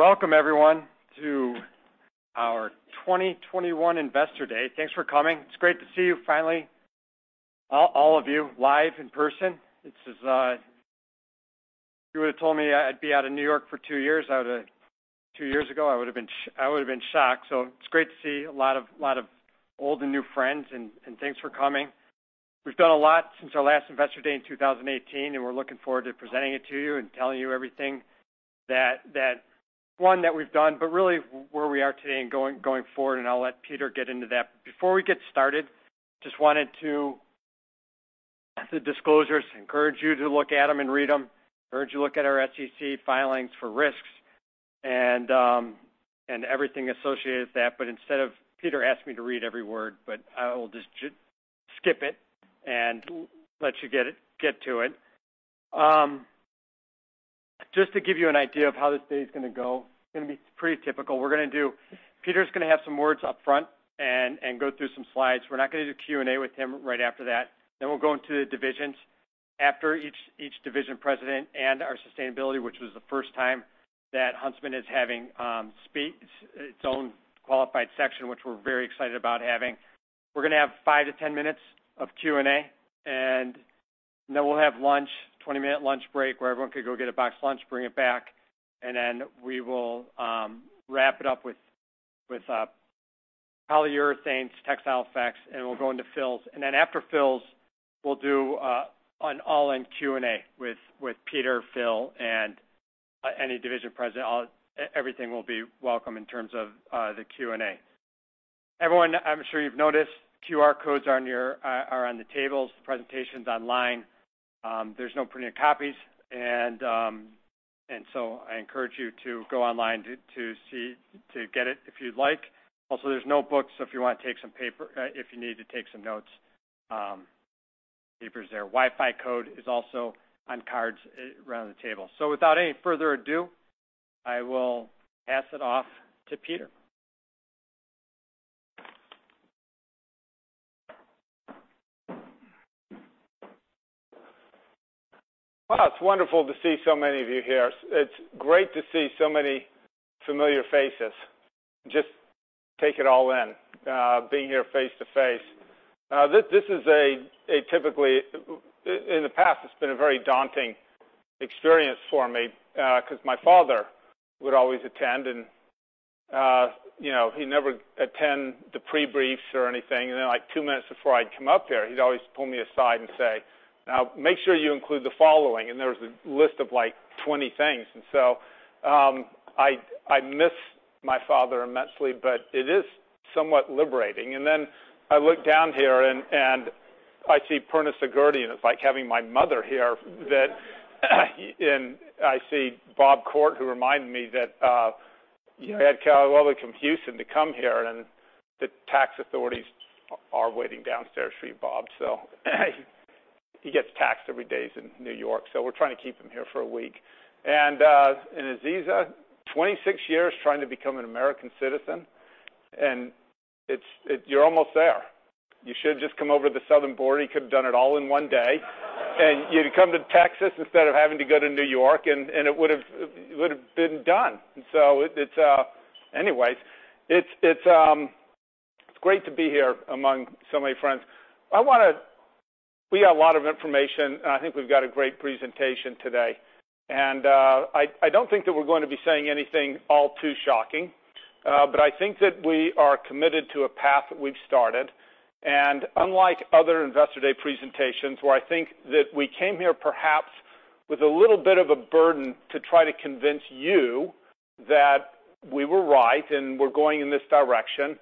All right. Welcome everyone to our 2021 Investor Day. Thanks for coming. It's great to see you finally, all of you live in person. This is, if you would've told me I'd be out of New York for two years, two years ago, I would've been shocked. It's great to see a lot of old and new friends and thanks for coming. We've done a lot since our last Investor Day in 2018, and we're looking forward to presenting it to you and telling you everything that we've done, but really where we are today and going forward, and I'll let Peter get into that. Before we get started, just wanted to encourage you to look at the disclosures and read them. encourage you to look at our SEC filings for risks and everything associated with that. Instead of Peter asking me to read every word, I will just skip it and let you get to it. Just to give you an idea of how this day is gonna go, it's gonna be pretty typical. We're gonna do Peter's gonna have some words up front and go through some slides. We're not gonna do Q&A with him right after that. Then we'll go into the divisions. After each division president and our sustainability, which was the first time that Huntsman is having specific its own qualified section, which we're very excited about having. We're gonna have 5-10 minutes of Q&A, and then we'll have lunch, 20-minute lunch break where everyone could go get a boxed lunch, bring it bac k, and then we will wrap it up with polyurethanes, Textile Effects, and we'll go into Phil's. Then after Phil's, we'll do an all-in Q&A with Peter, Phil, and any division president. Everything will be welcome in terms of the Q&A. Everyone, I'm sure you've noticed QR codes on the tables, the presentations online. There's no printed copies, and I encourage you to go online to see, to get it if you'd like. Also, there's notebooks, so if you wanna take some paper if you need to take some notes, paper's there. Wi-Fi code is also on cards around the table. Without any further ado, I will pass it off to Peter. Wow, it's wonderful to see so many of you here. It's great to see so many familiar faces. Just take it all in, being here face-to-face. In the past, it's been a very daunting experience for me, 'cause my father would always attend, and you know, he'd never attend the pre-briefs or anything. Then, like, two minutes before I'd come up here, he'd always pull me aside and say, "Now make sure you include the following." There was a list of, like, 20 things. I miss my father immensely, but it is somewhat liberating. Then I look down here and I see Purna Saggurti. It's like having my mother here that and I see Bob Kort, who reminded me that, you know, I had to come all the way from Houston to come here, and the tax authorities are waiting downstairs for you, Bob. He gets taxed every day he's in New York, so we're trying to keep him here for a week. Aziza, 26 years trying to become an American citizen, and it's you're almost there. You should've just come over to the southern border. You could've done it all in one day. You'd come to Texas instead of having to go to New York, and it would've been done. Anyways, it's great to be here among so many friends. I wanna We got a lot of information, and I think we've got a great presentation today. I don't think that we're going to be saying anything all too shocking, but I think that we are committed to a path that we've started. Unlike other Investor Day presentations where I think that we came here perhaps with a little bit of a burden to try to convince you that we were right and we're going in this direction,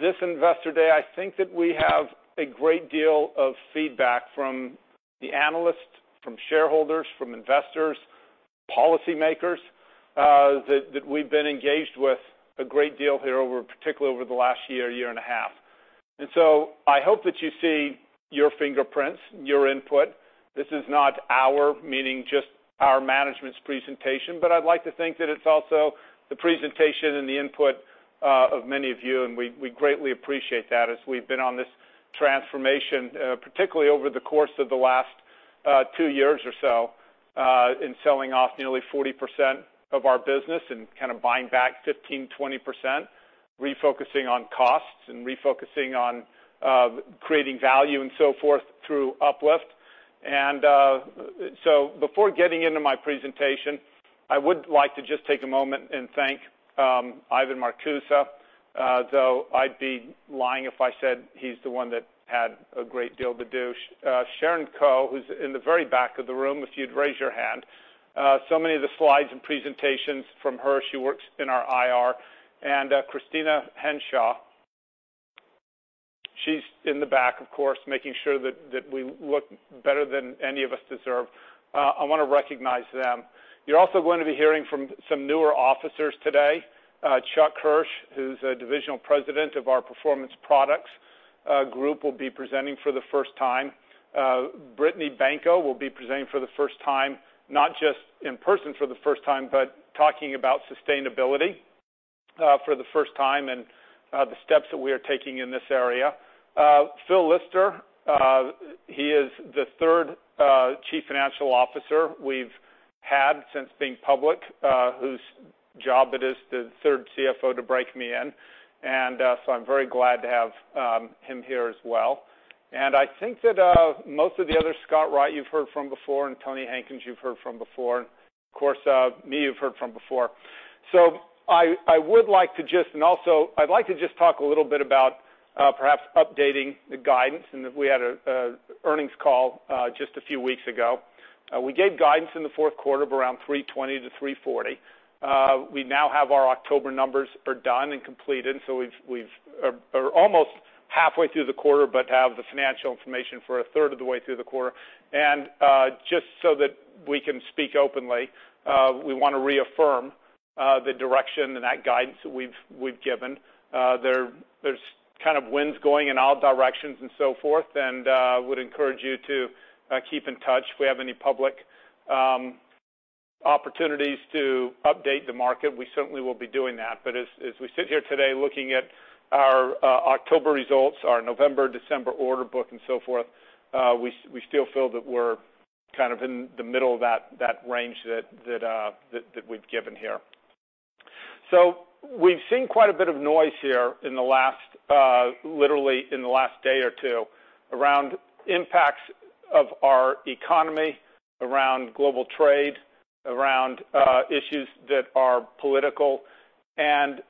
this Investor Day, I think that we have a great deal of feedback from the analysts, from shareholders, from investors, policymakers, that we've been engaged with a great deal here over, particularly over the last year and a half. I hope that you see your fingerprints, your input. This is not our, meaning just our management's presentation, but I'd like to think that it's also the presentation and the input of many of you, and we greatly appreciate that as we've been on this transformation, particularly over the course of the last two years or so, in selling off nearly 40% of our business and kind of buying back 15-20%, refocusing on costs, and refocusing on creating value and so forth through uplift. Before getting into my presentation, I would like to just take a moment and thank Ivan Marcuse, though I'd be lying if I said he's the one that had a great deal to do. Sharon Coe, who's in the very back of the room, if you'd raise your hand. Many of the slides and presentations from her. She works in our IR. Kristina Henshaw, she's in the back, of course, making sure that we look better than any of us deserve. I wanna recognize them. You're also going to be hearing from some newer officers today. Chuck Hirsch, who's Divisional President of our Performance Products Group, will be presenting for the first time. Brittany Benko will be presenting for the first time, not just in person, but talking about sustainability for the first time and the steps that we are taking in this area. Phil Lister, he is the third chief financial officer we've had since being public, whose job it is as the third CFO to break me in. I'm very glad to have him here as well. I think that most of the other, Scott Wright, you've heard from before, and Tony Hankins, you've heard from before. Of course, me, you've heard from before. I would like to talk a little bit about perhaps updating the guidance and that we had a earnings call just a few weeks ago. We gave guidance in the fourth quarter of around $320-$340. We now have our October numbers are done and completed, so we are almost halfway through the quarter, but have the financial information for a third of the way through the quarter. Just so that we can speak openly, we wanna reaffirm the direction and that guidance that we've given. There's kind of winds going in all directions and so forth, and would encourage you to keep in touch. If we have any public opportunities to update the market, we certainly will be doing that. But as we sit here today looking at our October results, our November, December order book and so forth, we still feel that we're kind of in the middle of that range that we've given here. We've seen quite a bit of noise here in the last literally in the last day or two around impacts of our economy, around global trade, around issues that are political and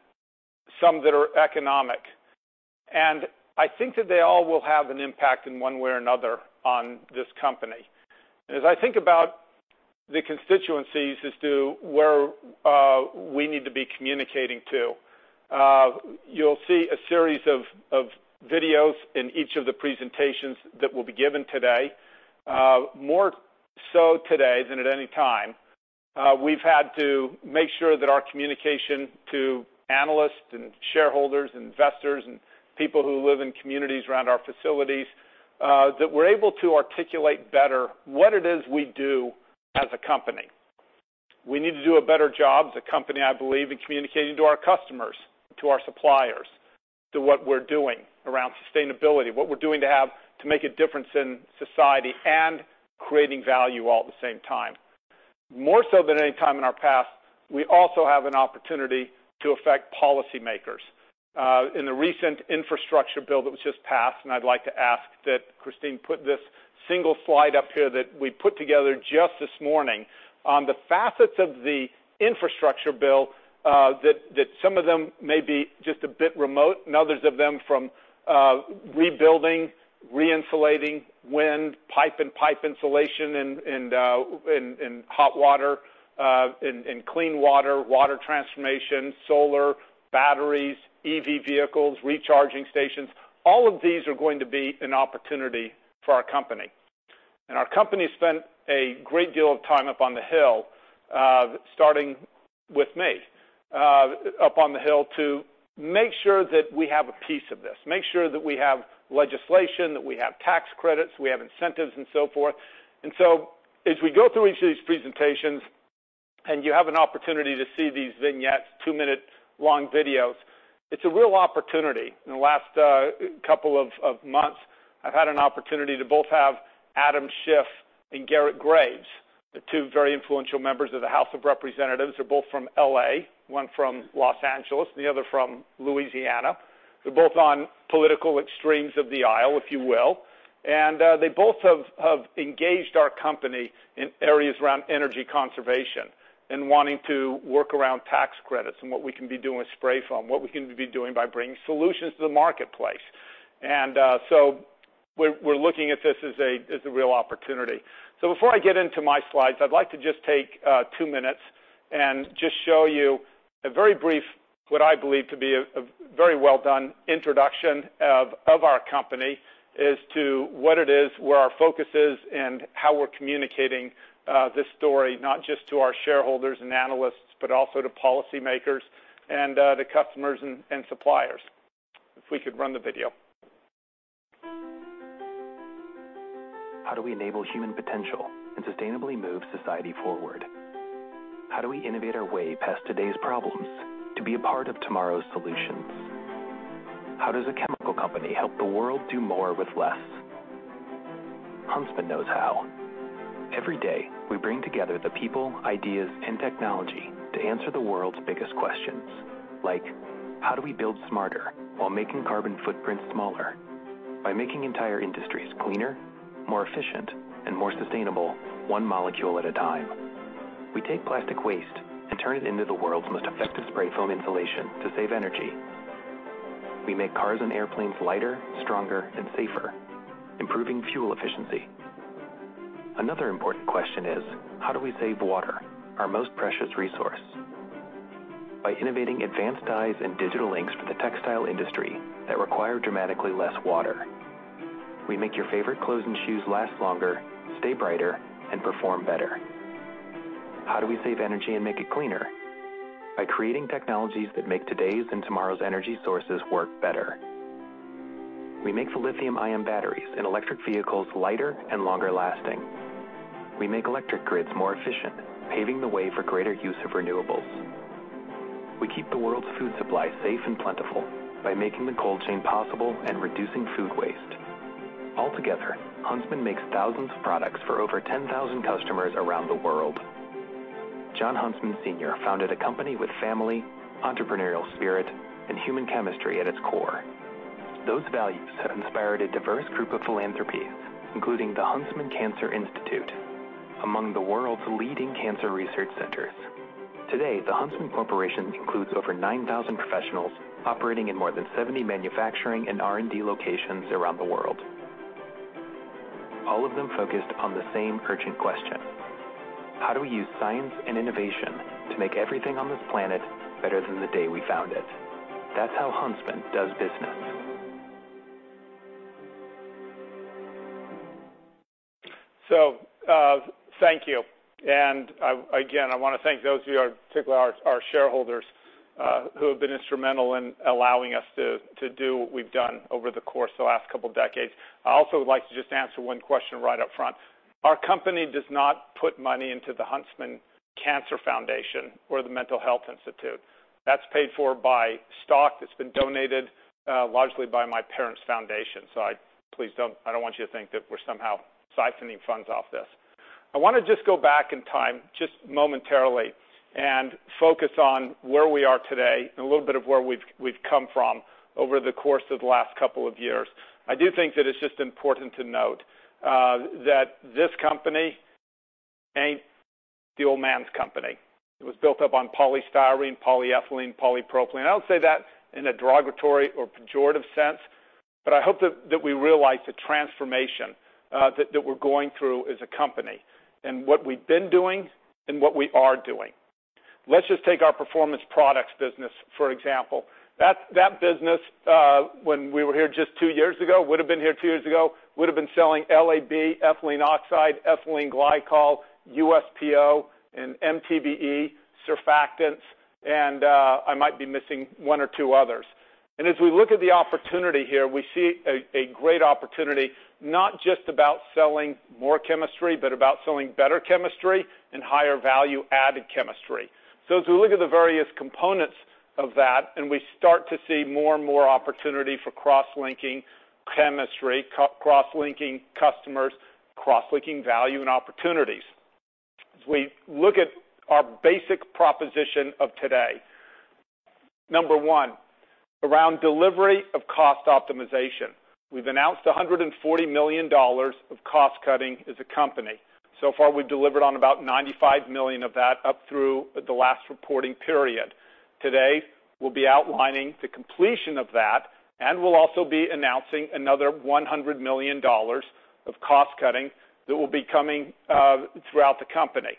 some that are economic. I think that they all will have an impact in one way or another on this company. As I think about the constituencies as to where we need to be communicating to, you'll see a series of videos in each of the presentations that will be given today. More so today than at any time, we've had to make sure that our communication to analysts and shareholders, investors and people who live in communities around our facilities, that we're able to articulate better what it is we do as a company. We need to do a better job as a company, I believe, in communicating to our customers, to our suppliers, to what we're doing around sustainability, what we're doing to make a difference in society and creating value all at the same time. More so than any time in our past, we also have an opportunity to affect policymakers. In the recent infrastructure bill that was just passed, I'd like to ask that Christine put this single slide up here that we put together just this morning. On the facets of the infrastructure bill, that some of them may be just a bit remote, and others of them from rebuilding, re-insulating, wind, pipe and pipe insulation and hot water, and clean water transformation, solar, batteries, EV vehicles, recharging stations, all of these are going to be an opportunity for our company. Our company spent a great deal of time up on the Hill, starting with me, up on the Hill to make sure that we have a piece of this, make sure that we have legislation, that we have tax credits, we have incentives and so forth. As we go through each of these presentations and you have an opportunity to see these vignettes, two-minute long videos, it's a real opportunity. In the last couple of months, I've had an opportunity to both have Adam Schiff and Garrett Graves, the two very influential members of the House of Representatives. They're both from L.A., one from Los Angeles and the other from Louisiana. They're both on political extremes of the aisle, if you will. They both have engaged our company in areas around energy conservation and wanting to work around tax credits and what we can be doing with spray foam, what we can be doing by bringing solutions to the marketplace. We're looking at this as a real opportunity. Before I get into my slides, I'd like to just take two minutes and just show you a very brief, what I believe to be a very well done introduction of our company as to what it is, where our focus is, and how we're communicating this story, not just to our shareholders and analysts, but also to policymakers and the customers and suppliers. If we could run the video. How do we enable human potential and sustainably move society forward? How do we innovate our way past today's problems to be a part of tomorrow's solutions? How does a chemical company help the world do more with less? Huntsman knows how. Every day, we bring together the people, ideas, and technology to answer the world's biggest questions, like, how do we build smarter while making carbon footprints smaller? By making entire industries cleaner, more efficient, and more sustainable one molecule at a time. We take plastic waste and turn it into the world's most effective spray foam insulation to save energy. We make cars and airplanes lighter, stronger, and safer, improving fuel efficiency. Another important question is. How do we save water, our most precious resource? By innovating advanced dyes and digital inks for the textile industry that require dramatically less water. We make your favorite clothes and shoes last longer, stay brighter, and perform better. How do we save energy and make it cleaner? By creating technologies that make today's and tomorrow's energy sources work better. We make the lithium-ion batteries in electric vehicles lighter and longer lasting. We make electric grids more efficient, paving the way for greater use of renewables. We keep the world's food supply safe and plentiful by making the cold chain possible and reducing food waste. Altogether, Huntsman makes thousands of products for over 10,000 customers around the world. Jon Huntsman Sr. founded a company with family, entrepreneurial spirit, and human chemistry at its core. Those values have inspired a diverse group of philanthropies, including the Huntsman Cancer Institute, among the world's leading cancer research centers. Today, the Huntsman Corporation includes over 9,000 professionals operating in more than 70 manufacturing and R&D locations around the world. All of them focused on the same urgent question: how do we use science and innovation to make everything on this planet better than the day we found it? That's how Huntsman does business. Thank you. Again, I want to thank those of you, in particular our shareholders, who have been instrumental in allowing us to do what we've done over the course of the last couple of decades. I also would like to just answer one question right up front. Our company does not put money into the Huntsman Cancer Foundation or the Huntsman Mental Health Institute. That's paid for by stock that's been donated, largely by my parents' foundation. Please don't. I don't want you to think that we're somehow siphoning funds off this. I want to just go back in time, just momentarily, and focus on where we are today and a little bit of where we've come from over the course of the last couple of years. I do think that it's just important to note that this company ain't the old man's company. It was built up on polystyrene, polyethylene, polypropylene. I don't say that in a derogatory or pejorative sense, but I hope that we realize the transformation that we're going through as a company and what we've been doing and what we are doing. Let's just take our Performance Products business, for example. That business, when we were here just two years ago, would have been selling LAB, ethylene oxide, ethylene glycol, US PO and MTBE, surfactants, and I might be missing one or two others. As we look at the opportunity here, we see a great opportunity, not just about selling more chemistry, but about selling better chemistry and higher value-added chemistry. As we look at the various components of that, and we start to see more and more opportunity for cross-linking chemistry, cross-linking customers, cross-linking value and opportunities. As we look at our basic proposition of today, number one, around delivery of cost optimization. We've announced $140 million of cost cutting as a company. So far, we've delivered on about $95 million of that up through the last reporting period. Today, we'll be outlining the completion of that, and we'll also be announcing another $100 million of cost cutting that will be coming throughout the company.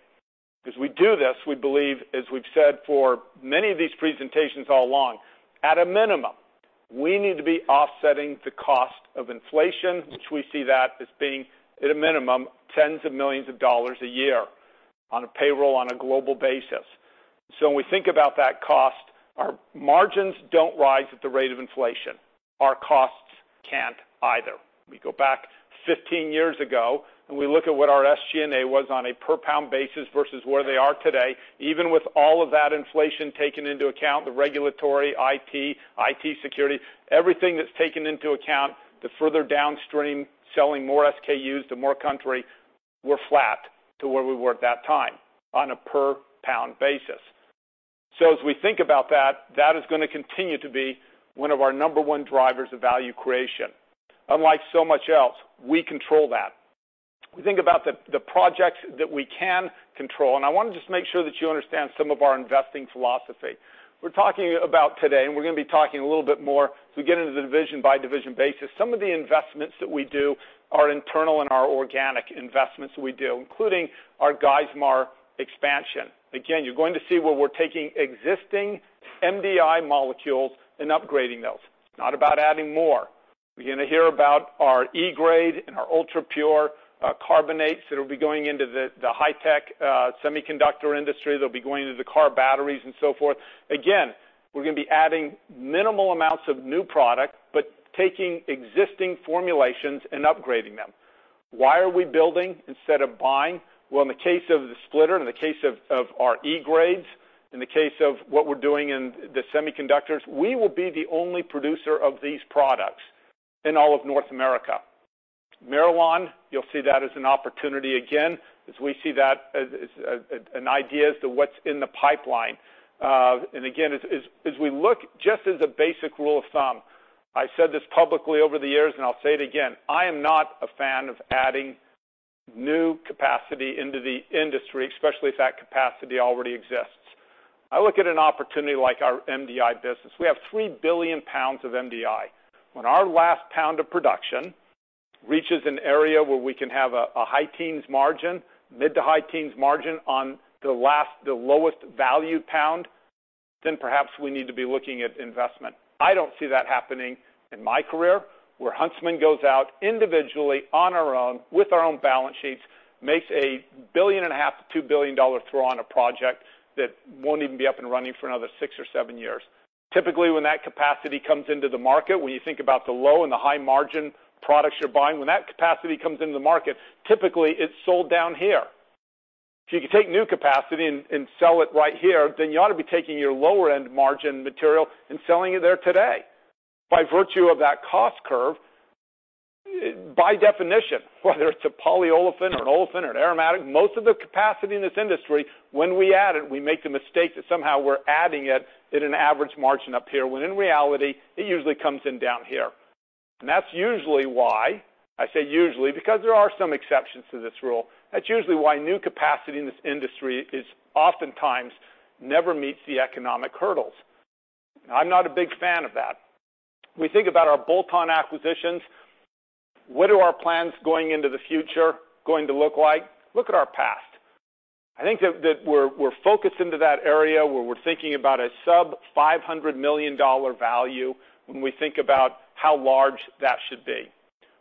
As we do this, we believe, as we've said for many of these presentations all along, at a minimum, we need to be offsetting the cost of inflation, which we see that as being, at a minimum, $tens of millions a year on a payroll on a global basis. When we think about that cost, our margins don't rise at the rate of inflation. Our costs can't either. We go back 15 years ago, and we look at what our SG&A was on a per pound basis versus where they are today. Even with all of that inflation taken into account, the regulatory, IT security, everything that's taken into account, the further downstream, selling more SKUs to more countries, we're flat to where we were at that time on a per pound basis. As we think about that is gonna continue to be one of our number one drivers of value creation. Unlike so much else, we control that. We think about the projects that we can control, and I wanna just make sure that you understand some of our investing philosophy. We're talking about today, and we're gonna be talking a little bit more as we get into the division-by-division basis. Some of the investments that we do are internal and are organic investments we do, including our Geismar expansion. Again, you're going to see where we're taking existing MDI molecules and upgrading those. It's not about adding more. You're gonna hear about our E-GRADE and our Ultrapure carbonates that'll be going into the high-tech semiconductor industry. They'll be going into the car batteries and so forth. Again, we're gonna be adding minimal amounts of new product, but taking existing formulations and upgrading them. Why are we building instead of buying? Well, in the case of the splitter, in the case of our E-GRADE, in the case of what we're doing in the semiconductors, we will be the only producer of these products in all of North America. Marilyn, you'll see that as an opportunity again, as we see that as an idea as to what's in the pipeline. Again, as we look just as a basic rule of thumb, I said this publicly over the years, and I'll say it again, I am not a fan of adding new capacity into the industry, especially if that capacity already exists. I look at an opportunity like our MDI business. We have 3 billion pounds of MDI. When our last pound of production reaches an area where we can have a high-teens margin, mid- to high-teens margin on the lowest-value pound, then perhaps we need to be looking at investment. I don't see that happening in my career, where Huntsman goes out individually on our own with our own balance sheets, makes a $1.5 billion-$2 billion bet on a project that won't even be up and running for another six or seven years. Typically, when that capacity comes into the market, when you think about the low- and high-margin products you're buying, when that capacity comes into the market, typically it's sold down here. If you can take new capacity and sell it right here, then you ought to be taking your lower-end margin material and selling it there today. By virtue of that cost curve, by definition, whether it's a polyolefin or an olefin or an aromatic, most of the capacity in this industry, when we add it, we make the mistake that somehow we're adding it at an average margin up here, when in reality, it usually comes in down here. That's usually why, I say usually, because there are some exceptions to this rule. That's usually why new capacity in this industry is oftentimes never meets the economic hurdles. I'm not a big fan of that. We think about our bolt-on acquisitions. What are our plans going into the future going to look like? Look at our past. I think that we're focused into that area where we're thinking about a sub-$500 million value when we think about how large that should be.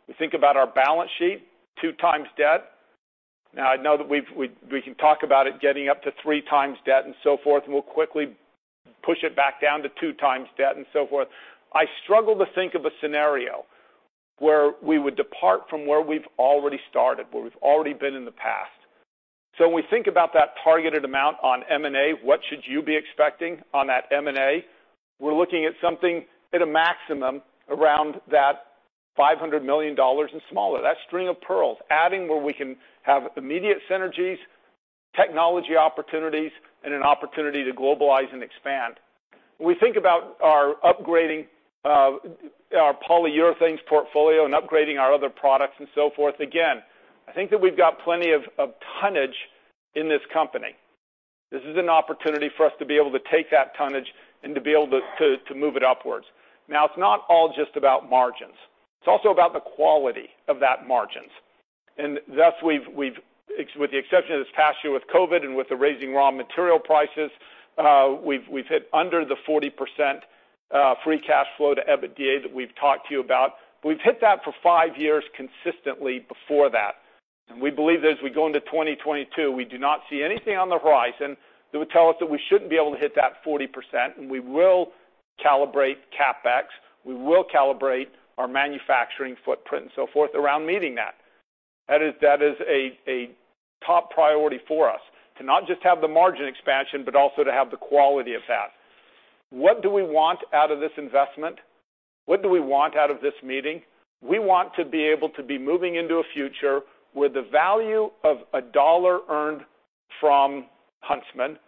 We think about our balance sheet 2x debt. Now I know that we can talk about it getting up to 3x debt and so forth, and we'll quickly push it back down to 2x debt and so forth. I struggle to think of a scenario where we would depart from where we've already started, where we've already been in the past. When we think about that targeted amount on M&A, what should you be expecting on that M&A? We're looking at something at a maximum around that $500 million and smaller. That string of pearls, adding where we can have immediate synergies, technology opportunities, and an opportunity to globalize and expand. When we think about upgrading our polyurethanes portfolio and upgrading our other products and so forth, again, I think that we've got plenty of tonnage in this company. This is an opportunity for us to be able to take that tonnage and to move it upwards. Now, it's not all just about margins. It's also about the quality of those margins. Thus, with the exception of this past year with COVID and with the rising raw material prices, we've hit our 40% free cash flow to EBITDA that we've talked to you about. We've hit that for 5 years consistently before that. We believe that as we go into 2022, we do not see anything on the horizon that would tell us that we shouldn't be able to hit that 40%. We will calibrate CapEx, we will calibrate our manufacturing footprint and so forth around meeting that. That is a top priority for us, to not just have the margin expansion, but also to have the quality of that. What do we want out of this investment? What do we want out of this meeting? We want to be able to be moving into a future where the value of a dollar earned from Huntsman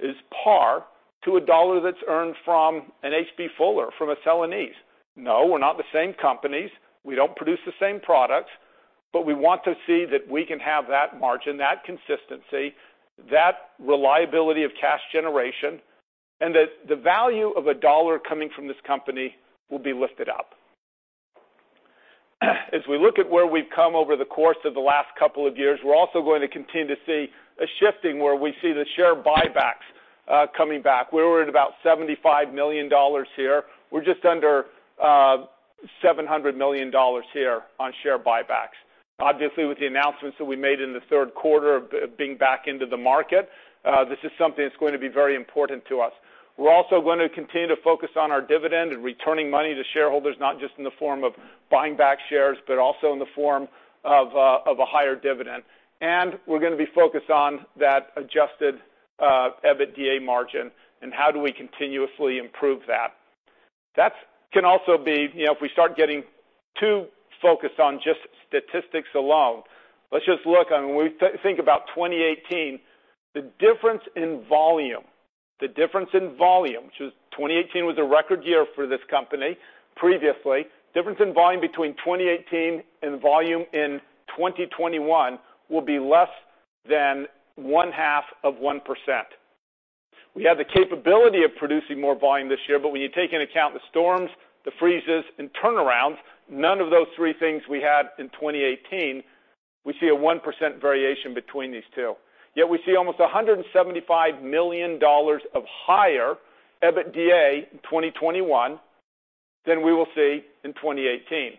is par to a dollar that's earned from an H.B. Fuller, from a Celanese. No, we're not the same companies. We don't produce the same products. But we want to see that we can have that margin, that consistency, that reliability of cash generation, and that the value of a dollar coming from this company will be lifted up. As we look at where we've come over the course of the last couple of years, we're also going to continue to see a shifting where we see the share buybacks coming back, where we're at about $75 million here. We're just under seven hundred million here on share buybacks. Obviously, with the announcements that we made in the third quarter of being back into the market, this is something that's going to be very important to us. We're also gonna continue to focus on our dividend and returning money to shareholders, not just in the form of buying back shares, but also in the form of a higher dividend. We're gonna be focused on that adjusted EBITDA margin and how do we continuously improve that. That can also be, you know, if we start getting too focused on just statistics alone. Let's just look at when we think about 2018, the difference in volume, 2018 was a record year for this company previously. Difference in volume between 2018 and volume in 2021 will be less than one half of one percent. We have the capability of producing more volume this year, but when you take into account the storms, the freezes, and turnarounds, none of those three things we had in 2018, we see a 1% variation between these two. Yet we see almost $175 million of higher EBITDA in 2021 than we will see in 2018.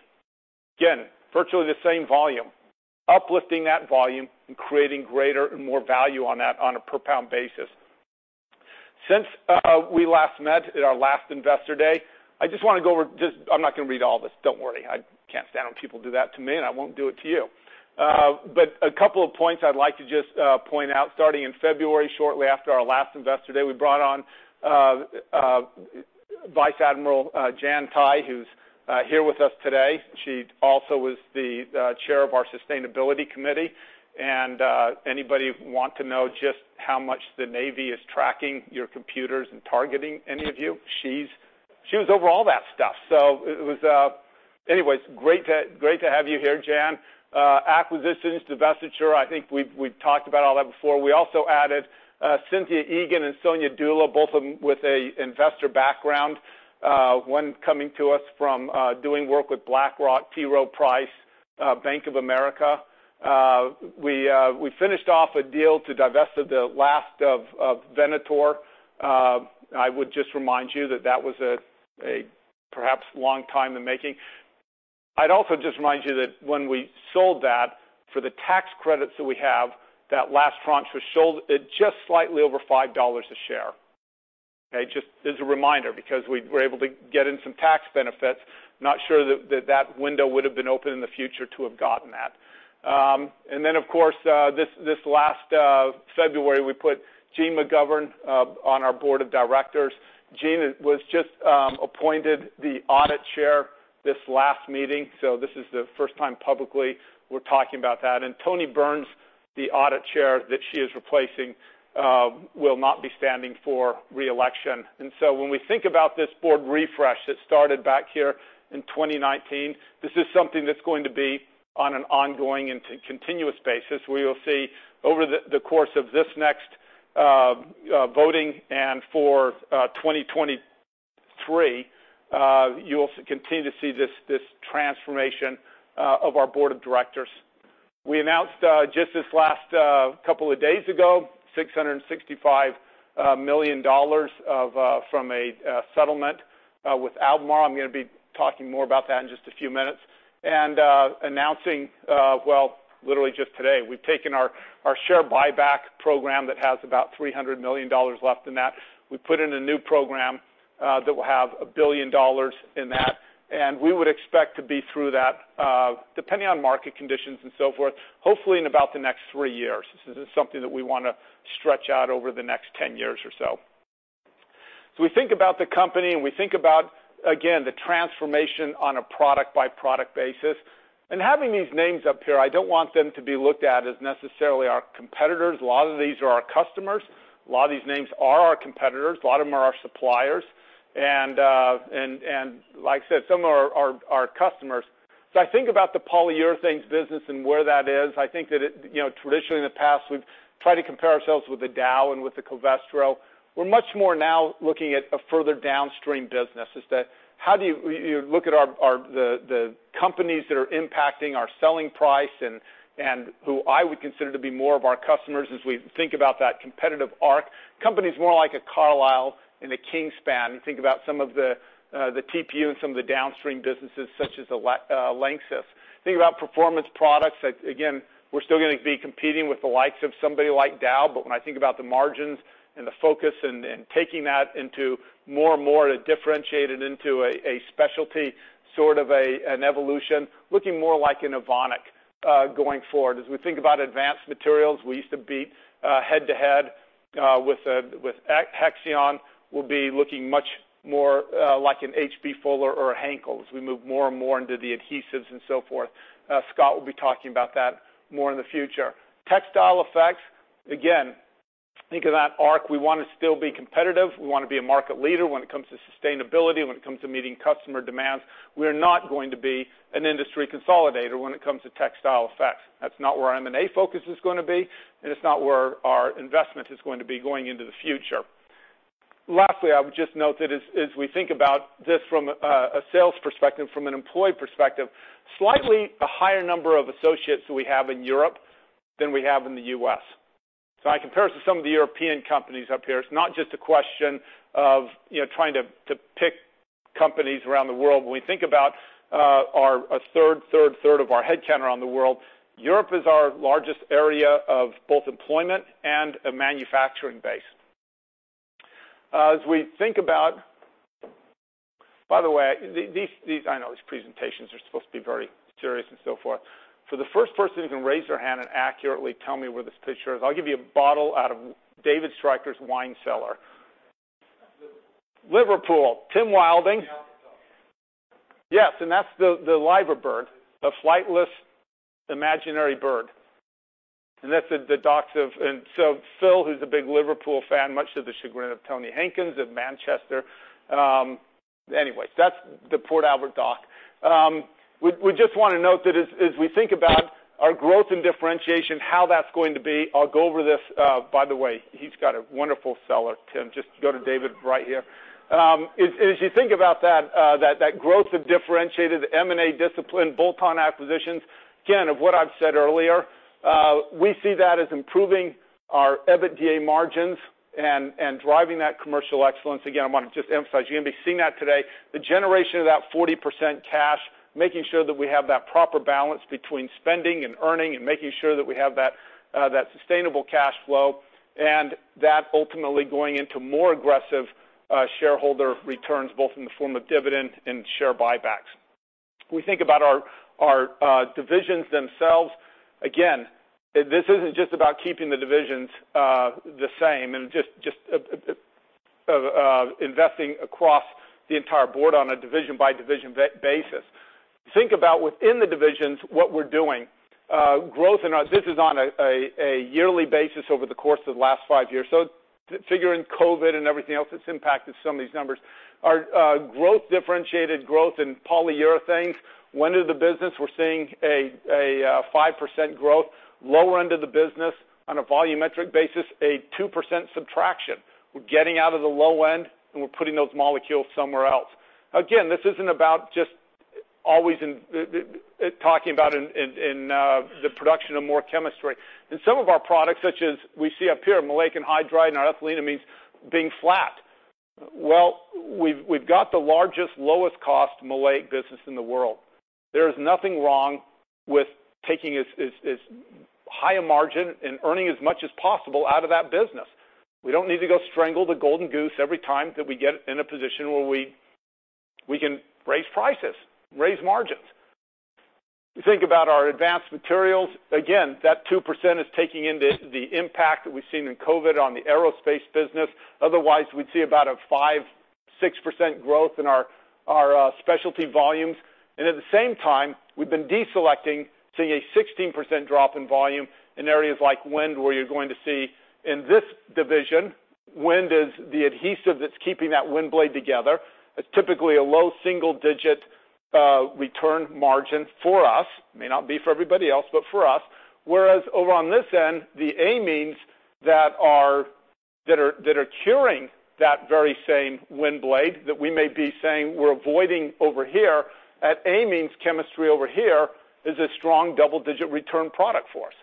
Again, virtually the same volume, uplifting that volume and creating greater and more value on that on a per pound basis. Since we last met at our last Investor Day, I just wanna go over. I'm not gonna read all this, don't worry. I can't stand when people do that to me, and I won't do it to you. A couple of points I'd like to just point out. Starting in February, shortly after our last Investor Day, we brought on Vice Admiral Jan Tighe, who's here with us today. She also was the chair of our sustainability committee. Anybody want to know just how much the Navy is tracking your computers and targeting any of you, she was over all that stuff. It was great to have you here, Jan. Acquisitions, divestiture, I think we've talked about all that before. We also added Cynthia Egan and Sonia Dulá, both of them with an investor background, one coming to us from doing work with BlackRock, T. Rowe Price, Bank of America. We finished off a deal to divest the last of Venator. I would just remind you that that was a perhaps long time in making. I'd also just remind you that when we sold that for the tax credits that we have, that last tranche was sold at just slightly over $5 a share. Okay? Just as a reminder, because we were able to get in some tax benefits. Not sure that that window would have been open in the future to have gotten that. And then, of course, this last February, we put Jeanne McGovern on our board of directors. Jeanne was just appointed the Audit Chair this last meeting, so this is the first time publicly we're talking about that. Toni Burns, the Audit Chair that she is replacing, will not be standing for re-election. When we think about this board refresh that started back here in 2019, this is something that's going to be on an ongoing and continuous basis. We will see over the course of this next voting and for 2023, you'll continue to see this transformation of our Board of Directors. We announced just this last couple of days ago, $665 million from a settlement with Albemarle. I'm gonna be talking more about that in just a few minutes. Announcing, well, literally just today, we've taken our share buyback program that has about $300 million left in that. We put in a new program that will have $1 billion in that, and we would expect to be through that, depending on market conditions and so forth, hopefully in about the next three years. This is something that we wanna stretch out over the next 10 years or so. We think about the company, and we think about, again, the transformation on a product-by-product basis. Having these names up here, I don't want them to be looked at as necessarily our competitors. A lot of these are our customers. A lot of these names are our competitors. A lot of them are our suppliers. Like I said, some are our customers. I think about the polyurethanes business and where that is. I think that it, you know, traditionally in the past, we've tried to compare ourselves with the Dow and with Covestro. We're much more now looking at a further downstream business. You look at our, the companies that are impacting our selling price and who I would consider to be more of our customers as we think about that competitive arc. Companies more like a Carlisle and a Kingspan. You think about some of the TPU and some of the downstream businesses, such as the LANXESS. Think about Performance Products. Again, we're still gonna be competing with the likes of somebody like Dow, but when I think about the margins and the focus and taking that into more and more to differentiate it into a specialty, sort of an evolution, looking more like an Evonik going forward. As we think about Advanced Materials, we used to be head-to-head with Hexion. We'll be looking much more like an H.B. Fuller or a Henkel as we move more and more into the adhesives and so forth. Scott will be talking about that more in the future. Textile Effects, again, think of that arc. We wanna still be competitive. We wanna be a market leader when it comes to sustainability, when it comes to meeting customer demands. We are not going to be an industry consolidator when it comes to Textile Effects. That's not where our M&A focus is gonna be, and it's not where our investment is going to be going into the future. Lastly, I would just note that as we think about this from a sales perspective, from an employee perspective, slightly a higher number of associates we have in Europe than we have in the U.S. I compare it to some of the European companies up here. It's not just a question of trying to pick companies around the world. When we think about a third of our headcount around the world, Europe is our largest area of both employment and a manufacturing base. By the way, these presentations are supposed to be very serious and so forth. For the first person who can raise their hand and accurately tell me where this picture is, I'll give you a bottle out of David Stryker's wine cellar. Liverpool. Tim Wilding. Yes, that's the Liver Bird, the flightless imaginary bird. That's at the docks of the Royal Albert Dock. Phil, who's a big Liverpool fan, much to the chagrin of Tony Hankins of Manchester. Anyways, that's the Royal Albert Dock. We just wanna note that as we think about our growth and differentiation, how that's going to be. I'll go over this. By the way, he's got a wonderful cellar, Tim. Just go to David right here. As you think about that growth of differentiated M&A discipline, bolt-on acquisitions, again, of what I've said earlier, we see that as improving our EBITDA margins and driving that commercial excellence. I wanna just emphasize, you're gonna be seeing that today. The generation of that 40% cash, making sure that we have that proper balance between spending and earning, and making sure that we have that sustainable cash flow, and that ultimately going into more aggressive shareholder returns, both in the form of dividend and share buybacks. If we think about our divisions themselves, this isn't just about keeping the divisions the same and just investing across the entire board on a division-by-division basis. Think about within the divisions, what we're doing. Growth in our. This is on a yearly basis over the course of the last 5 years. Figure in COVID and everything else that's impacted some of these numbers. Our growth, differentiated growth in polyurethanes. We're seeing 5% growth. Lower end of the business on a volumetric basis, a 2% subtraction. We're getting out of the low end, and we're putting those molecules somewhere else. Again, this isn't about just always talking about the production of more chemistry. In some of our products, such as we see up here, maleic anhydride and our ethyleneamines being flat. Well, we've got the largest lowest cost maleic business in the world. There is nothing wrong with taking as high a margin and earning as much as possible out of that business. We don't need to go strangle the golden goose every time that we get in a position where we can raise prices, raise margins. You think about our advanced materials. Again, that 2% is taking in the impact that we've seen in COVID on the aerospace business. Otherwise, we'd see about a 5-6% growth in our specialty volumes. At the same time, we've been deselecting, seeing a 16% drop in volume in areas like wind, where you're going to see in this division, wind is the adhesive that's keeping that wind blade together. It's typically a low single-digit return margin for us. May not be for everybody else, but for us. Whereas over on this end, the amines that are curing that very same wind blade that we may be saying we're avoiding over here, that amines chemistry over here is a strong double-digit return product for us.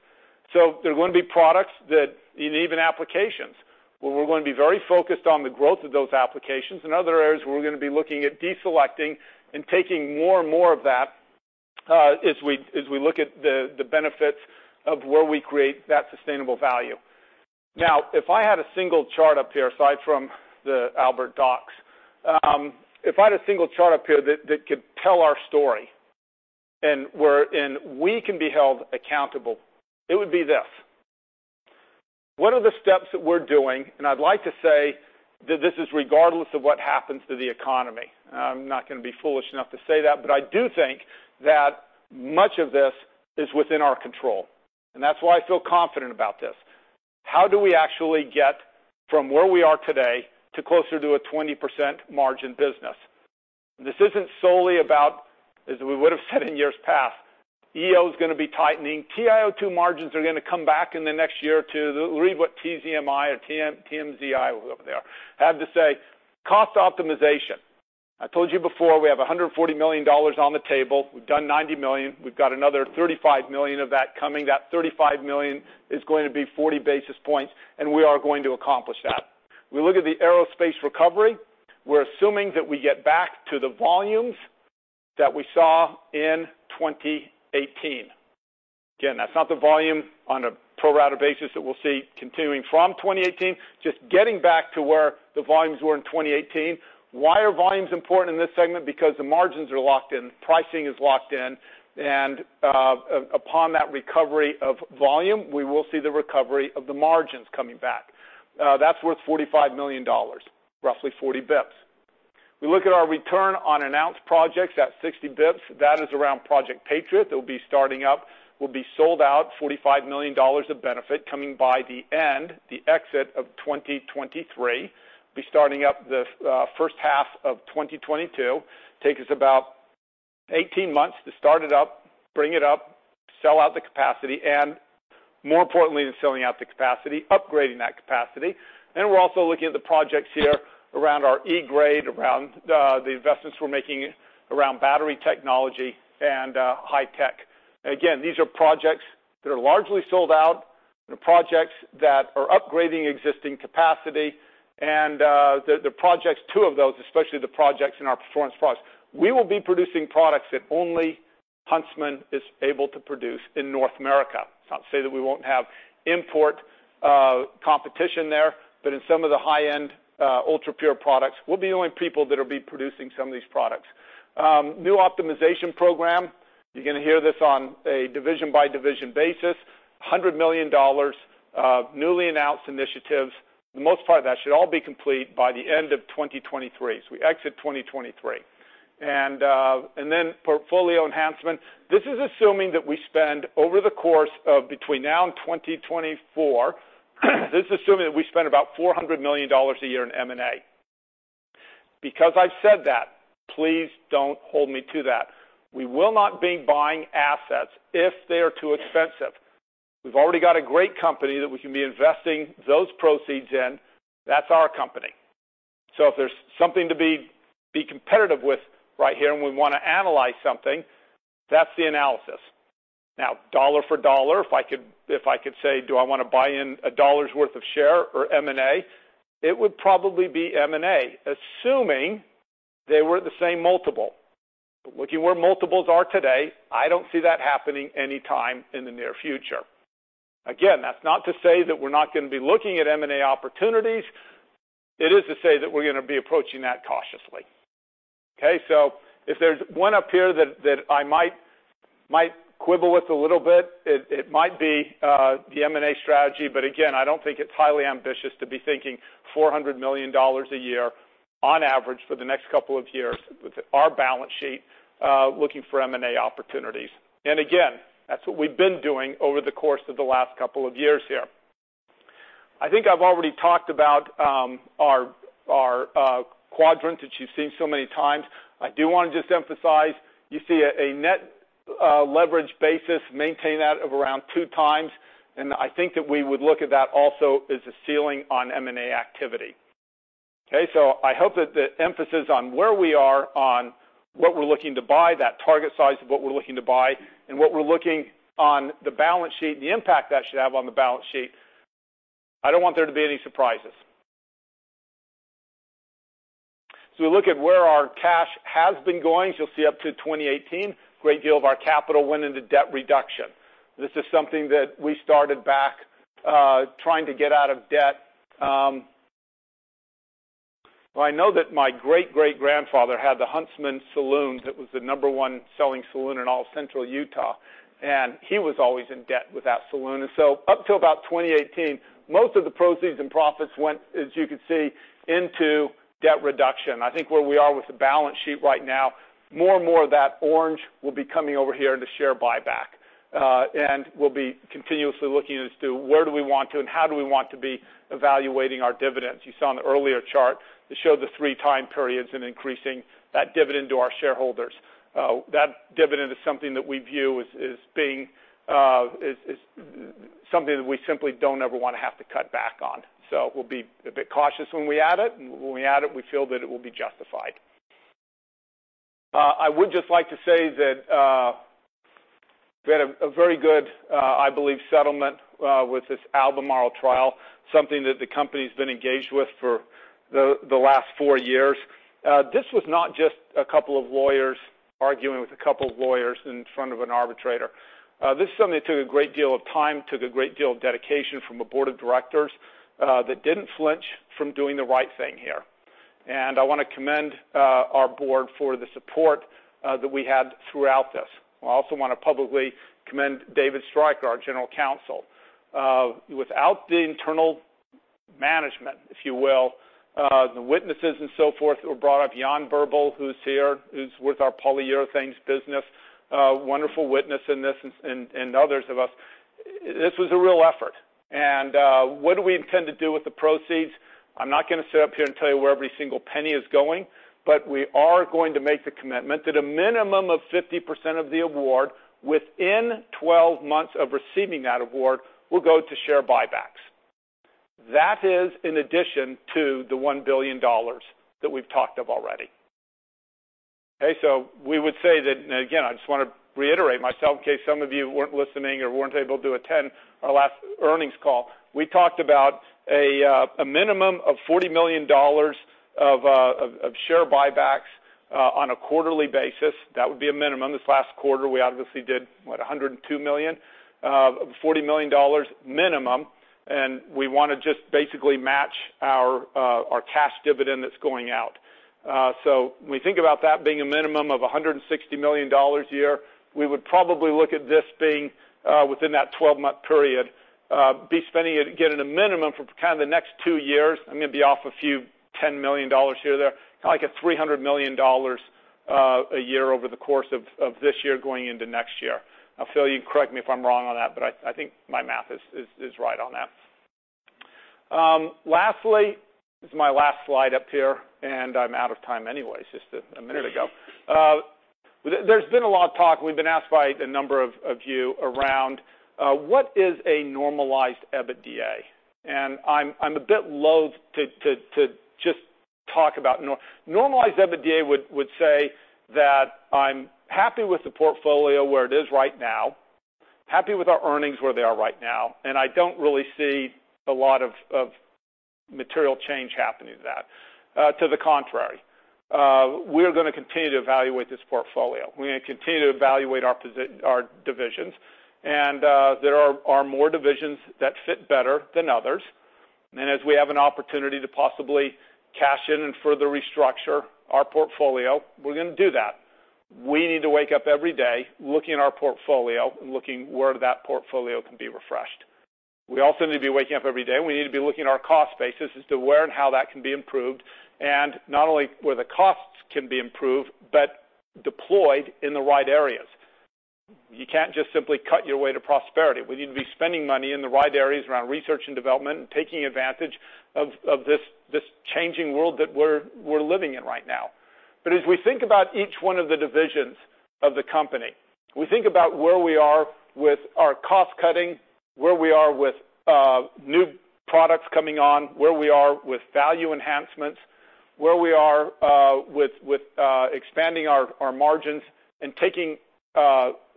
There are gonna be products that in even applications where we're gonna be very focused on the growth of those applications. In other areas, we're gonna be looking at deselecting and taking more and more of that, as we look at the benefits of where we create that sustainable value. Now, if I had a single chart up here, aside from the Royal Albert Dock, if I had a single chart up here that could tell our story and we can be held accountable, it would be this. What are the steps that we're doing? I'd like to say that this is regardless of what happens to the economy. I'm not gonna be foolish enough to say that, but I do think that much of this is within our control, and that's why I feel confident about this. How do we actually get from where we are today to closer to a 20% margin business? This isn't solely about, as we would have said in years past, EO is gonna be tightening. TiO2 margins are gonna come back in the next year or two. Read what TZMI, whoever they are, have to say. Cost optimization. I told you before, we have $140 million on the table. We've done $90 million. We've got another $35 million of that coming. That $35 million is going to be 40 basis points, and we are going to accomplish that. We look at the aerospace recovery. We're assuming that we get back to the volumes that we saw in 2018. Again, that's not the volume on a pro rata basis that we'll see continuing from 2018, just getting back to where the volumes were in 2018. Why are volumes important in this segment? Because the margins are locked in, pricing is locked in, and upon that recovery of volume, we will see the recovery of the margins coming back. That's worth $45 million, roughly 40 basis points. We look at our return on announced projects at 60 basis points. That is around Project Patriot. That will be starting up, will be sold out. $45 million of benefit coming by the end, the exit of 2023. Be starting up the first half of 2022. Take us about 18 months to start it up, bring it up, sell out the capacity, and more importantly than selling out the capacity, upgrading that capacity. We're also looking at the projects here around our E-GRADE, around the investments we're making around battery technology and high tech. Again, these are projects that are largely sold out. They're projects that are upgrading existing capacity. The projects, two of those, especially the projects in our Performance Products, we will be producing products that only Huntsman is able to produce in North America. It's not to say that we won't have import competition there, but in some of the high-end ultrapure products, we'll be the only people that will be producing some of these products. New optimization program. You're gonna hear this on a division-by-division basis. $100 million of newly announced initiatives. For the most part, that should all be complete by the end of 2023. So we exit 2023. Portfolio enhancement. This is assuming that we spend over the course of between now and 2024. This is assuming that we spend about $400 million a year in M&A. Because I've said that, please don't hold me to that. We will not be buying assets if they are too expensive. We've already got a great company that we can be investing those proceeds in. That's our company. If there's something to be competitive with right here, and we wanna analyze something, that's the analysis. Now, dollar for dollar, if I could say, do I wanna buy in a dollar's worth of share or M&A? It would probably be M&A, assuming they were the same multiple. Looking where multiples are today, I don't see that happening anytime in the near future. Again, that's not to say that we're not gonna be looking at M&A opportunities. It is to say that we're gonna be approaching that cautiously, okay? If there's one up here that I might quibble with a little bit, it might be the M&A strategy. Again, I don't think it's highly ambitious to be thinking $400 million a year on average for the next couple of years with our balance sheet looking for M&A opportunities. Again, that's what we've been doing over the course of the last couple of years here. I think I've already talked about our quadrant that you've seen so many times. I do wanna just emphasize, you see a net leverage basis, maintain that of around two times. I think that we would look at that also as a ceiling on M&A activity, okay? I hope that the emphasis on where we are, on what we're looking to buy, that target size of what we're looking to buy, and what we're looking on the balance sheet and the impact that should have on the balance sheet, I don't want there to be any surprises. Look at where our cash has been going. As you'll see up to 2018, great deal of our capital went into debt reduction. This is something that we started back, trying to get out of debt. Well, I know that my great-great-grandfather had the Huntsman Saloon that was the number one selling saloon in all central Utah, and he was always in debt with that saloon. Up till about 2018, most of the proceeds and profits went, as you can see, into debt reduction. I think where we are with the balance sheet right now, more and more of that orange will be coming over here into share buyback. We'll be continuously looking as to where do we want to and how do we want to be evaluating our dividends. You saw in the earlier chart that showed the three time periods in increasing that dividend to our shareholders. That dividend is something that we view as being something that we simply don't ever wanna have to cut back on. We'll be a bit cautious when we add it, and when we add it, we feel that it will be justified. I would just like to say that we had a very good, I believe, settlement with this Albemarle trial, something that the company's been engaged with for the last four years. This was not just a couple of lawyers arguing with a couple of lawyers in front of an arbitrator. This is something that took a great deal of time, took a great deal of dedication from a board of directors that didn't flinch from doing the right thing here. I wanna commend our board for the support that we had throughout this. I also wanna publicly commend David Stryker, our General Counsel. Without the internal management, if you will, the witnesses and so forth that were brought up, Jan Buberl, who's here, who's with our polyurethanes business, wonderful witness in this and others of us. This was a real effort. What do we intend to do with the proceeds? I'm not gonna sit up here and tell you where every single penny is going, but we are going to make the commitment that a minimum of 50% of the award within 12 months of receiving that award will go to share buybacks. That is in addition to the $1 billion that we've talked of already. Okay, we would say that. Again, I just wanna reiterate in case some of you weren't listening or weren't able to attend our last earnings call. We talked about a minimum of $40 million of share buybacks on a quarterly basis. That would be a minimum. This last quarter, we obviously did, what, $102 million? Forty million dollars minimum, and we want to just basically match our cash dividend that's going out. When we think about that being a minimum of $160 million a year, we would probably look at this being within that 12-month period, be spending it again at a minimum for kinda the next two years. I may be off a few $10 million here or there. Kinda like at $300 million a year over the course of this year going into next year. Phil, you can correct me if I'm wrong on that, but I think my math is right on that. Lastly, this is my last slide up here, and I'm out of time anyway. It's just a minute ago. There's been a lot of talk. We've been asked by a number of you around what is a normalized EBITDA? And I'm a bit loathe to just talk about normalized EBITDA. Normalized EBITDA would say that I'm happy with the portfolio where it is right now, happy with our earnings where they are right now, and I don't really see a lot of material change happening to that. To the contrary, we're gonna continue to evaluate this portfolio. We're gonna continue to evaluate our divisions. There are more divisions that fit better than others. As we have an opportunity to possibly cash in and further restructure our portfolio, we're gonna do that. We need to wake up every day looking at our portfolio and looking where that portfolio can be refreshed. We also need to be waking up every day, and we need to be looking at our cost basis as to where and how that can be improved, and not only where the costs can be improved, but deployed in the right areas. You can't just simply cut your way to prosperity. We need to be spending money in the right areas around research and development and taking advantage of this changing world that we're living in right now. As we think about each one of the divisions of the company, we think about where we are with our cost-cutting, where we are with new products coming on, where we are with value enhancements, where we are with expanding our margins and taking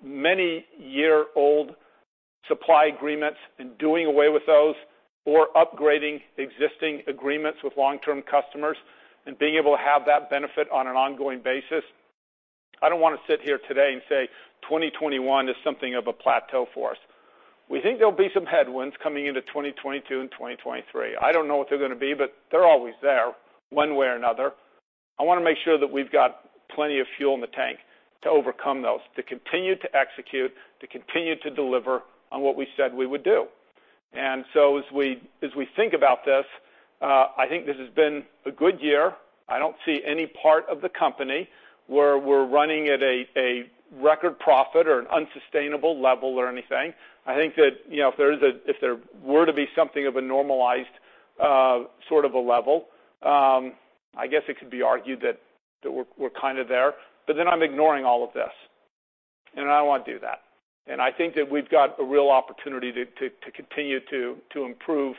many year-old supply agreements and doing away with those or upgrading existing agreements with long-term customers and being able to have that benefit on an ongoing basis. I don't wanna sit here today and say 2021 is something of a plateau for us. We think there'll be some headwinds coming into 2022 and 2023. I don't know what they're gonna be, but they're always there one way or another. I wanna make sure that we've got plenty of fuel in the tank to overcome those, to continue to execute, to continue to deliver on what we said we would do. As we think about this, I think this has been a good year. I don't see any part of the company where we're running at a record profit or an unsustainable level or anything. I think that, you know, if there were to be something of a normalized, sort of a level, I guess it could be argued that we're kinda there. I'm ignoring all of this, and I don't wanna do that. I think that we've got a real opportunity to continue to improve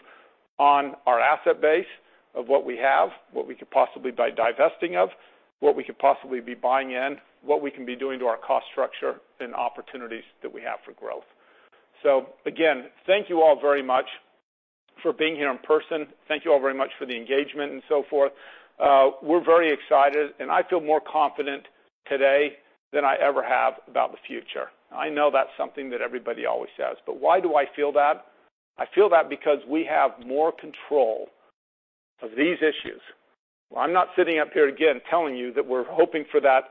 on our asset base of what we have, what we could possibly be divesting of, what we could possibly be buying in, what we can be doing to our cost structure and opportunities that we have for growth. Thank you all very much for being here in person. Thank you all very much for the engagement and so forth. We're very excited, and I feel more confident today than I ever have about the future. I know that's something that everybody always says, but why do I feel that? I feel that because we have more control of these issues. I'm not sitting up here again telling you that we're hoping for that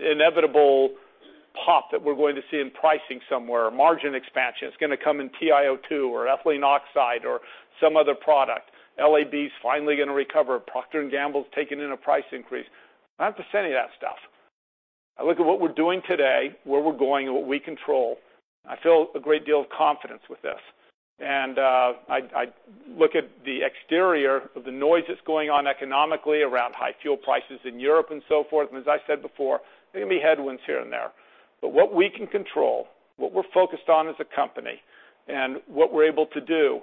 inevitable pop that we're going to see in pricing somewhere, or margin expansion. It's gonna come in TiO2 or ethylene oxide or some other product. LAB's finally gonna recover. Procter & Gamble's taking in a price increase. Not the same as any of that stuff. I look at what we're doing today, where we're going, and what we control. I feel a great deal of confidence with this. I look at the exterior of the noise that's going on economically around high fuel prices in Europe and so forth. As I said before, there are gonna be headwinds here and there. What we can control, what we're focused on as a company, and what we're able to do,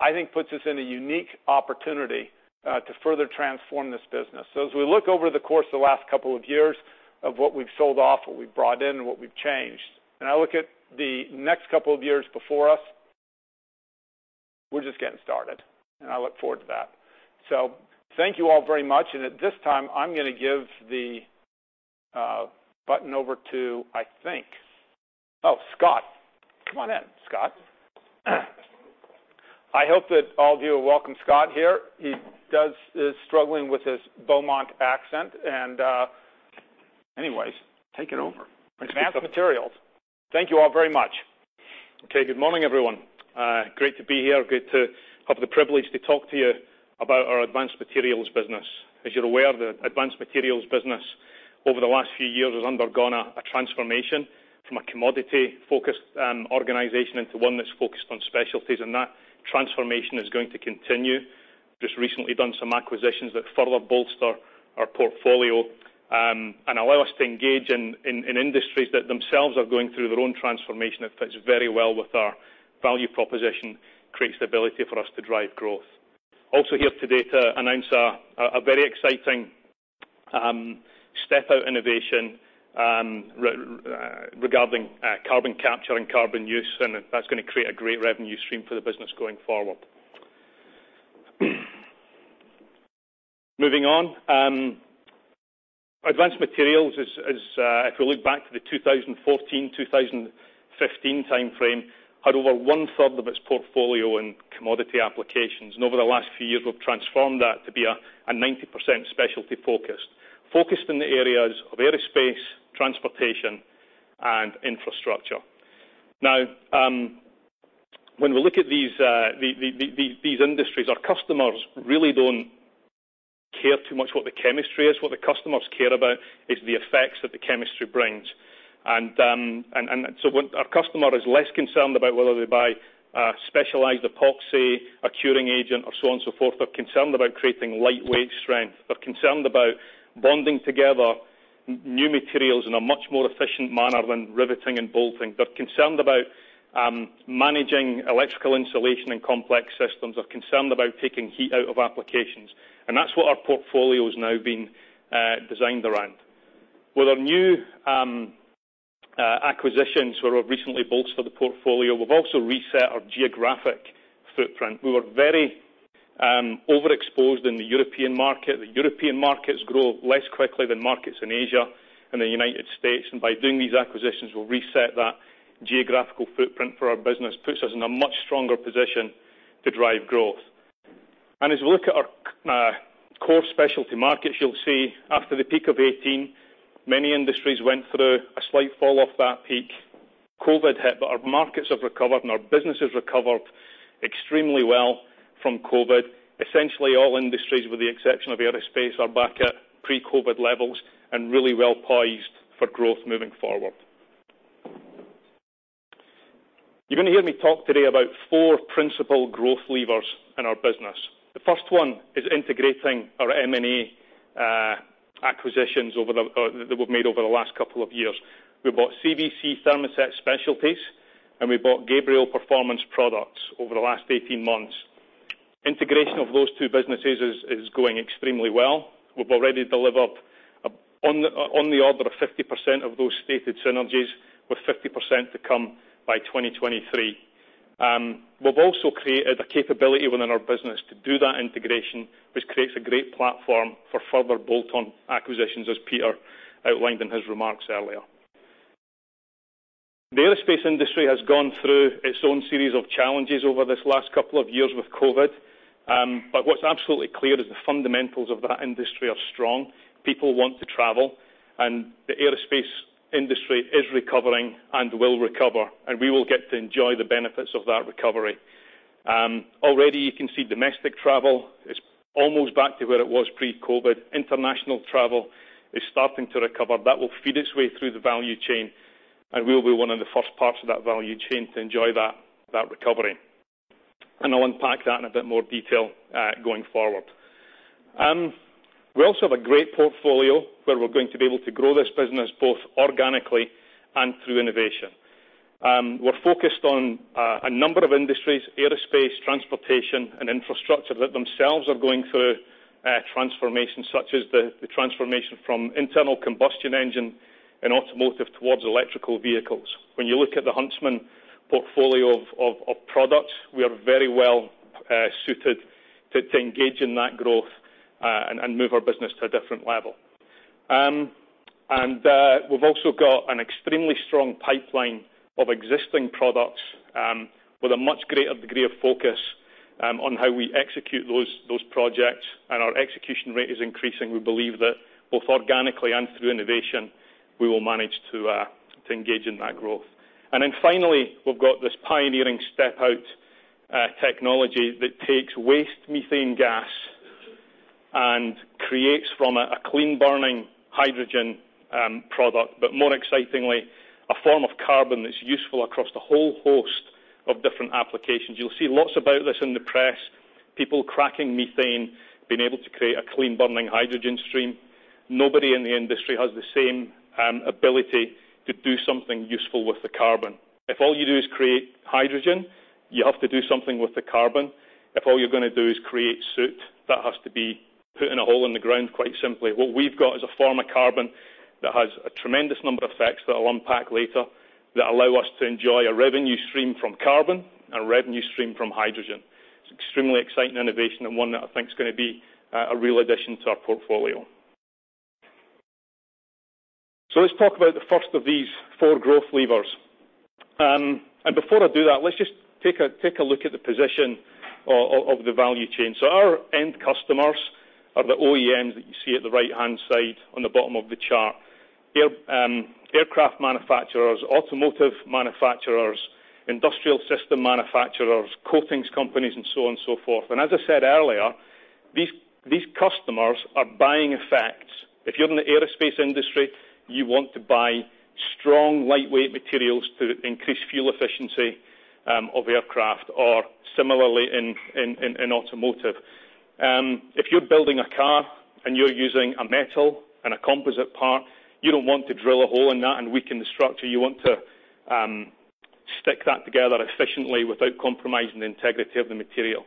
I think puts us in a unique opportunity to further transform this business. As we look over the course of the last couple of years of what we've sold off, what we've brought in, and what we've changed, and I look at the next couple of years before us, we're just getting started, and I look forward to that. Thank you all very much. At this time, I'm gonna give the button over to, I think. Oh, Scott. Come on in, Scott. I hope that all of you will welcome Scott here. He is struggling with his Beaumont accent and, anyways, take it over. Advanced Materials. Thank you all very much. Okay, good morning, everyone. Great to be here. Great to have the privilege to talk to you about our Advanced Materials business. As you're aware, the Advanced Materials business over the last few years has undergone a transformation from a commodity-focused organization into one that's focused on specialties, and that transformation is going to continue. Just recently done some acquisitions that further bolster our portfolio, and allow us to engage in industries that themselves are going through their own transformation. It fits very well with our value proposition, creates the ability for us to drive growth. Also here today to announce a very exciting step-out innovation regarding carbon capture and carbon use, and that's gonna create a great revenue stream for the business going forward. Moving on. Advanced Materials is if you look back to the 2014, 2015 timeframe, had over 1/3 of its portfolio in commodity applications. Over the last few years, we've transformed that to be a 90% specialty focused. Focused in the areas of aerospace, transportation, and infrastructure. Now, when we look at these industries, our customers really don't care too much what the chemistry is. What the customers care about is the effects that the chemistry brings. So what our customer is less concerned about whether they buy a specialized epoxy, a curing agent, or so on and so forth. They're concerned about creating lightweight strength. They're concerned about bonding together new materials in a much more efficient manner than riveting and bolting. They're concerned about managing electrical insulation in complex systems. They're concerned about taking heat out of applications. That's what our portfolio has now been designed around. With our new acquisitions where we've recently bolstered the portfolio, we've also reset our geographic footprint. We were very overexposed in the European market. The European markets grow less quickly than markets in Asia and the United States. By doing these acquisitions, we'll reset that geographical footprint for our business, puts us in a much stronger position to drive growth. As we look at our core specialty markets, you'll see after the peak of 2018, many industries went through a slight fall off that peak. COVID hit, but our markets have recovered and our business has recovered extremely well from COVID. Essentially all industries, with the exception of aerospace, are back at pre-COVID levels and really well poised for growth moving forward. You're gonna hear me talk today about four principal growth levers in our business. The first one is integrating our M&A acquisitions that we've made over the last couple of years. We bought CVC Thermoset Specialties, and we bought Gabriel Performance Products over the last 18 months. Integration of those two businesses is going extremely well. We've already delivered on the order of 50% of those stated synergies, with 50% to come by 2023. We've also created a capability within our business to do that integration, which creates a great platform for further bolt-on acquisitions, as Peter outlined in his remarks earlier. The aerospace industry has gone through its own series of challenges over this last couple of years with COVID. What's absolutely clear is the fundamentals of that industry are strong. People want to travel, and the aerospace industry is recovering and will recover, and we will get to enjoy the benefits of that recovery. Already you can see domestic travel is almost back to where it was pre-COVID. International travel is starting to recover. That will feed its way through the value chain, and we'll be one of the first parts of that value chain to enjoy that recovery. I'll unpack that in a bit more detail going forward. We also have a great portfolio where we're going to be able to grow this business both organically and through innovation. We're focused on a number of industries, aerospace, transportation, and infrastructure, that themselves are going through transformation such as the transformation from internal combustion engine in automotive towards electric vehicles. When you look at the Huntsman portfolio of products, we are very well suited to engage in that growth and move our business to a different level. We've also got an extremely strong pipeline of existing products with a much greater degree of focus on how we execute those projects, and our execution rate is increasing. We believe that both organically and through innovation, we will manage to engage in that growth. Finally, we've got this pioneering StepOut technology that takes waste methane gas and creates from it a clean-burning hydrogen product, but more excitingly, a form of carbon that's useful across the whole host of different applications. You'll see lots about this in the press. People cracking methane, being able to create a clean-burning hydrogen stream. Nobody in the industry has the same ability to do something useful with the carbon. If all you do is create hydrogen, you have to do something with the carbon. If all you're gonna do is create soot, that has to be put in a hole in the ground, quite simply. What we've got is a form of carbon that has a tremendous number of effects that I'll unpack later that allow us to enjoy a revenue stream from carbon and a revenue stream from hydrogen. It's extremely exciting innovation and one that I think is gonna be a real addition to our portfolio. Let's talk about the first of these four growth levers. Before I do that, let's just take a look at the position of the value chain. Our end customers are the OEMs that you see at the right-hand side on the bottom of the chart. Aircraft manufacturers, automotive manufacturers, industrial system manufacturers, coatings companies, and so on and so forth. As I said earlier, these customers are buying epoxies. If you're in the aerospace industry, you want to buy strong lightweight materials to increase fuel efficiency of aircraft or similarly in automotive. If you're building a car and you're using a metal and a composite part, you don't want to drill a hole in that and weaken the structure. You want to stick that together efficiently without compromising the integrity of the material.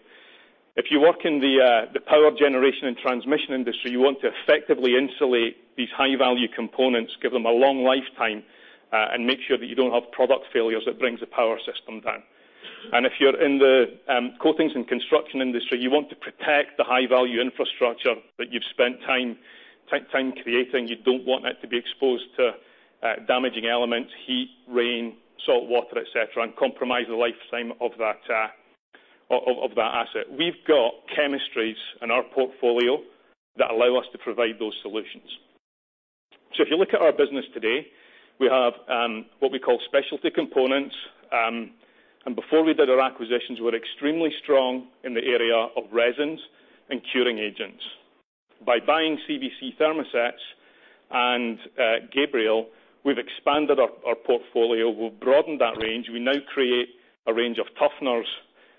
If you work in the power generation and transmission industry, you want to effectively insulate these high-value components, give them a long lifetime, and make sure that you don't have product failures that brings the power system down. If you're in the coatings and construction industry, you want to protect the high-value infrastructure that you've spent time creating. You don't want it to be exposed to damaging elements, heat, rain, salt water, et cetera, and compromise the lifetime of that of that asset. We've got chemistries in our portfolio that allow us to provide those solutions. If you look at our business today, we have what we call specialty components. Before we did our acquisitions, we're extremely strong in the area of resins and curing agents. By buying CVC Thermosets and Gabriel, we've expanded our portfolio. We've broadened that range. We now create a range of tougheners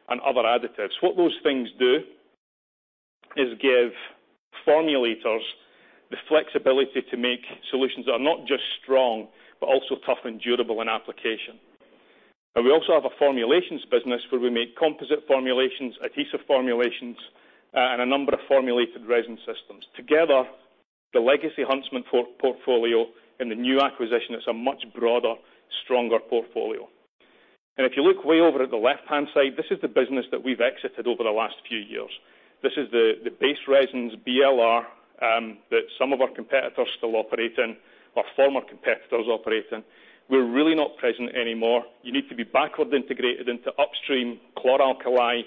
and other additives. What those things do is give formulators the flexibility to make solutions that are not just strong, but also tough and durable in application. We also have a formulations business where we make composite formulations, adhesive formulations, and a number of formulated resin systems. Together, the legacy Huntsman portfolio and the new acquisition is a much broader, stronger portfolio. If you look way over at the left-hand side, this is the business that we've exited over the last few years. This is the base resins, BLR, that some of our competitors still operate in, or former competitors operate in. We're really not present anymore. You need to be backward integrated into upstream chlor-alkali,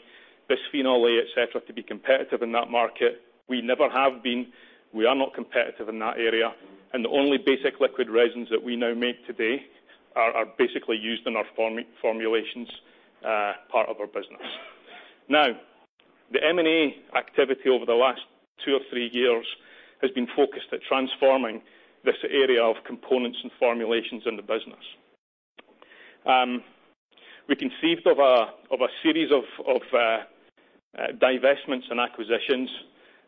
bisphenol A, et cetera, to be competitive in that market. We never have been. We are not competitive in that area. The only basic liquid resins that we now make today are basically used in our formulations, part of our business. The M&A activity over the last two or three years has been focused at transforming this area of components and formulations in the business. We conceived of a series of divestments and acquisitions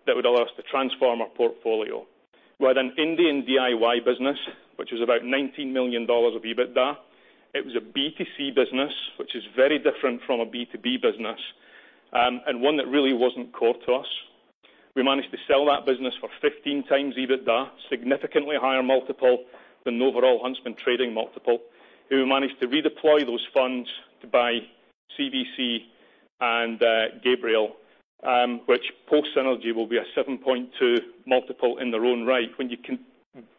that would allow us to transform our portfolio. We had an Indian DIY business, which was about $19 million of EBITDA. It was a B2C business, which is very different from a B2B business, and one that really wasn't core to us. We managed to sell that business for 15x EBITDA, significantly higher multiple than the overall Huntsman trading multiple. We managed to redeploy those funds to buy CVC and, Gabriel, which post synergy will be a 7.2x multiple in their own right. When you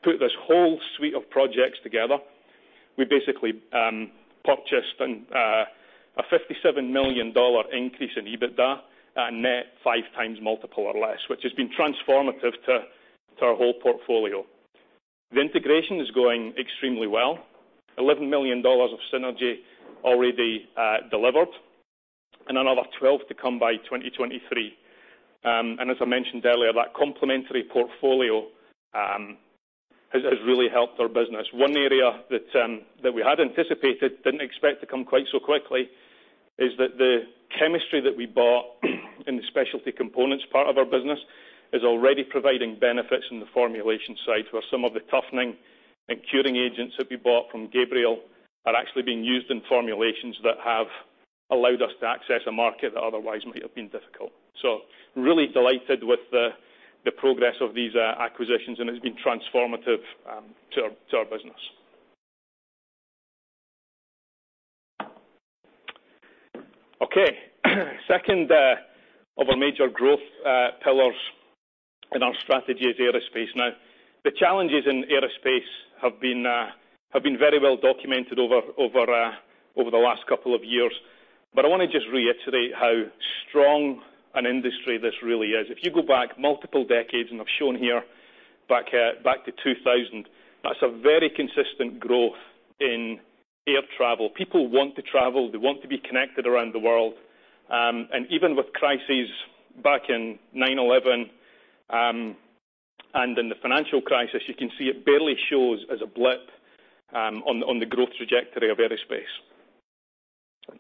put this whole suite of projects together, we basically purchased a $57 million increase in EBITDA at a net 5x multiple or less, which has been transformative to our whole portfolio. The integration is going extremely well. $11 million of synergy already delivered and another 12 to come by 2023. As I mentioned earlier, that complementary portfolio has really helped our business. One area that we had anticipated, didn't expect to come quite so quickly, is that the chemistry that we bought in the specialty components part of our business is already providing benefits in the formulation side, where some of the toughening and curing agents that we bought from Gabriel are actually being used in formulations that have allowed us to access a market that otherwise might have been difficult. So really delighted with the progress of these acquisitions, and it's been transformative to our business. Okay. Second of our major growth pillars in our strategy is aerospace. Now, the challenges in aerospace have been very well documented over the last couple of years. I wanna just reiterate how strong an industry this really is. If you go back multiple decades, and I've shown here back to 2000, that's a very consistent growth in air travel. People want to travel. They want to be connected around the world. Even with crises back in 9/11 and in the financial crisis, you can see it barely shows as a blip on the growth trajectory of aerospace.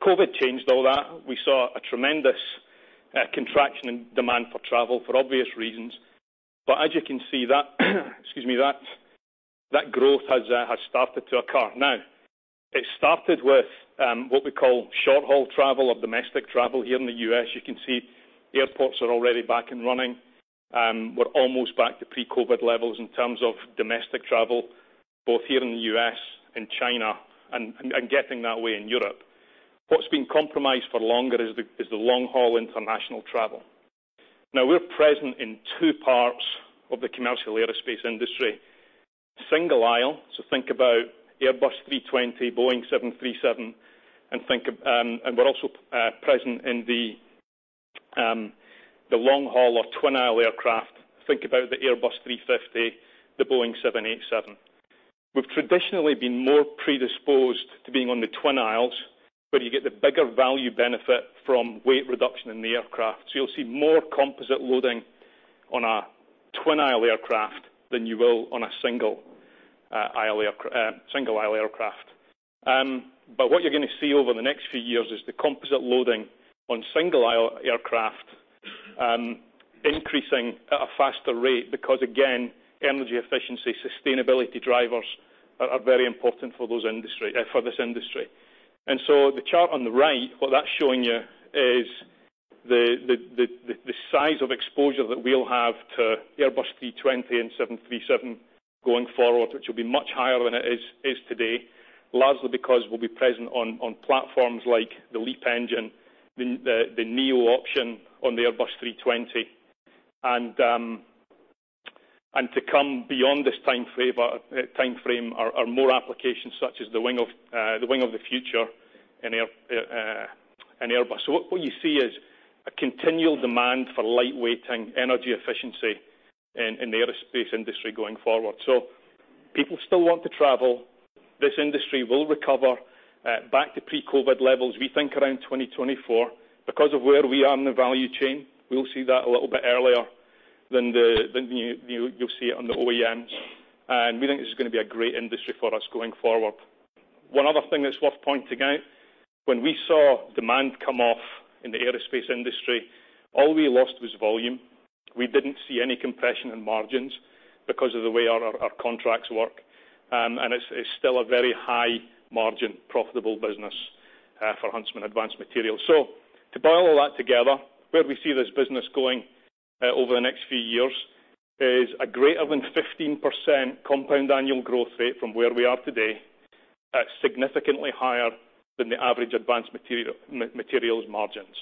COVID changed all that. We saw a tremendous contraction in demand for travel for obvious reasons. As you can see, that growth has started to occur. Now it started with what we call short-haul travel or domestic travel here in the U.S. You can see airports are already back and running. We're almost back to pre-COVID levels in terms of domestic travel, both here in the U.S. and China, and getting that way in Europe. What's been compromised for longer is the long-haul international travel. Now we're present in two parts of the commercial aerospace industry. Single aisle, so think about Airbus 320, Boeing 737, and we're also present in the long haul or twin-aisle aircraft. Think about the Airbus 350, the Boeing 787. We've traditionally been more predisposed to being on the twin aisles, where you get the bigger value benefit from weight reduction in the aircraft. So you'll see more composite loading on a twin-aisle aircraft than you will on a single-aisle aircraft. What you're gonna see over the next few years is the composite loading on single-aisle aircraft increasing at a faster rate, because, again, energy efficiency, sustainability drivers are very important for this industry. The chart on the right, what that's showing you is the size of exposure that we'll have to Airbus 320 and 737 going forward, which will be much higher than it is today. Largely because we'll be present on platforms like the LEAP engine, the neo option on the Airbus 320. To come beyond this timeframe are more applications such as the wing of the future in Airbus. What you see is a continual demand for lightweighting, energy efficiency in the aerospace industry going forward. People still want to travel. This industry will recover back to pre-COVID levels we think around 2024. Because of where we are in the value chain, we'll see that a little bit earlier than you'll see it on the OEMs, and we think this is gonna be a great industry for us going forward. One other thing that's worth pointing out, when we saw demand come off in the aerospace industry, all we lost was volume. We didn't see any compression in margins because of the way our contracts work. It's still a very high margin profitable business for Huntsman Advanced Materials. To boil all that together, where we see this business going over the next few years is a greater than 15% compound annual growth rate from where we are today, significantly higher than the average Advanced Materials margins.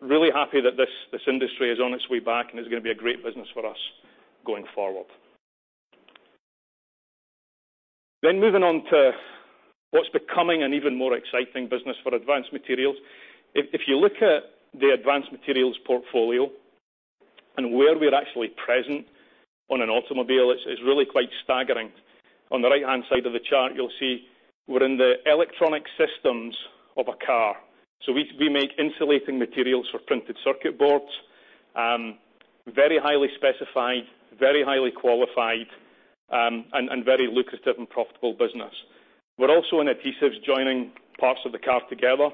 Really happy that this industry is on its way back, and it's gonna be a great business for us going forward. Moving on to what's becoming an even more exciting business for Advanced Materials. If you look at the Advanced Materials portfolio and where we're actually present on an automobile, it's really quite staggering. On the right-hand side of the chart, you'll see we're in the electronic systems of a car. We make insulating materials for printed circuit boards. Very highly specified, very highly qualified, and very lucrative and profitable business. We're also in adhesives, joining parts of the car together.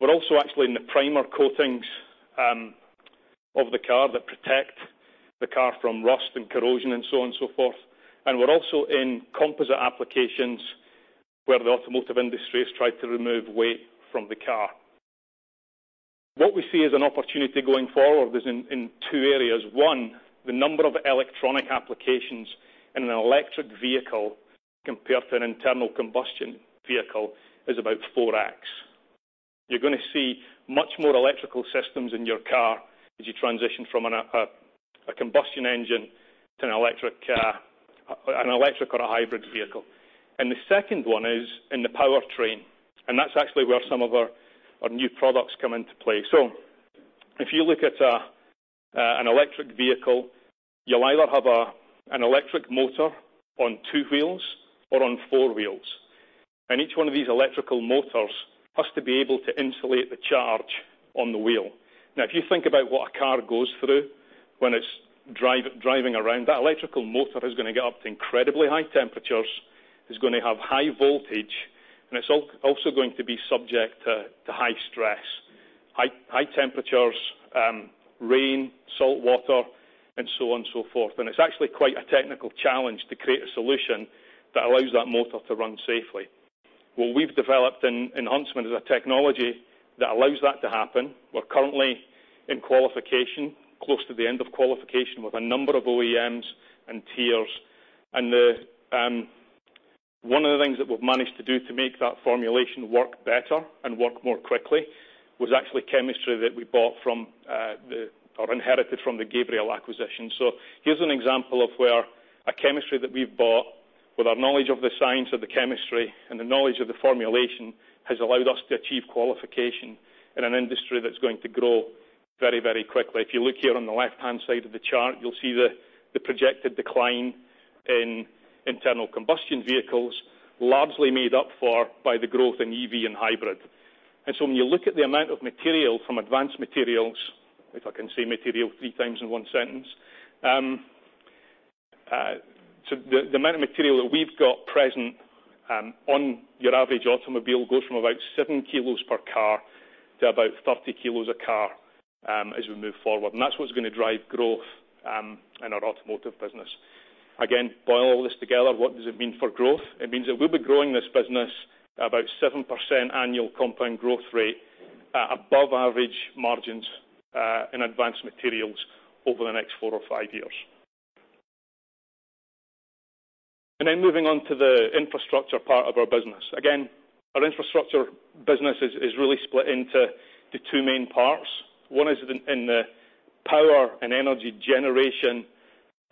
We're also actually in the primer coatings of the car that protect the car from rust and corrosion and so on and so forth. We're also in composite applications where the automotive industry has tried to remove weight from the car. What we see as an opportunity going forward is in two areas. One, the number of electronic applications in an electric vehicle compared to an internal combustion vehicle is about 4x. You're gonna see much more electrical systems in your car as you transition from a combustion engine to an electric or a hybrid vehicle. The second one is in the powertrain, and that's actually where some of our new products come into play. If you look at an electric vehicle, you'll either have an electric motor on two wheels or on four wheels, and each one of these electrical motors has to be able to insulate the charge on the wheel. Now if you think about what a car goes through when it's driving around, that electrical motor is gonna get up to incredibly high temperatures. It's gonna have high voltage, and it's also going to be subject to high stress, high temperatures, rain, salt water, and so on and so forth. It's actually quite a technical challenge to create a solution that allows that motor to run safely. What we've developed in Huntsman is a technology that allows that to happen. We're currently in qualification, close to the end of qualification with a number of OEMs and tiers. The one of the things that we've managed to do to make that formulation work better and work more quickly was actually chemistry that we bought from or inherited from the Gabriel acquisition. Here's an example of where a chemistry that we've bought with our knowledge of the science of the chemistry and the knowledge of the formulation has allowed us to achieve qualification in an industry that's going to grow very, very quickly. If you look here on the left-hand side of the chart, you'll see the projected decline in internal combustion vehicles, largely made up for by the growth in EV and hybrid. When you look at the amount of material from Advanced Materials, if I can say material 3 times in one sentence, the amount of material that we've got present on your average automobile goes from about 7 kilos per car to about 30 kilos a car as we move forward. That's what's gonna drive growth in our automotive business. Again, boil all this together, what does it mean for growth? It means that we'll be growing this business about 7% annual compound growth rate at above average margins in Advanced Materials over the next 4 or 5 years. Moving on to the infrastructure part of our business. Again, our infrastructure business is really split into the two main parts. One is in the power and energy generation,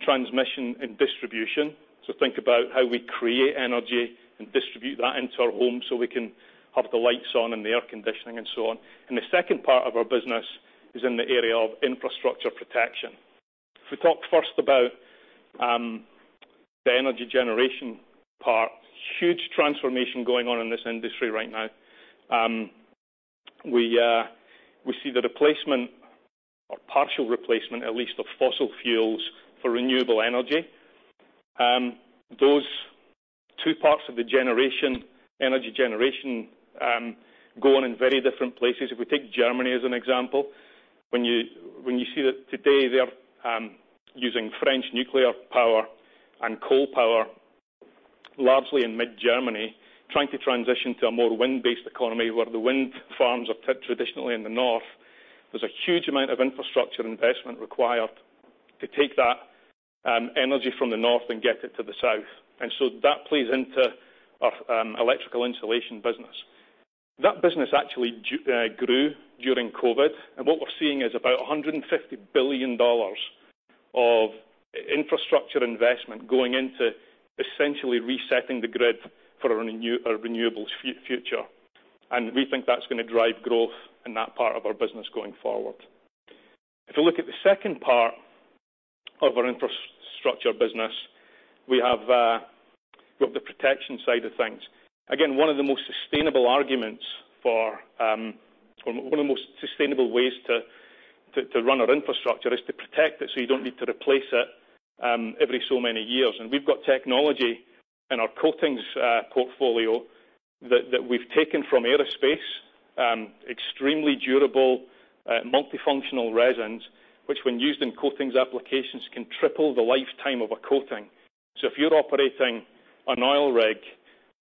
transmission, and distribution. Think about how we create energy and distribute that into our homes so we can have the lights on and the air conditioning and so on. The second part of our business is in the area of infrastructure protection. If we talk first about the energy generation part, huge transformation going on in this industry right now. We see the replacement or partial replacement, at least, of fossil fuels for renewable energy. Those two parts of the generation, energy generation, going in very different places. If we take Germany as an example, when you see that today they are using French nuclear power and coal power, largely in mid-Germany, trying to transition to a more wind-based economy where the wind farms are traditionally in the north, there's a huge amount of infrastructure investment required to take that energy from the north and get it to the south. That plays into our electrical insulation business. That business actually grew during COVID, and what we're seeing is about $150 billion of infrastructure investment going into essentially resetting the grid for a renewables future. We think that's gonna drive growth in that part of our business going forward. If you look at the second part of our infrastructure business, we have the protection side of things. Again, one of the most sustainable arguments for one of the most sustainable ways to run our infrastructure is to protect it, so you don't need to replace it every so many years. We've got technology in our coatings portfolio that we've taken from aerospace extremely durable multifunctional resins, which when used in coatings applications, can triple the lifetime of a coating. If you're operating an oil rig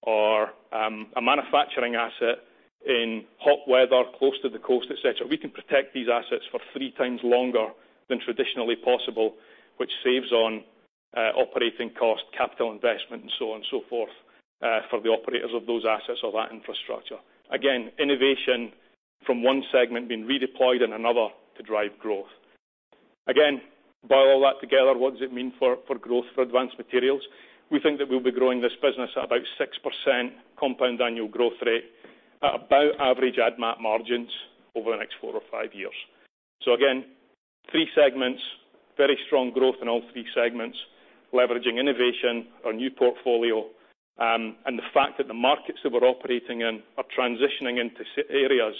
or a manufacturing asset in hot weather, close to the coast, et cetera, we can protect these assets for three times longer than traditionally possible, which saves on operating costs, capital investment, and so on and so forth for the operators of those assets or that infrastructure. Again, innovation from one segment being redeployed in another to drive growth. Again, boil all that together, what does it mean for growth for Advanced Materials? We think that we'll be growing this business at about 6% compound annual growth rate at about average EBITDA margins over the next 4 or 5 years. Three segments, very strong growth in all three segments, leveraging innovation, our new portfolio, and the fact that the markets that we're operating in are transitioning into certain areas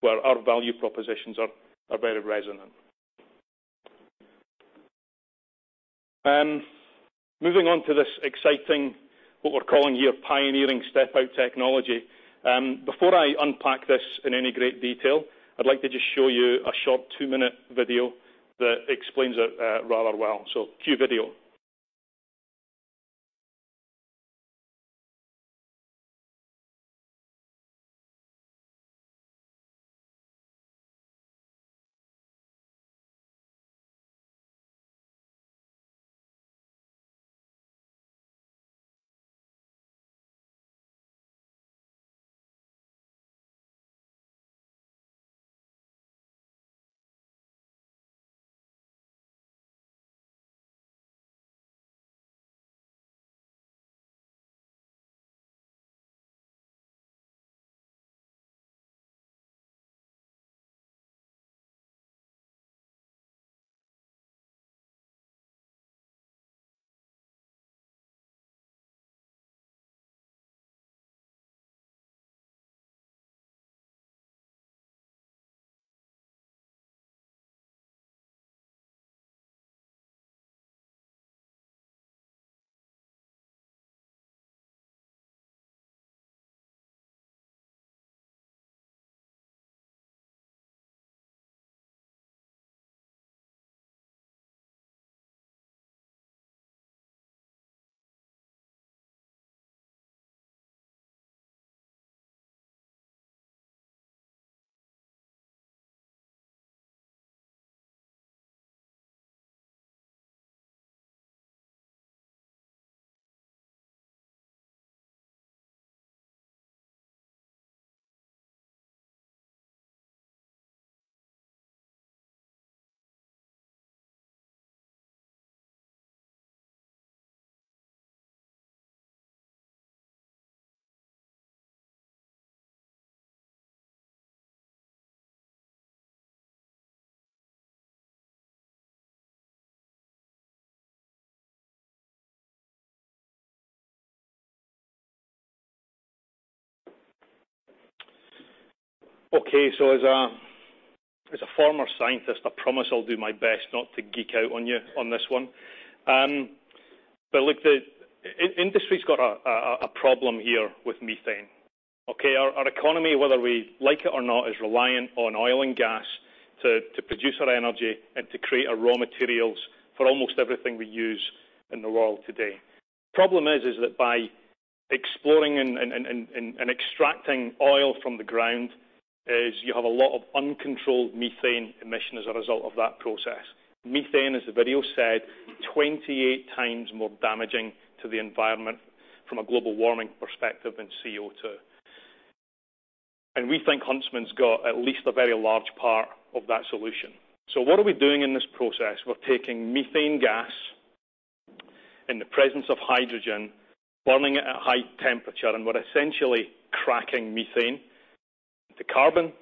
where our value propositions are very resonant. Moving on to this exciting, what we're calling here, pioneering step-out technology. Before I unpack this in any great detail, I'd like to just show you a short 2-minute video that explains it rather well. Cue video. Okay. As a former scientist, I promise I'll do my best not to geek out on you on this one. Look, the industry's got a problem here with methane. Okay, our economy, whether we like it or not, is reliant on oil and gas to produce our energy and to create our raw materials for almost everything we use in the world today. The problem is that by exploring and extracting oil from the ground, you have a lot of uncontrolled methane emission as a result of that process. Methane, as the video said, 28 times more damaging to the environment from a global warming perspective than CO2. We think Huntsman's got at least a very large part of that solution. What are we doing in this process? We're taking methane gas in the presence of hydrogen, burning it at high temperature, and we're essentially cracking methane to carbon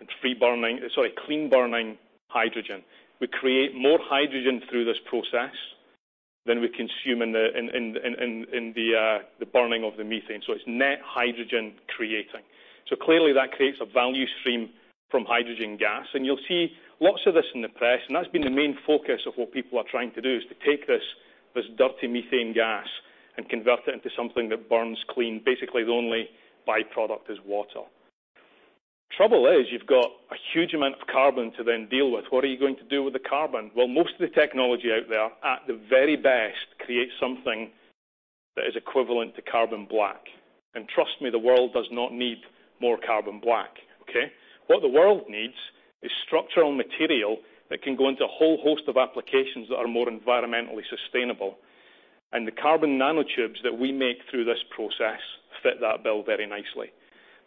and clean burning hydrogen. We create more hydrogen through this process than we consume in the burning of the methane. It's net hydrogen creating. Clearly, that creates a value stream from hydrogen gas. You'll see lots of this in the press, and that's been the main focus of what people are trying to do, is to take this dirty methane gas and convert it into something that burns clean. Basically, the only byproduct is water. Trouble is, you've got a huge amount of carbon to then deal with. What are you going to do with the carbon? Well, most of the technology out there, at the very best, creates something that is equivalent to carbon black. Trust me, the world does not need more carbon black, okay? What the world needs is structural material that can go into a whole host of applications that are more environmentally sustainable. The carbon nanotubes that we make through this process fit that bill very nicely.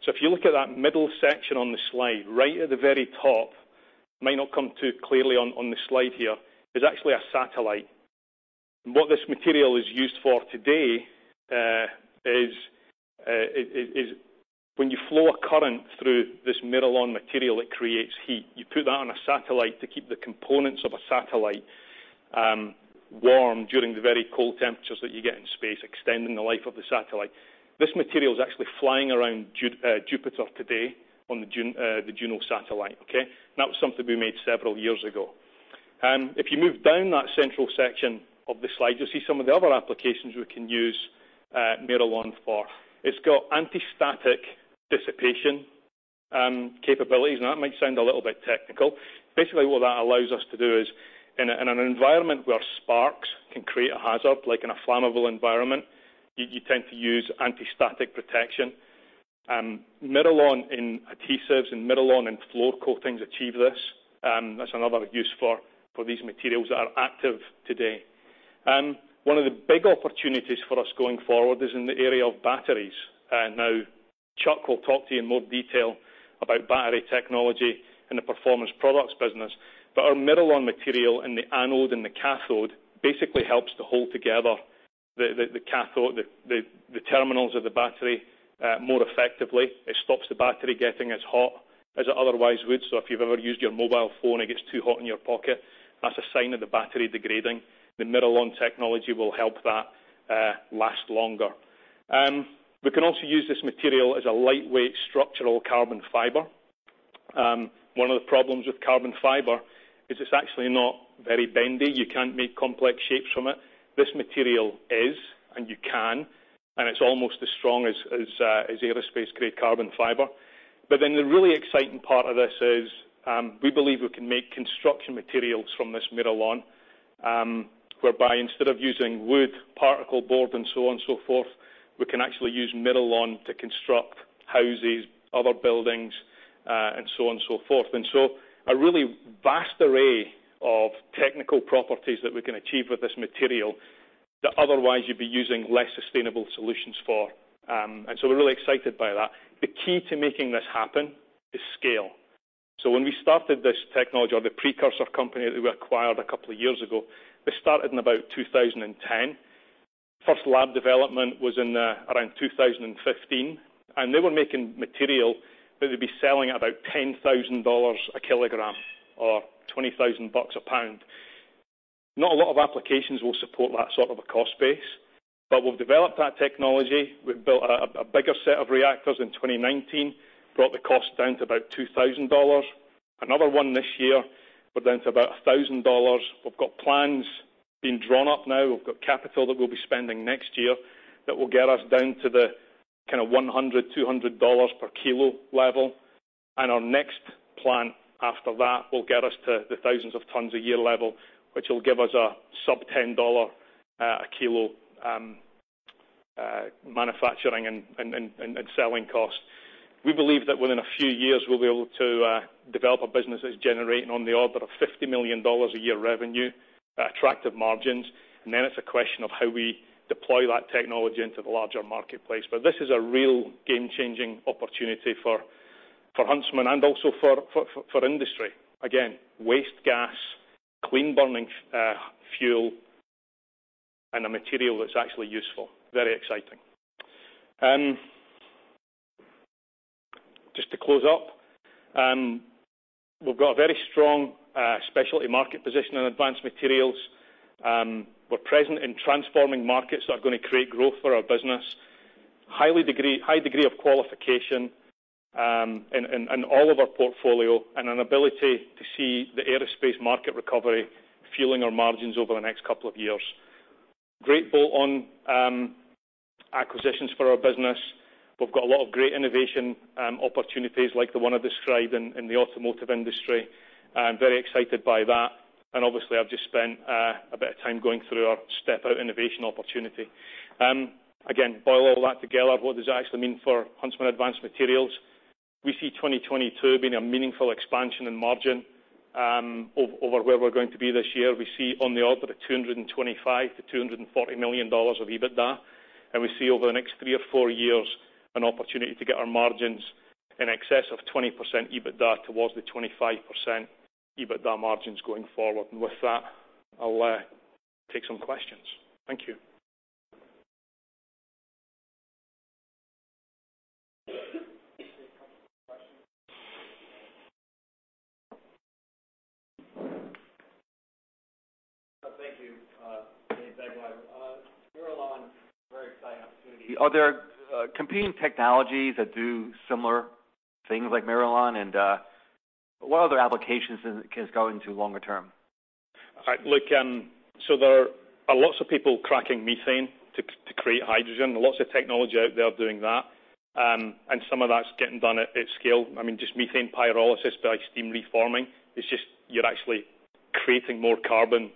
If you look at that middle section on the slide, right at the very top, it might not come too clearly on the slide here, is actually a satellite. What this material is used for today is when you flow a current through this MIRALON® material, it creates heat. You put that on a satellite to keep the components of a satellite warm during the very cold temperatures that you get in space, extending the life of the satellite. This material is actually flying around Jupiter today on the Juno satellite, okay? That was something we made several years ago. If you move down that central section of the slide, you'll see some of the other applications we can use MIRALON® for. It's got antistatic dissipation capabilities. Now, that might sound a little bit technical. Basically, what that allows us to do is in an environment where sparks can create a hazard, like in a flammable environment, you tend to use antistatic protection. MIRALON® in adhesives and MIRALON® in floor coatings achieve this. That's another use for these materials that are active today. One of the big opportunities for us going forward is in the area of batteries. Now, Chuck will talk to you in more detail about battery technology in the Performance Products business. Our MIRALON® material in the anode and the cathode basically helps to hold together the cathode, the terminals of the battery more effectively. It stops the battery getting as hot as it otherwise would. If you've ever used your mobile phone, it gets too hot in your pocket, that's a sign of the battery degrading. The MIRALON® technology will help that last longer. We can also use this material as a lightweight structural carbon fiber. One of the problems with carbon fiber is it's actually not very bendy. You can't make complex shapes from it. This material is, and you can, and it's almost as strong as aerospace-grade carbon fiber. The really exciting part of this is, we believe we can make construction materials from this MIRALON®, whereby instead of using wood, particle board, and so on and so forth, we can actually use MIRALON® to construct houses, other buildings, and so on and so forth. A really vast array of technical properties that we can achieve with this material that otherwise you'd be using less sustainable solutions for. We're really excited by that. The key to making this happens is scale. When we started this technology or the precursor company that we acquired a couple of years ago, they started in about 2010. First lab development was in around 2015, and they were making material that would be selling about $10,000 a kilogram or $20,000 a pound. Not a lot of applications will support that sort of a cost base. We've developed that technology. We've built a bigger set of reactors in 2019, brought the cost down to about $2,000. Another one this year, we're down to about $1,000. We've got plans being drawn up now. We've got capital that we'll be spending next year that will get us down to the kind of $100-$200 per kilo level. Our next plan after that will get us to the thousands of tons a year level, which will give us a sub-$10 per kilo manufacturing and selling cost. We believe that within a few years, we'll be able to develop a business that's generating on the order of $50 million a year revenue at attractive margins. It's a question of how we deploy that technology into the larger marketplace. This is a real game-changing opportunity for Huntsman and also for industry. Again, waste gas, clean burning, fuel, and a material that's actually useful. Very exciting. Just to close up, we've got a very strong specialty market position in advanced materials. We're present in transforming markets that are gonna create growth for our business. High degree of qualification in all of our portfolio, and an ability to see the aerospace market recovery fueling our margins over the next couple of years. Great bolt on acquisitions for our business. We've got a lot of great innovation opportunities like the one I described in the automotive industry. I'm very excited by that. Obviously, I've just spent a bit of time going through our step-out innovation opportunity. Again, boil all that together, what does it actually mean for Huntsman Advanced Materials? We see 2022 being a meaningful expansion in margin over where we're going to be this year. We see on the order of $225 million-$240 million of EBITDA. We see over the next three or four years an opportunity to get our margins in excess of 20% EBITDA towards the 25% EBITDA margins going forward. With that, I'll take some questions. Thank you. A couple questions. Thank you, Dave Begleiter. MIRALON®, very exciting opportunity. Are there competing technologies that do similar things like MIRALON®? What other applications can this go into longer term? All right. Look, there are lots of people cracking methane to create hydrogen. Lots of technology out there doing that. Some of that's getting done at scale. I mean, just methane pyrolysis by steam reforming. It's just you're actually creating more carbon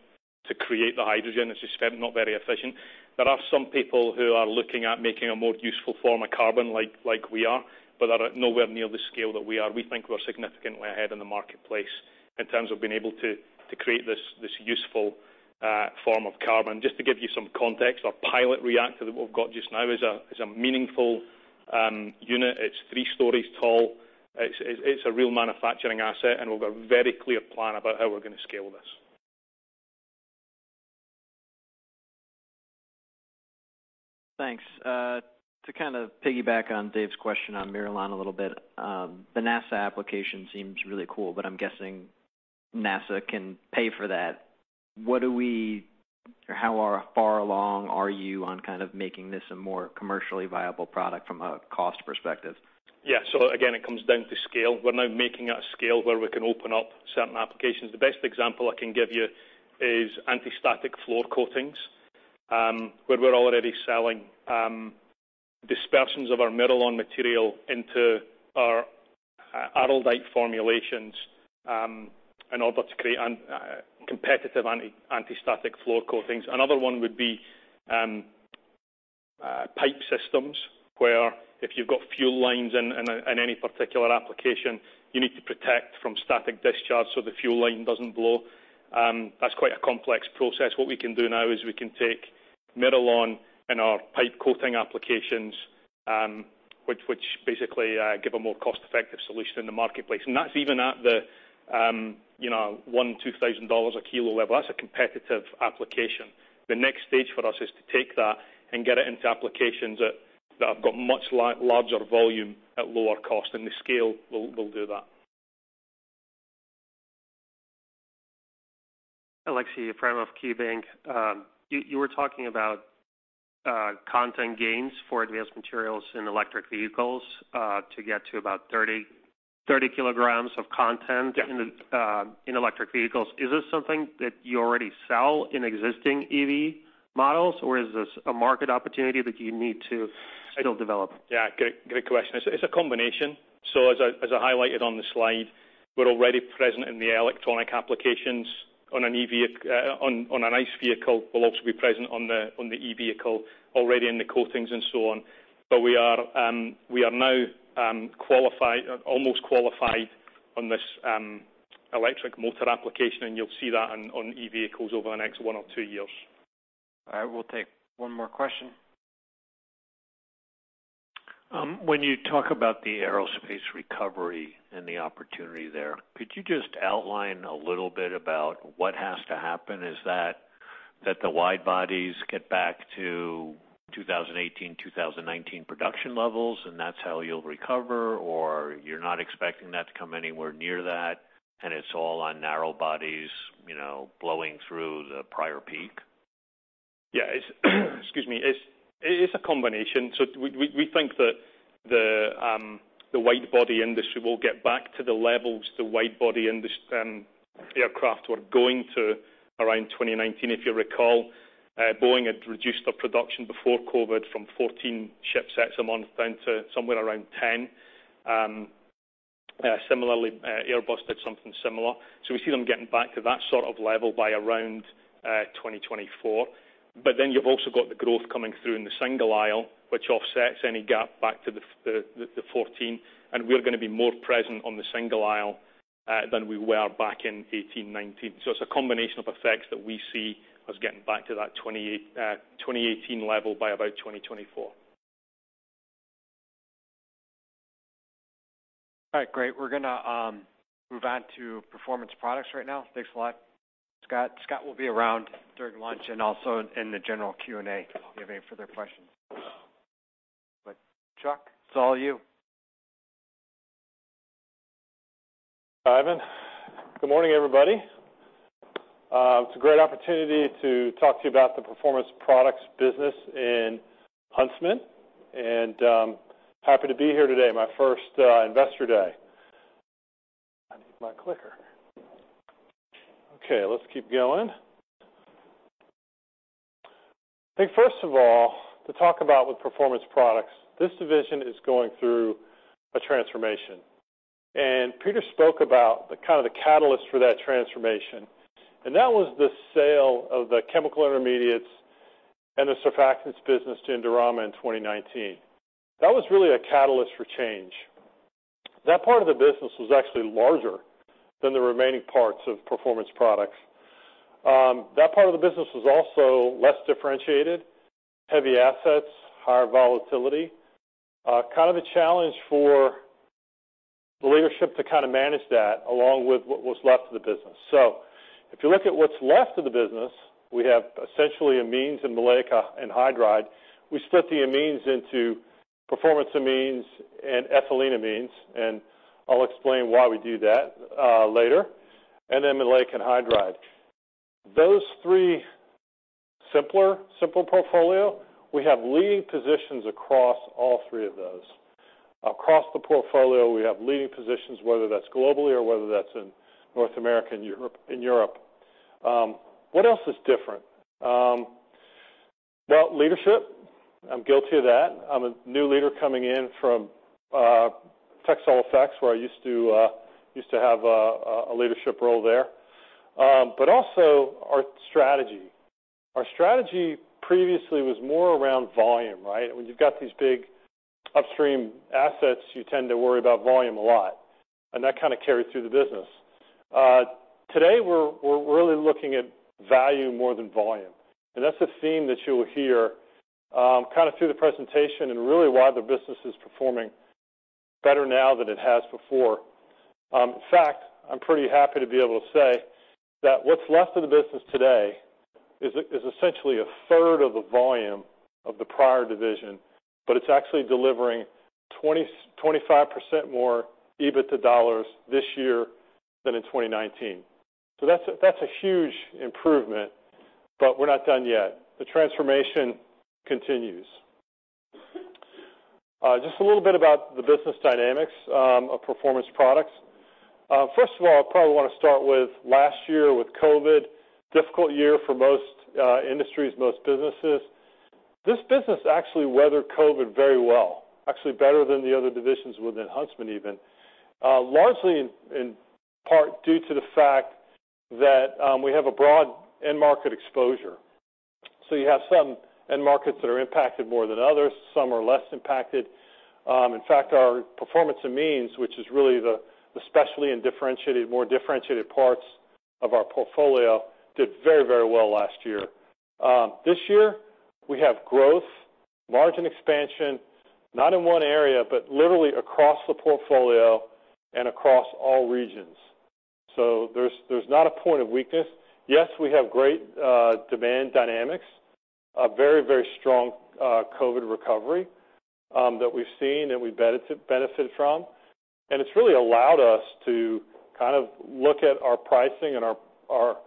to create the hydrogen. It's just not very efficient. There are some people who are looking at making a more useful form of carbon like we are, but are at nowhere near the scale that we are. We think we're significantly ahead in the marketplace in terms of being able to create this useful form of carbon. Just to give you some context, our pilot reactor that we've got just now is a meaningful unit. It's three stories tall. It's a real manufacturing asset, and we've got a very clear plan about how we're gonna scale this. Thanks. To kind of piggyback on Dave's question on MIRALON® a little bit, the NASA application seems really cool, but I'm guessing NASA can pay for that. How far along are you on kind of making this a more commercially viable product from a cost perspective? It comes down to scale. We're now making it at scale where we can open up certain applications. The best example I can give you is anti-static floor coatings, where we're already selling dispersions of our MIRALON® material into our ARALDITE® formulations in order to create an competitive anti-static floor coatings. Another one would be pipe systems, where if you've got fuel lines in any particular application, you need to protect from static discharge, so the fuel line doesn't blow. That's quite a complex process. What we can do now is we can take MIRALON® in our pipe coating applications, which basically give a more cost-effective solution in the marketplace. That's even at the $1,000-$2,000 a kilo level. That's a competitive application. The next stage for us is to take that and get it into applications that have got much larger volume at lower cost, and the scale will do that. Aleksey Yefremov, KeyBanc Capital Markets. You were talking about content gains for advanced materials in electric vehicles to get to about 30 kilograms of content Yeah. in electric vehicles. Is this something that you already sell in existing EV models, or is this a market opportunity that you need to still develop? Yeah. Good question. It's a combination. As I highlighted on the slide, we're already present in the electronic applications on an EV, on an ICE vehicle. We'll also be present on the EV already in the coatings and so on. We are now almost qualified on this electric motor application, and you'll see that on EV over the next one or two years. All right. We'll take one more question. When you talk about the aerospace recovery and the opportunity there, could you just outline a little bit about what has to happen? Is that the wide bodies get back to 2018, 2019 production levels, and that's how you'll recover, or you're not expecting that to come anywhere near that, and it's all on narrow bodies, you know, blowing through the prior peak? It's a combination. We think that the wide body industry will get back to the levels the wide body aircraft were going to around 2019. If you recall, Boeing had reduced their production before COVID from 14 ship sets a month down to somewhere around 10. Similarly, Airbus did something similar. We see them getting back to that sort of level by around 2024. But then you've also got the growth coming through in the single aisle, which offsets any gap back to the 14. We're gonna be more present on the single aisle than we were back in 2018, 2019. It's a combination of effects that we see us getting back to that 2018 level by about 2024. All right, great. We're gonna move on to Performance Products right now. Thanks a lot, Scott. Scott will be around during lunch and also in the general Q&A if you have any further questions. Chuck, it's all you. Good morning, everybody. It's a great opportunity to talk to you about the Performance Products business in Huntsman, and happy to be here today, my first Investor Day. I need my clicker. Okay, let's keep going. I think first of all, to talk about with Performance Products, this division is going through a transformation. Peter spoke about the kind of the catalyst for that transformation, and that was the sale of the chemical intermediates and the surfactants business to Indorama in 2019. That was really a catalyst for change. That part of the business was actually larger than the remaining parts of Performance Products. That part of the business was also less differentiated, heavy assets, higher volatility. Kind of a challenge for the leadership to kinda manage that along with what was left of the business. If you look at what's left of the business, we have essentially amines and maleic anhydride. We split the amines into performance amines and ethyleneamines, and I'll explain why we do that later, and then maleic anhydride. Those three simple portfolio, we have leading positions across all three of those. Across the portfolio, we have leading positions, whether that's globally or whether that's in North America and Europe in Europe. What else is different? Well, leadership, I'm guilty of that. I'm a new leader coming in from Textile Effects, where I used to have a leadership role there. But also our strategy. Our strategy previously was more around volume, right? When you've got these big upstream assets, you tend to worry about volume a lot, and that kinda carried through the business. Today, we're really looking at value more than volume, and that's a theme that you'll hear kinda through the presentation and really why the business is performing better now than it has before. In fact, I'm pretty happy to be able to say that what's left of the business today is essentially a third of the volume of the prior division, but it's actually delivering 25% more EBITDA dollars this year than in 2019. That's a huge improvement, but we're not done yet. The transformation continues. Just a little bit about the business dynamics of Performance Products. First of all, I probably wanna start with last year with COVID, difficult year for most industries, most businesses. This business actually weathered COVID very well, actually better than the other divisions within Huntsman even. Largely in part due to the fact that we have a broad end market exposure. You have some end markets that are impacted more than others. Some are less impacted. In fact, our performance amines, which is really the specialty and differentiated, more differentiated parts of our portfolio, did very, very well last year. This year we have growth, margin expansion, not in one area, but literally across the portfolio and across all regions. There's not a point of weakness. Yes, we have great demand dynamics, a very, very strong COVID recovery that we've seen and we've benefited from. It's really allowed us to kind of look at our pricing and our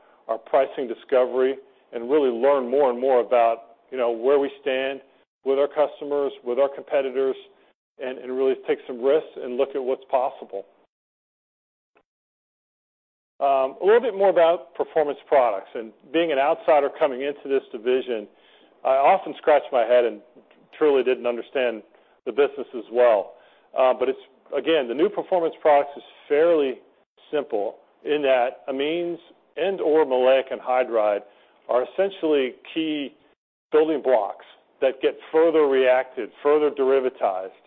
pricing discovery and really learn more and more about, you know, where we stand with our customers, with our competitors, and really take some risks and look at what's possible. A little bit more about Performance Products, and being an outsider coming into this division, I often scratched my head and truly didn't understand the business as well. Again, the new Performance Products is fairly simple in that amines and/or maleic anhydride are essentially key building blocks that get further reacted, further derivatized,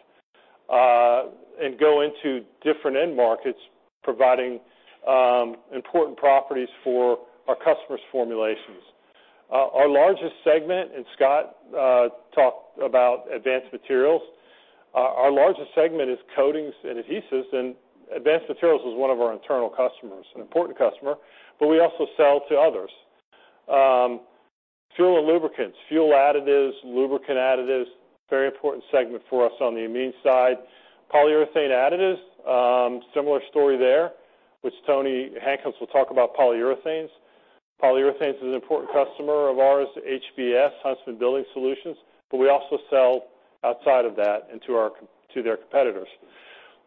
and go into different end markets providing important properties for our customers' formulations. Our largest segment, and Scott talked about Advanced Materials. Our largest segment is coatings and adhesives, and advanced materials is one of our internal customers, an important customer, but we also sell to others. Fuel and lubricants, fuel additives, lubricant additives, very important segment for us on the amine side. Polyurethane additives, similar story there. Which Tony Hankins will talk about polyurethanes. Polyurethanes is an important customer of ours, HBS, Huntsman Building Solutions, but we also sell outside of that to their competitors.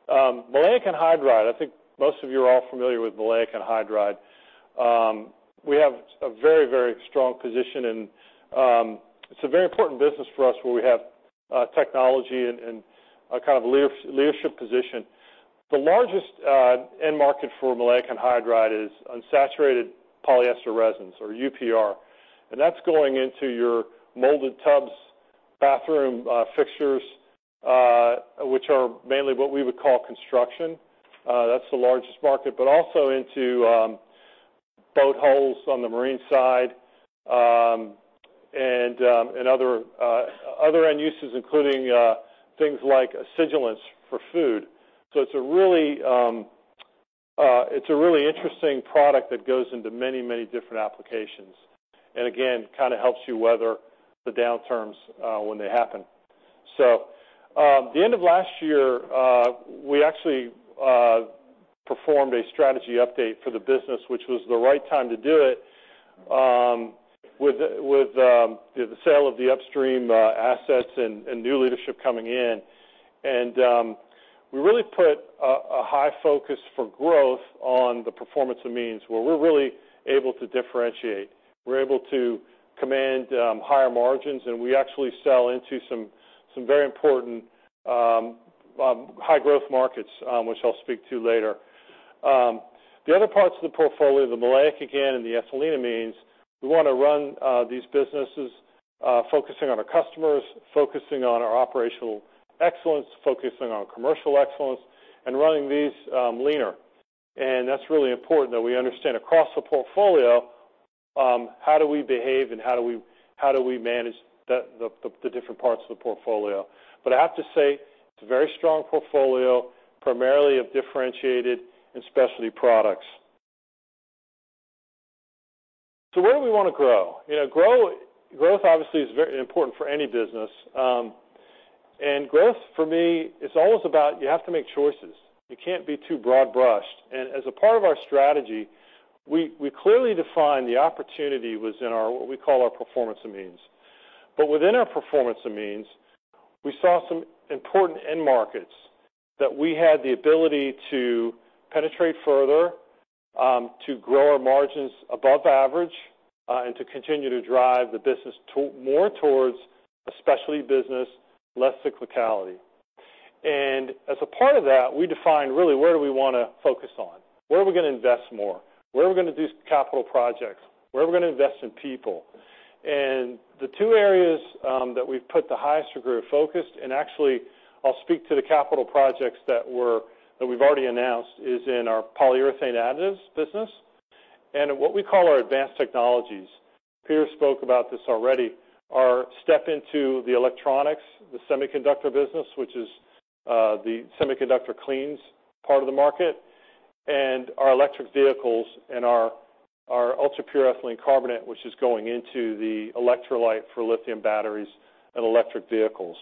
Maleic anhydride, I think most of you are all familiar with maleic anhydride. We have a very, very strong position in. It's a very important business for us where we have technology and a kind of leadership position. The largest end market for maleic anhydride is unsaturated polyester resins or UPR, and that's going into your molded tubs, bathroom fixtures, which are mainly what we would call construction. That's the largest market, but also into boat hulls on the marine side, and other end uses, including things like sealants for food. It's a really interesting product that goes into many, many different applications. Again, kinda helps you weather the downturns when they happen. The end of last year we actually performed a strategy update for the business, which was the right time to do it with the sale of the upstream assets and new leadership coming in. We really put a high focus for growth on the performance amines where we're really able to differentiate. We're able to command higher margins, and we actually sell into some very important high growth markets, which I'll speak to later. The other parts of the portfolio, the maleic anhydride and the ethylenediamine, we wanna run these businesses focusing on our customers, focusing on our operational excellence, focusing on commercial excellence, and running these leaner. That's really important that we understand across the portfolio how do we behave and how do we manage the different parts of the portfolio? I have to say it's a very strong portfolio, primarily of differentiated and specialty products. Where do we wanna grow? Growth obviously is very important for any business. Growth for me, it's always about you have to make choices. You can't be too broad-brushed. As a part of our strategy, we clearly define the opportunity was in our what we call our performance amines. Within our performance amines, we saw some important end markets that we had the ability to penetrate further, to grow our margins above average, and to continue to drive the business more towards a specialty business, less cyclicality. As a part of that, we defined really where do we wanna focus on? Where are we gonna invest more? Where are we gonna do capital projects? Where are we gonna invest in people? The two areas that we've put the highest degree of focus, and actually I'll speak to the capital projects that we've already announced, is in our polyurethane additives business and in what we call our advanced technologies. Peter spoke about this already. Our step into the electronics, the semiconductor business, which is the semiconductor cleans part of the market, and our electric vehicles and our ultra-pure ethylene carbonate, which is going into the electrolyte for lithium batteries and electric vehicles.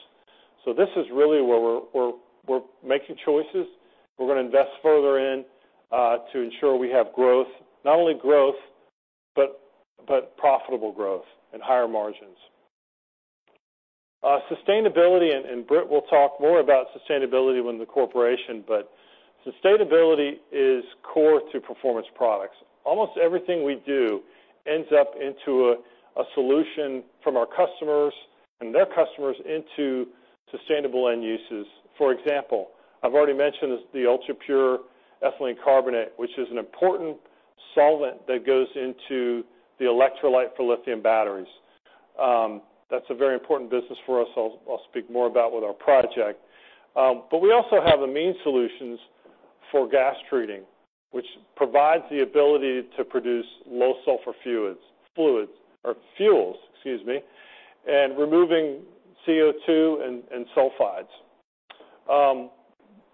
This is really where we're making choices. We're gonna invest further in to ensure we have growth, not only growth, but profitable growth and higher margins. Sustainability, and Britt will talk more about sustainability within the corporation, but sustainability is core to Performance Products. Almost everything we do ends up into a solution from our customers and their customers into sustainable end uses. For example, I've already mentioned is the Ultrapure Ethylene Carbonate, which is an important solvent that goes into the electrolyte for lithium batteries. That's a very important business for us. I'll speak more about with our project. But we also have amine solutions for gas treating, which provides the ability to produce low sulfur fuels, excuse me, and removing CO2 and sulfides.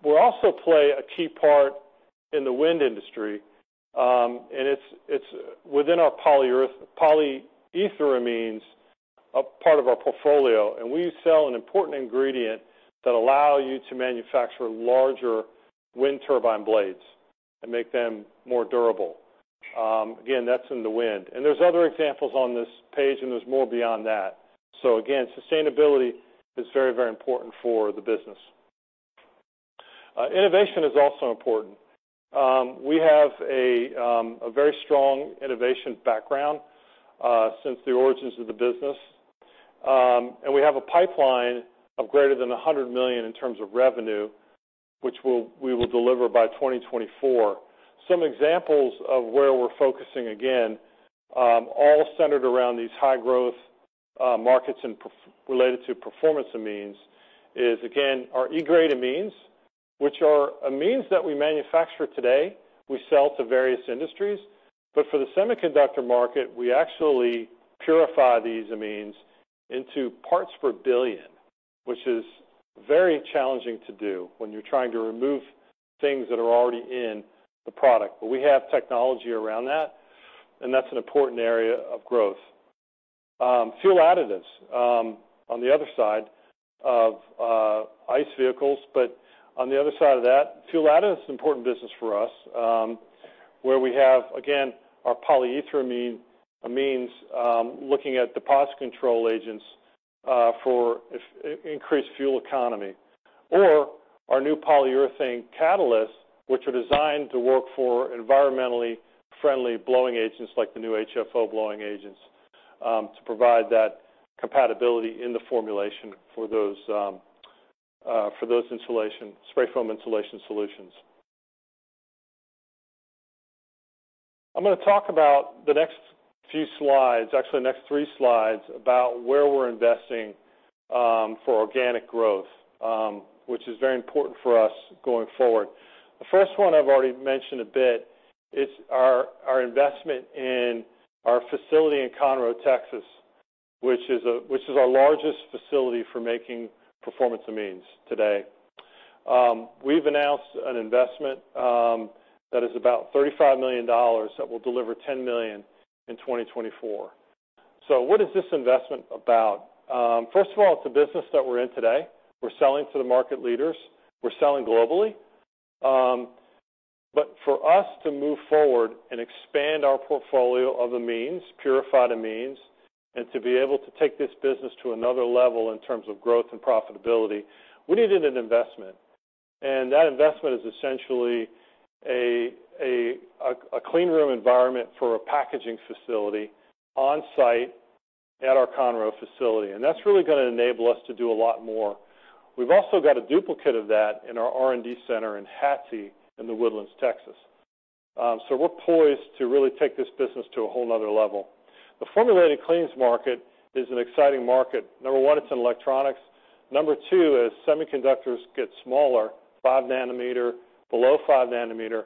We'll also play a key part in the wind industry, and it's within our polyetheramines, a part of our portfolio, and we sell an important ingredient that allow you to manufacture larger wind turbine blades and make them more durable. Again, that's in the wind. There's other examples on this page, and there's more beyond that. Sustainability is very, very important for the business. Innovation is also important. We have a very strong innovation background since the origins of the business. We have a pipeline of greater than $100 million in terms of revenue, which we will deliver by 2024. Some examples of where we're focusing, again, all centered around these high growth markets and related to performance amines is, again, our E-GRADE amines, which are amines that we manufacture today, we sell to various industries. For the semiconductor market, we actually purify these amines into parts per billion, which is very challenging to do when you're trying to remove things that are already in the product. We have technology around that, and that's an important area of growth. Fuel additives, on the other side of ICE vehicles. On the other side of that, fuel additives is an important business for us, where we have, again, our polyetheramines, looking at deposit control agents, for increased fuel economy. Our new polyurethane catalysts, which are designed to work for environmentally friendly blowing agents like the new HFO blowing agents, to provide that compatibility in the formulation for those spray foam insulation solutions. I'm gonna talk about the next few slides, actually the next three slides, about where we're investing, for organic growth, which is very important for us going forward. The first one I've already mentioned a bit. It's our investment in our facility in Conroe, Texas, which is our largest facility for making performance amines today. We've announced an investment that is about $35 million that will deliver $10 million in 2024. What is this investment about? First of all, it's a business that we're in today. We're selling to the market leaders. We're selling globally. For us to move forward and expand our portfolio of amines, purified amines, and to be able to take this business to another level in terms of growth and profitability, we needed an investment. That investment is essentially a clean room environment for a packaging facility on site at our Conroe facility. That's really gonna enable us to do a lot more. We've also got a duplicate of that in our R&D center in HATC, in The Woodlands, Texas. We're poised to really take this business to a whole nother level. The formulated cleans market is an exciting market. Number one, it's in electronics. Number two, as semiconductors get smaller, 5 nanometer, below 5 nanometer,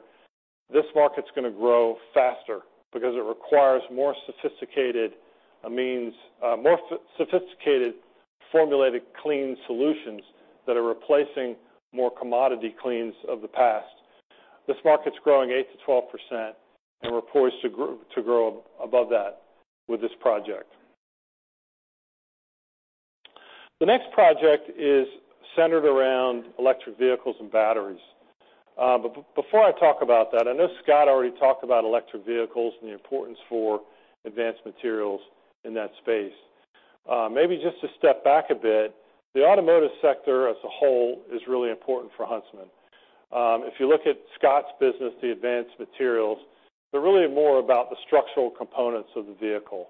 this market's gonna grow faster because it requires more sophisticated amines, more sophisticated formulated clean solutions that are replacing more commodity cleans of the past. This market's growing 8%-12% and we're poised to grow above that with this project. The next project is centered around electric vehicles and batteries. Before I talk about that, I know Scott already talked about electric vehicles and the importance for advanced materials in that space. Maybe just to step back a bit, the automotive sector as a whole is really important for Huntsman. If you look at Scott's business, the Advanced Materials, they're really more about the structural components of the vehicle.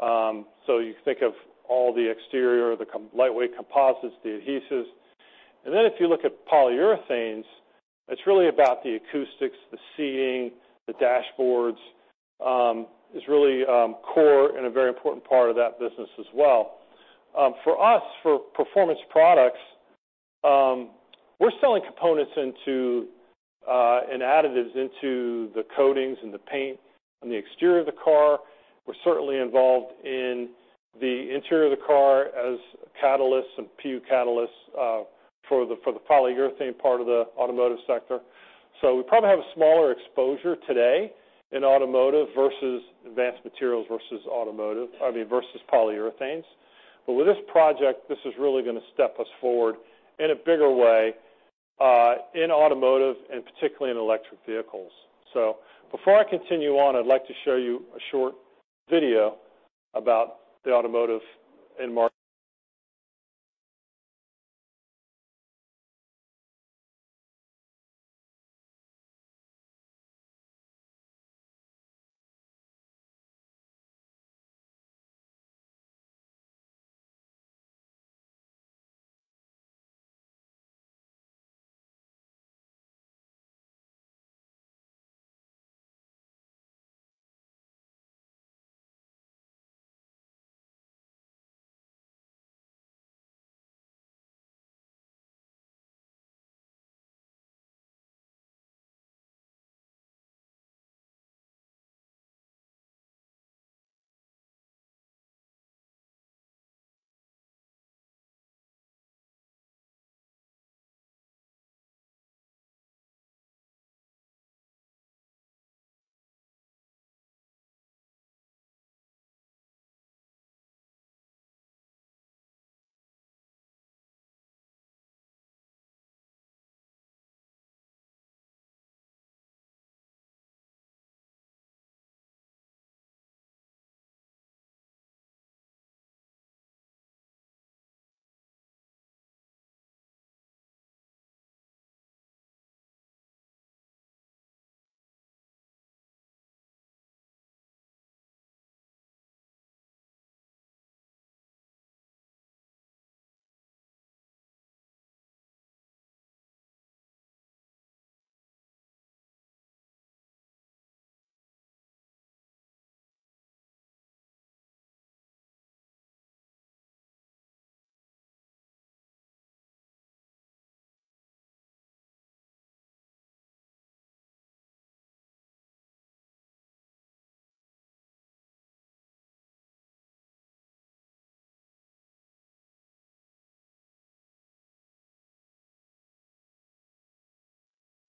You think of all the exterior, lightweight composites, the adhesives. If you look at Polyurethanes, it's really about the acoustics, the seating, the dashboards. It is really core and a very important part of that business as well. For us, for Performance Products, we're selling components into and additives into the coatings and the paint on the exterior of the car. We're certainly involved in the interior of the car as catalysts and PU catalysts for the polyurethane part of the automotive sector. We probably have a smaller exposure today in automotive versus polyurethanes. But with this project, this is really gonna step us forward in a bigger way in automotive and particularly in electric vehicles. Before I continue on, I'd like to show you a short video about the automotive end mark-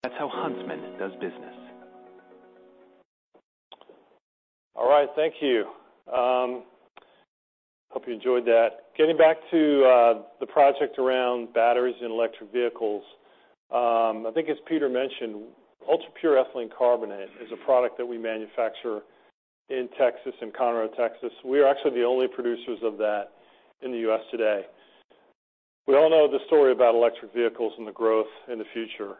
That's how Huntsman does business. All right, thank you. Hope you enjoyed that. Getting back to the project around batteries and electric vehicles. I think as Peter mentioned, ULTRAPURE™ Ethylene Carbonate is a product that we manufacture in Texas, in Conroe, Texas. We are actually the only producers of that in the U.S. today. We all know the story about electric vehicles and the growth in the future.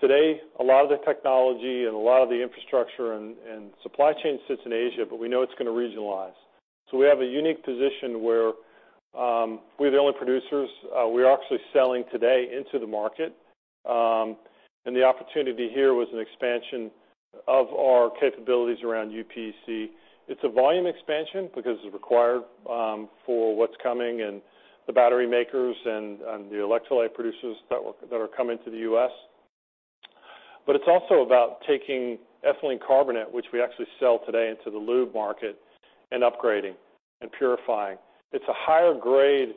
Today, a lot of the technology and a lot of the infrastructure and supply chain sits in Asia, but we know it's gonna regionalize. We have a unique position where we're the only producers. We are actually selling today into the market. The opportunity here was an expansion of our capabilities around UPC. It's a volume expansion because it's required for what's coming and the battery makers and the electrolyte producers that are coming to the U.S. It's also about taking ethylene carbonate, which we actually sell today into the lube market, and upgrading and purifying. It's a higher grade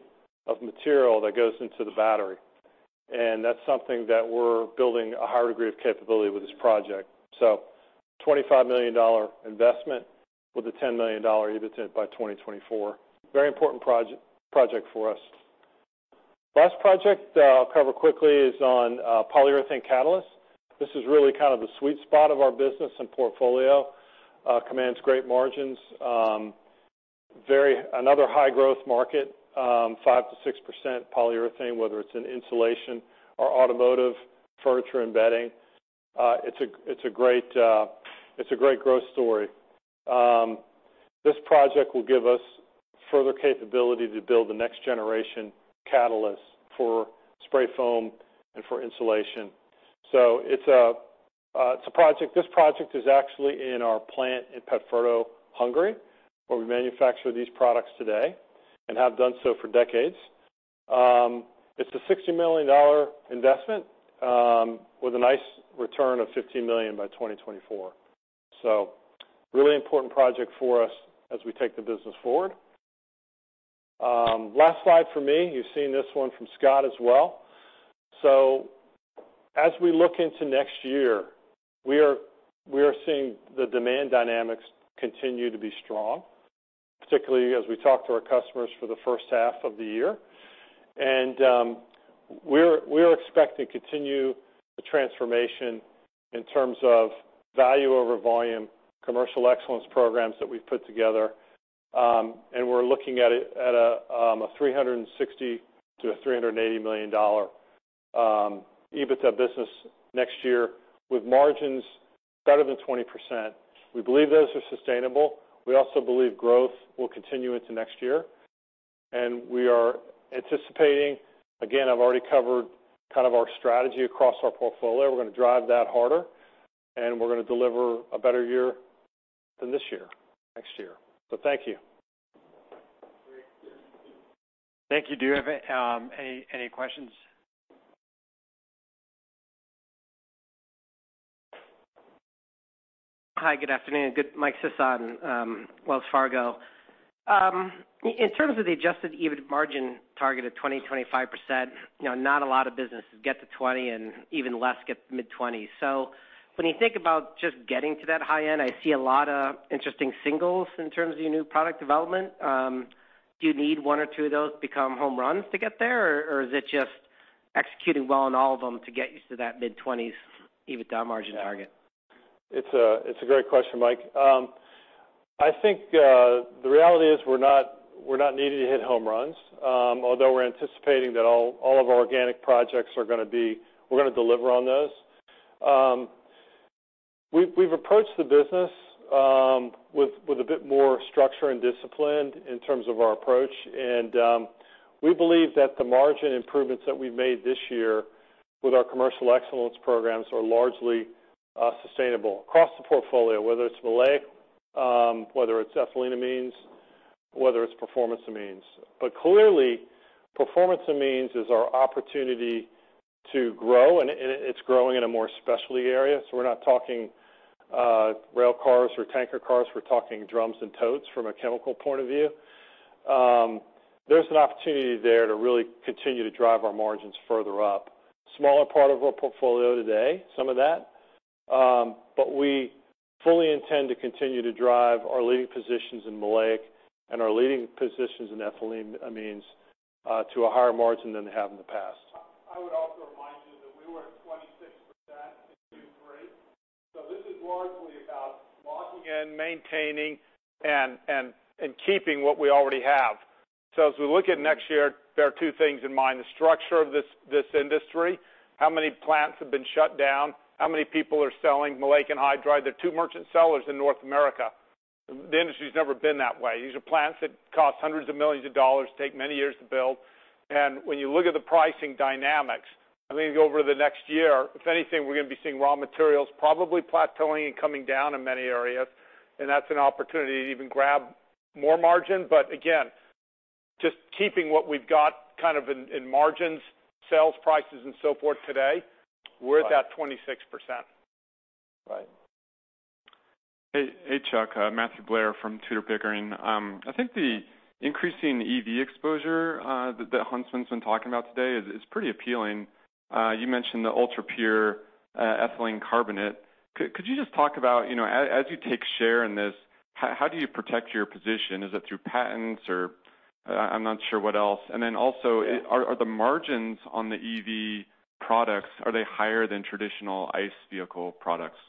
of material that goes into the battery, and that's something that we're building a higher degree of capability with this project. $25 million investment with a $10 million EBITDA by 2024. Very important project for us. Last project, I'll cover quickly, is on polyurethane catalyst. This is really kind of the sweet spot of our business and portfolio. Commands great margins. Another high growth market, 5%-6% polyurethane, whether it's in insulation or automotive, furniture, and bedding. It's a great growth story. This project will give us further capability to build the next generation catalyst for spray foam and for insulation. This project is actually in our plant in Pétfürdő, Hungary, where we manufacture these products today and have done so for decades. It's a $60 million investment with a nice return of $15 million by 2024. Really important project for us as we take the business forward. Last slide for me. You've seen this one from Scott as well. As we look into next year, we are seeing the demand dynamics continue to be strong, particularly as we talk to our customers for the first half of the year. We're expecting to continue the transformation in terms of value over volume, commercial excellence programs that we've put together. We're looking at a $360 million-$380 million EBITDA business next year with margins better than 20%. We believe those are sustainable. We also believe growth will continue into next year, and we are anticipating. Again, I've already covered kind of our strategy across our portfolio. We're gonna drive that harder, and we're gonna deliver a better year than this year, next year. Thank you. Thank you. Do you have any questions? Hi, good afternoon. Michael Sison, Wells Fargo. In terms of the adjusted EBIT margin target of 20%-25%, you know, not a lot of businesses get to 20, and even less get to mid-20s. When you think about just getting to that high end, I see a lot of interesting singles in terms of your new product development. Do you need one or two of those to become home runs to get there? Or is it just executing well on all of them to get you to that mid-20s EBITDA margin target? It's a great question, Mike. I think the reality is we're not needing to hit home runs, although we're anticipating that all of our organic projects are gonna deliver on those. We've approached the business with a bit more structure and discipline in terms of our approach, and we believe that the margin improvements that we've made this year with our commercial excellence programs are largely sustainable across the portfolio, whether it's maleic, whether it's ethyleneamines, whether it's performance amines. Clearly, performance amines is our opportunity to grow, and it's growing in a more specialty area. We're not talking rail cars or tanker cars. We're talking drums and totes from a chemical point of view. There's an opportunity there to really continue to drive our margins further up. Smaller part of our portfolio today, some of that, but we fully intend to continue to drive our leading positions in maleic and our leading positions in ethyleneamines to a higher margin than they have in the past. I would also remind you that we were at 26% in Q3. This is largely about locking in, maintaining, and keeping what we already have. As we look at next year, there are two things in mind, the structure of this industry, how many plants have been shut down, how many people are selling maleic anhydride. There are two merchant sellers in North America. The industry's never been that way. These are plants that cost $ hundreds of millions, take many years to build. When you look at the pricing dynamics, I mean, over the next year, if anything, we're gonna be seeing raw materials probably plateauing and coming down in many areas. That's an opportunity to even grab more margin. Again, just keeping what we've got kind of in margins, sales prices, and so forth today, we're at that 26%. Right. Hey, Chuck. Matthew Blair from Tudor, Pickering. I think the increasing EV exposure that Huntsman's been talking about today is pretty appealing. You mentioned the Ultrapure Ethylene Carbonate. Could you just talk about, you know, as you take share in this, how do you protect your position? Is it through patents or I'm not sure what else. Then also, are the margins on the EV products higher than traditional ICE vehicle products?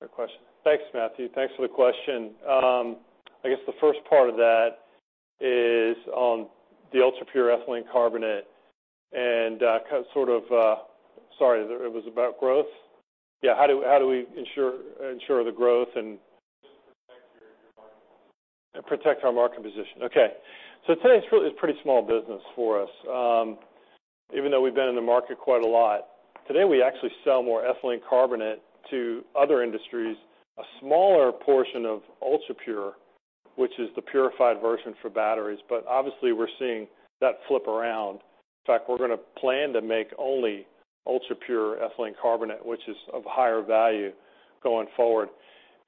Good question. Thanks, Matthew. Thanks for the question. I guess the first part of that is on the ULTRAPURE™ Ethylene Carbonate. Sorry, it was about growth? Yeah. How do we ensure the growth and- Just protect your market position. Protect our market position. Okay. Today, it's really is pretty small business for us, even though we've been in the market quite a lot. Today, we actually sell more ethylene carbonate to other industries, a smaller portion of ultrapure, which is the purified version for batteries. Obviously, we're seeing that flip around. In fact, we're gonna plan to make only ULTRAPURE™ Ethylene Carbonate, which is of higher value going forward.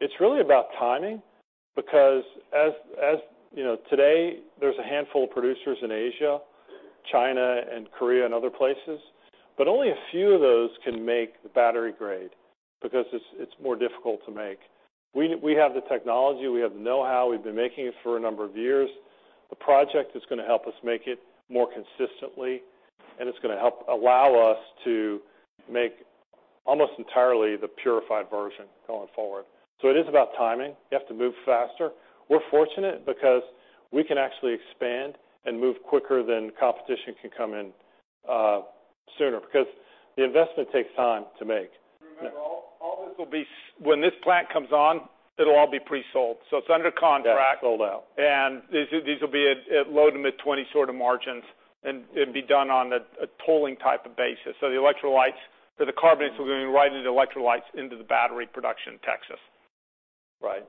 It's really about timing because as, you know, today there's a handful of producers in Asia, China and Korea, and other places, but only a few of those can make the battery grade because it's more difficult to make. We have the technology, we have the know-how, we've been making it for a number of years. The project is gonna help us make it more consistently, and it's gonna help allow us to make almost entirely the purified version going forward. It is about timing. You have to move faster. We're fortunate because we can actually expand and move quicker than competition can come in, sooner because the investment takes time to make. Remember, all this will be sold when this plant comes on, it'll all be pre-sold, so it's under contract. Yeah, sold out. These will be at low- to mid-20s% sort of margins and be done on a tolling type of basis. The electrolytes or the carbonates will be going right into electrolytes for the battery production in Texas. Right.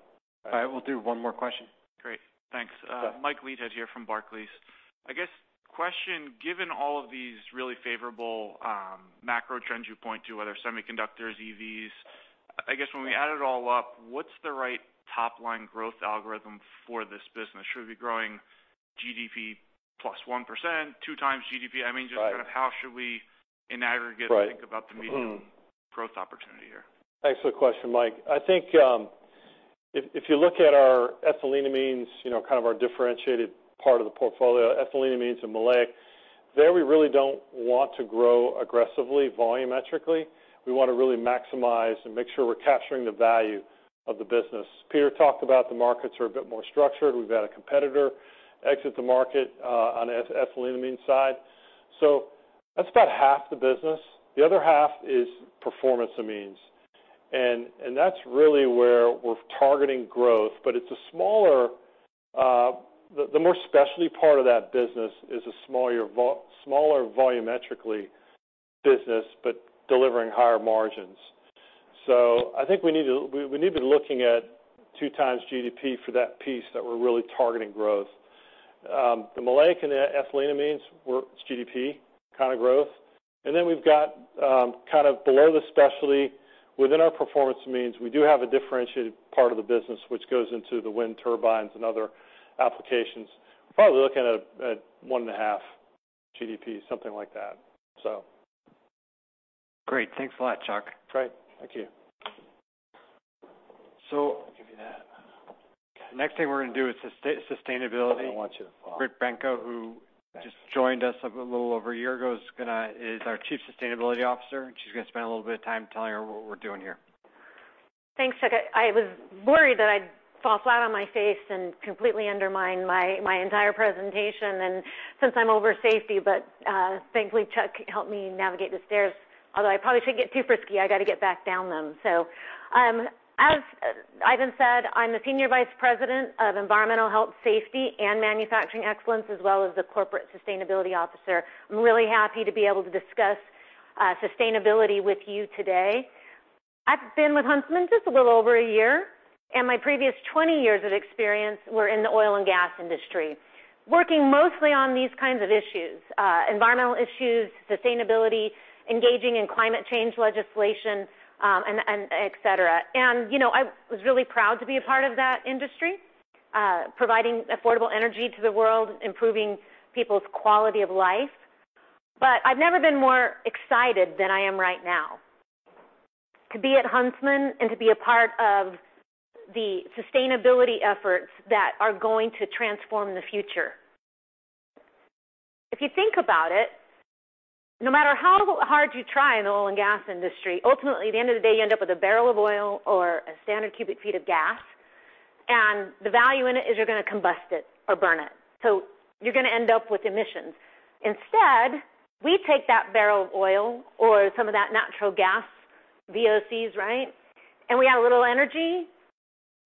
All right. We'll do one more question. Great. Thanks. Yeah. Mike Leithead here from Barclays. I guess the question, given all of these really favorable macro trends you point to, whether semiconductors, EVs, I guess when we add it all up, what's the right top line growth algorithm for this business? Should it be growing GDP plus 1%, two times GDP? Right. I mean, just kind of how should we in aggregate. Right. Think about the medium growth opportunity here? Thanks for the question, Mike. I think if you look at our ethyleneamines, you know, kind of our differentiated part of the portfolio, ethyleneamines and maleic, there, we really don't want to grow aggressively volumetrically. We wanna really maximize and make sure we're capturing the value of the business. Peter talked about the markets are a bit more structured. We've had a competitor exit the market on ethyleneamine side. So that's about half the business. The other half is performance amines, and that's really where we're targeting growth. But it's a smaller, the more specialty part of that business is a smaller volumetrically business, but delivering higher margins. So I think we need to be looking at two times GDP for that piece that we're really targeting growth. The maleic and the ethyleneamines, we're GDP kind of growth. We've got kind of below the specialty within our performance amines, we do have a differentiated part of the business which goes into the wind turbines and other applications. We're probably looking at 1.5 GDP, something like that. Great. Thanks a lot, Chuck. Great. Thank you. I'll give you that. Next thing we're gonna do is sustainability. I don't want you to fall. Brittany Benko, who just joined us a little over a year ago, is our Chief Sustainability Officer, and she's gonna spend a little bit of time telling you what we're doing here. Thanks, Chuck. I was worried that I'd fall flat on my face and completely undermine my entire presentation. Since I'm over safety, but thankfully, Chuck helped me navigate the stairs, although I probably shouldn't get too frisky, I gotta get back down them. As Ivan said, I'm the Senior Vice President of Environmental Health, Safety, and Manufacturing Excellence, as well as the Corporate Sustainability Officer. I'm really happy to be able to discuss sustainability with you today. I've been with Huntsman just a little over a year, and my previous 20 years of experience were in the oil and gas industry, working mostly on these kinds of issues, environmental issues, sustainability, engaging in climate change legislation, and et cetera. You know, I was really proud to be a part of that industry, providing affordable energy to the world, improving people's quality of life. I've never been more excited than I am right now to be at Huntsman and to be a part of the sustainability efforts that are going to transform the future. If you think about it, no matter how hard you try in the oil and gas industry, ultimately, at the end of the day, you end up with a barrel of oil or a standard cubic feet of gas, and the value in it is you're gonna combust it or burn it, so you're gonna end up with emissions. Instead, we take that barrel of oil or some of that natural gas VOCs, right? We add a little energy,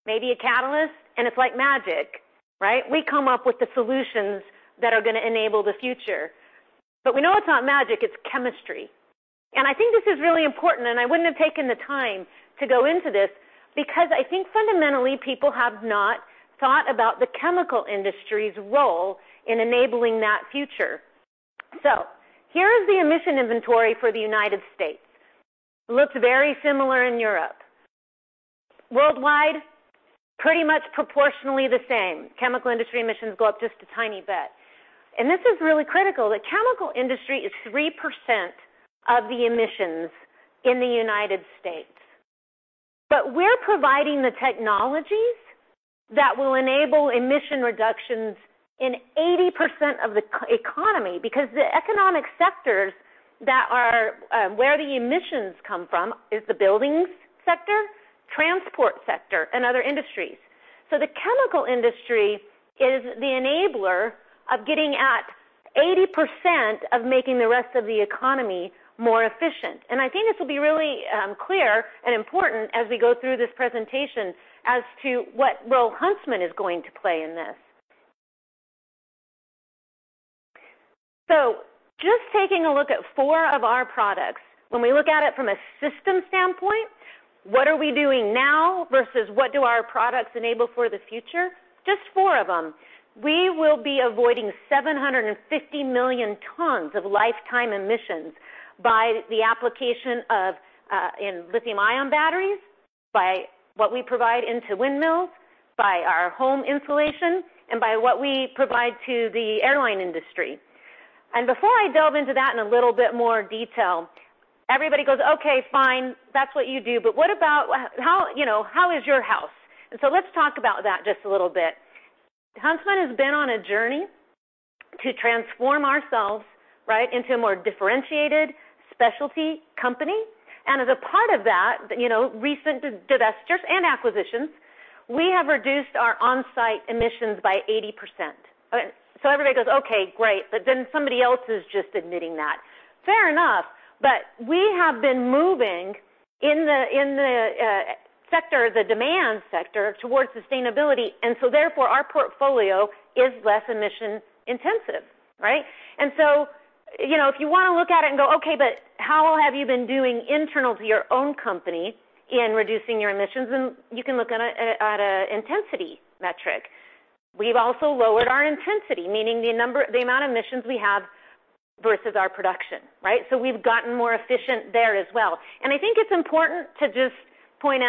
maybe a catalyst, and it's like magic, right? We come up with the solutions that are gonna enable the future. We know it's not magic, it's chemistry. I think this is really important, and I wouldn't have taken the time to go into this because I think fundamentally, people have not thought about the chemical industry's role in enabling that future. Here is the emission inventory for the United States. Looks very similar in Europe. Worldwide, pretty much proportionally the same. Chemical industry emissions go up just a tiny bit. This is really critical. The chemical industry is 3% of the emissions in the United States. We're providing the technologies that will enable emission reductions in 80% of the economy because the economic sectors that are where the emissions come from is the buildings sector, transport sector, and other industries. The chemical industry is the enabler of getting at 80% of making the rest of the economy more efficient. I think this will be really clear and important as we go through this presentation as to what role Huntsman is going to play in this. Just taking a look at four of our products, when we look at it from a system standpoint, what are we doing now versus what do our products enable for the future? Just four of them. We will be avoiding 750 million tons of lifetime emissions by the application of in lithium-ion batteries, by what we provide into windmills, by our home insulation, and by what we provide to the airline industry. Before I delve into that in a little bit more detail, everybody goes, "Okay, fine. That's what you do, but what about how, you know, how is your house? Let's talk about that just a little bit. Huntsman has been on a journey to transform ourselves, right, into a more differentiated specialty company. As a part of that, you know, recent divestitures and acquisitions, we have reduced our on-site emissions by 80%. Everybody goes, "Okay, great, but then somebody else is just emitting that." Fair enough, but we have been moving in the sector, the demand sector towards sustainability, and so therefore, our portfolio is less emission-intensive, right? You know, if you want to look at it and go, "Okay, but how have you been doing internal to your own company in reducing your emissions?" Then you can look at an intensity metric. We've also lowered our intensity, meaning the number, the amount of emissions we have versus our production, right? We've gotten more efficient there as well. I think it's important to just point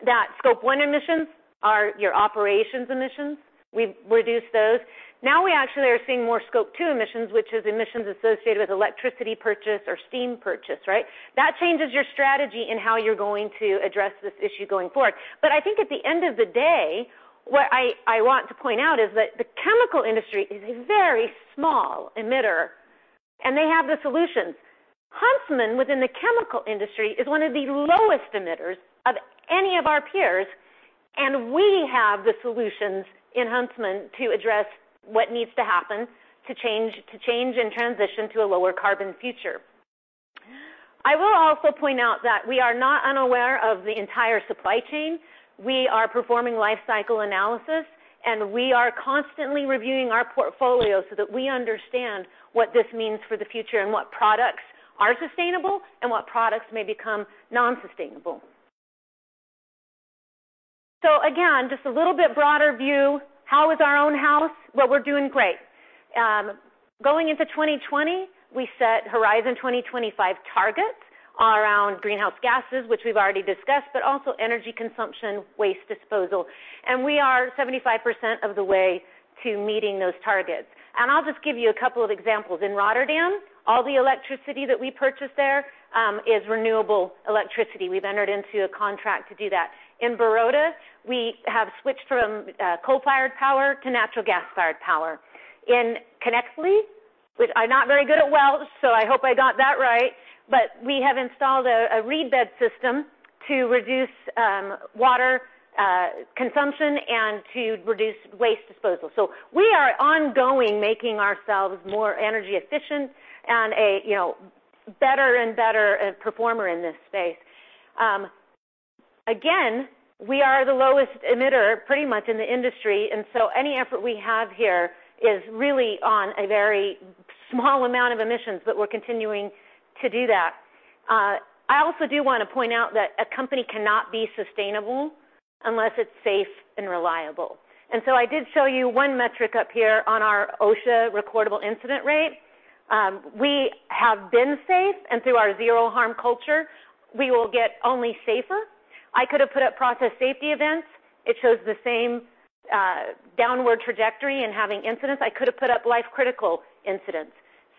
out that Scope 1 emissions are your operations emissions. We've reduced those. Now we actually are seeing more Scope 2 emissions, which is emissions associated with electricity purchase or steam purchase, right? That changes your strategy in how you're going to address this issue going forward. I think at the end of the day, what I want to point out is that the chemical industry is a very small emitter, and they have the solutions. Huntsman within the chemical industry is one of the lowest emitters of any of our peers, and we have the solutions in Huntsman to address what needs to happen to change and transition to a lower carbon future. I will also point out that we are not unaware of the entire supply chain. We are performing life cycle analysis, and we are constantly reviewing our portfolio so that we understand what this means for the future and what products are sustainable and what products may become non-sustainable. Again, just a little bit broader view, how is our own house? Well, we're doing great. Going into 2020, we set Horizon 2025 targets around greenhouse gases, which we've already discussed, but also energy consumption, waste disposal. We are 75% of the way to meeting those targets. I'll just give you a couple of examples. In Rotterdam, all the electricity that we purchase there is renewable electricity. We've entered into a contract to do that. In Baroda, we have switched from coal-fired power to natural gas-fired power. In Caernarfon, which I'm not very good at Welsh, so I hope I got that right, but we have installed a reed bed system to reduce water consumption and to reduce waste disposal. We are ongoing making ourselves more energy efficient and, you know, better and better performer in this space. Again, we are the lowest emitter pretty much in the industry, and so any effort we have here is really on a very small amount of emissions, but we're continuing to do that. I also do want to point out that a company cannot be sustainable unless it's safe and reliable. I did show you one metric up here on our OSHA recordable incident rate. We have been safe, and through our zero harm culture, we will get only safer. I could have put up process safety events. It shows the same downward trajectory in having incidents. I could have put up life-critical incidents,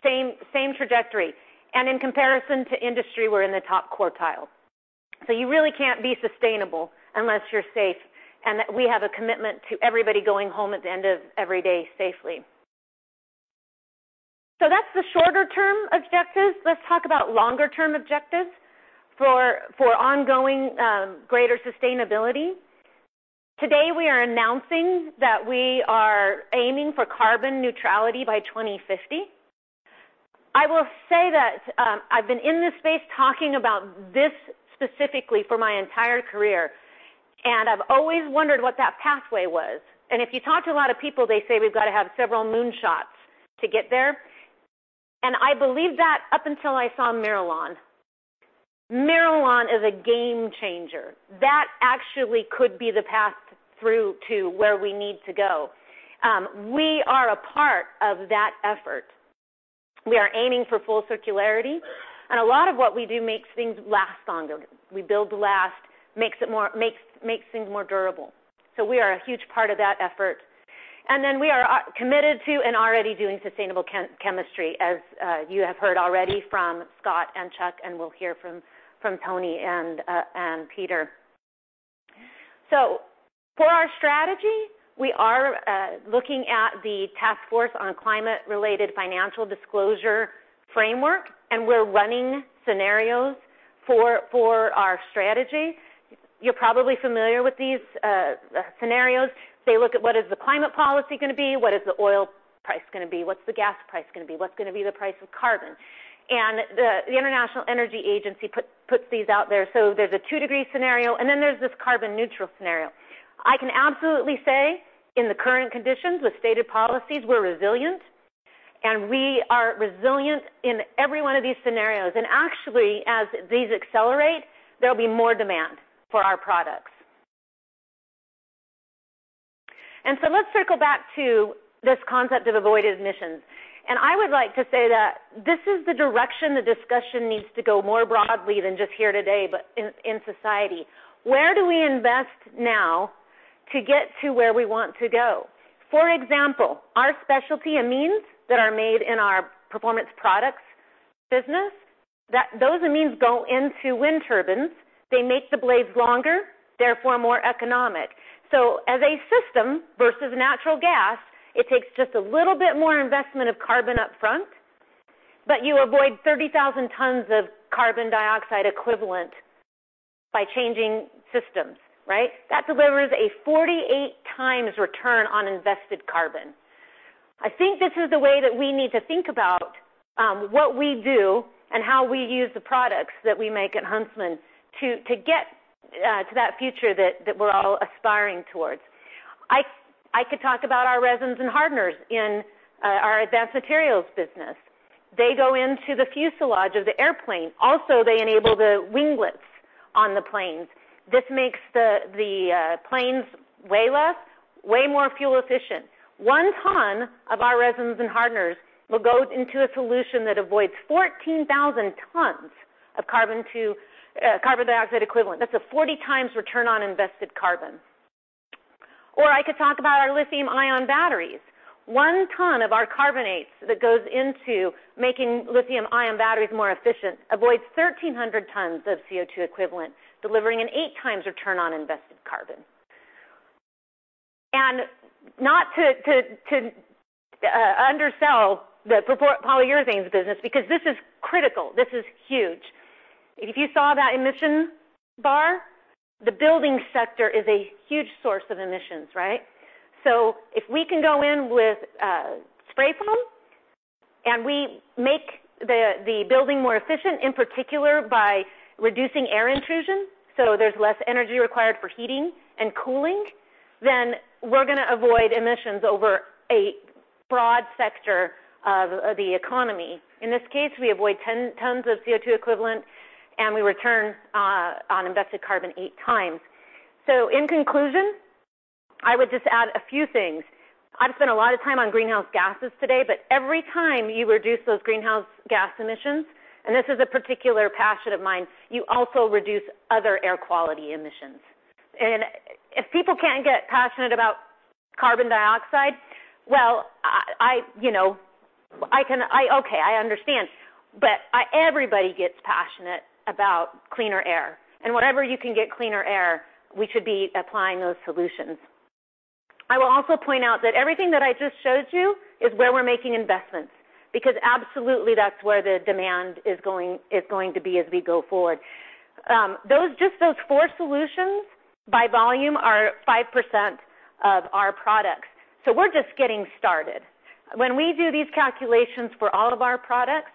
same trajectory. In comparison to industry, we're in the top quartile. You really can't be sustainable unless you're safe, and we have a commitment to everybody going home at the end of every day safely. That's the shorter-term objectives. Let's talk about longer-term objectives for ongoing greater sustainability. Today, we are announcing that we are aiming for carbon neutrality by 2050. I will say that, I've been in this space talking about this specifically for my entire career, and I've always wondered what that pathway was. If you talk to a lot of people, they say we've got to have several moon shots to get there. I believed that up until I saw Miralon. Miralon is a game changer. That actually could be the path through to where we need to go. We are a part of that effort. We are aiming for full circularity, and a lot of what we do makes things last longer. We build to last, makes things more durable. We are a huge part of that effort. We are committed to and already doing sustainable chemistry, as you have heard already from Scott and Chuck, and we'll hear from Tony and Peter. For our strategy, we are looking at the Task Force on Climate-Related Financial Disclosure framework, and we're running scenarios for our strategy. You're probably familiar with these scenarios. They look at what is the climate policy gonna be, what is the oil price gonna be, what's the gas price gonna be, what's gonna be the price of carbon. The International Energy Agency puts these out there. There's a 2-degree scenario, and then there's this carbon neutral scenario. I can absolutely say in the current conditions with stated policies, we're resilient, and we are resilient in every one of these scenarios. Actually, as these accelerate, there'll be more demand for our products. Let's circle back to this concept of avoided emissions. I would like to say that this is the direction the discussion needs to go more broadly than just here today, but in society. Where do we invest now to get to where we want to go? For example, our specialty amines that are made in our Performance Products business, those amines go into wind turbines. They make the blades longer, therefore more economic. As a system versus natural gas, it takes just a little bit more investment of carbon up front, but you avoid 30,000 tons of carbon dioxide equivalent by changing systems, right? That delivers a 48 times return on invested carbon. I think this is the way that we need to think about what we do and how we use the products that we make at Huntsman to get to that future that we're all aspiring towards. I could talk about our resins and hardeners in our advanced materials business. They go into the fuselage of the airplane. Also, they enable the winglets on the planes. This makes the planes weigh less, more fuel efficient. 1 ton of our resins and hardeners will go into a solution that avoids 14,000 tons of carbon dioxide equivalent. That's a 40 times return on invested carbon. Or I could talk about our lithium-ion batteries. One ton of our carbonates that goes into making lithium-ion batteries more efficient avoids 1,300 tons of CO₂ equivalent, delivering an 8 times return on invested carbon. Not to undersell the polyurethanes business because this is critical. This is huge. If you saw that emission bar, the building sector is a huge source of emissions, right? If we can go in with spray foam and we make the building more efficient, in particular by reducing air intrusion, so there's less energy required for heating and cooling, then we're gonna avoid emissions over a broad sector of the economy. In this case, we avoid 10 tons of CO₂ equivalent, and we return on invested carbon 8 times. In conclusion, I would just add a few things. I've spent a lot of time on greenhouse gases today, but every time you reduce those greenhouse gas emissions, and this is a particular passion of mine, you also reduce other air quality emissions. If people can't get passionate about carbon dioxide, well, you know, okay, I understand. Everybody gets passionate about cleaner air. Wherever you can get cleaner air, we should be applying those solutions. I will also point out that everything that I just showed you is where we're making investments because absolutely that's where the demand is going to be as we go forward. Those, just those four solutions by volume are 5% of our products, so we're just getting started. When we do these calculations for all of our products,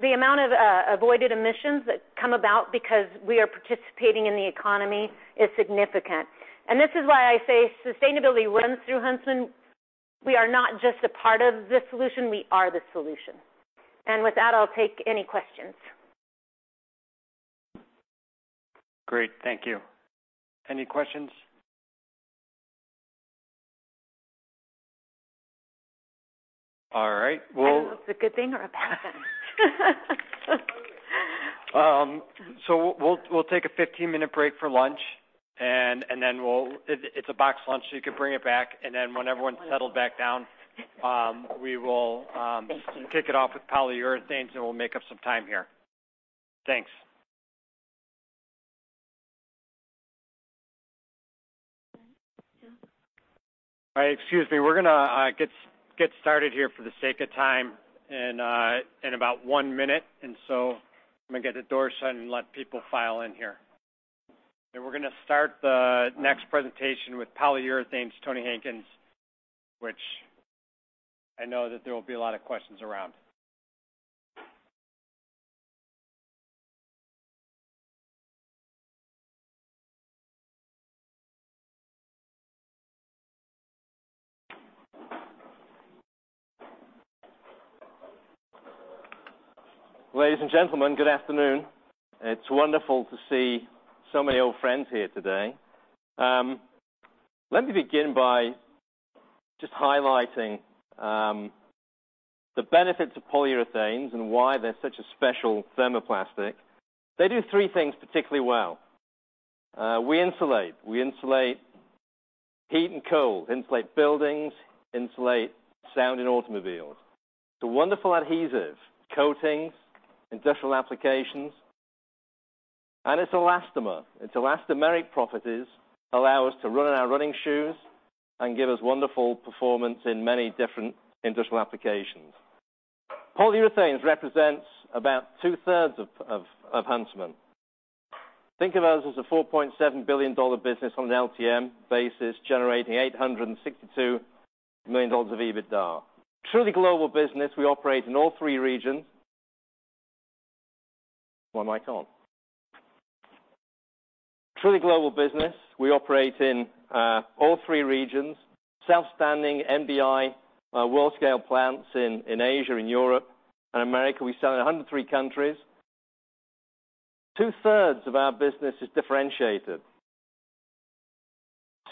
the amount of avoided emissions that come about because we are participating in the economy is significant. This is why I say sustainability runs through Huntsman. We are not just a part of the solution, we are the solution. With that, I'll take any questions. Great. Thank you. Any questions? All right. Well. I don't know if it's a good thing or a bad thing. We'll take a 15-minute break for lunch. It's a boxed lunch, so you can bring it back. Then when everyone's settled back down, we will Thank you. kick it off with polyurethanes, and we'll make up some time here. Thanks. All right. Excuse me. We're gonna get started here for the sake of time in about one minute. I'm gonna get the door shut and let people file in here. We're gonna start the next presentation with polyurethanes, Tony Hankins, which I know that there will be a lot of questions around. Ladies and gentlemen, good afternoon. It's wonderful to see so many old friends here today. Let me begin by just highlighting the benefits of polyurethanes and why they're such a special thermoplastic. They do three things particularly well. We insulate. We insulate heat and cold, insulate buildings, insulate sound in automobiles. It's a wonderful adhesive, coatings, industrial applications, and it's elastomer. Its elastomeric properties allow us to run in our running shoes and give us wonderful performance in many different industrial applications. Polyurethanes represents about two-thirds of Huntsman. Think of us as a $4.7 billion business on an LTM basis, generating $862 million of EBITDA. Truly global business, we operate in all three regions. One mic on. Truly global business, we operate in all three regions. Self-standing MDI world scale plants in Asia and Europe and America. We sell in 103 countries. Two-thirds of our business is differentiated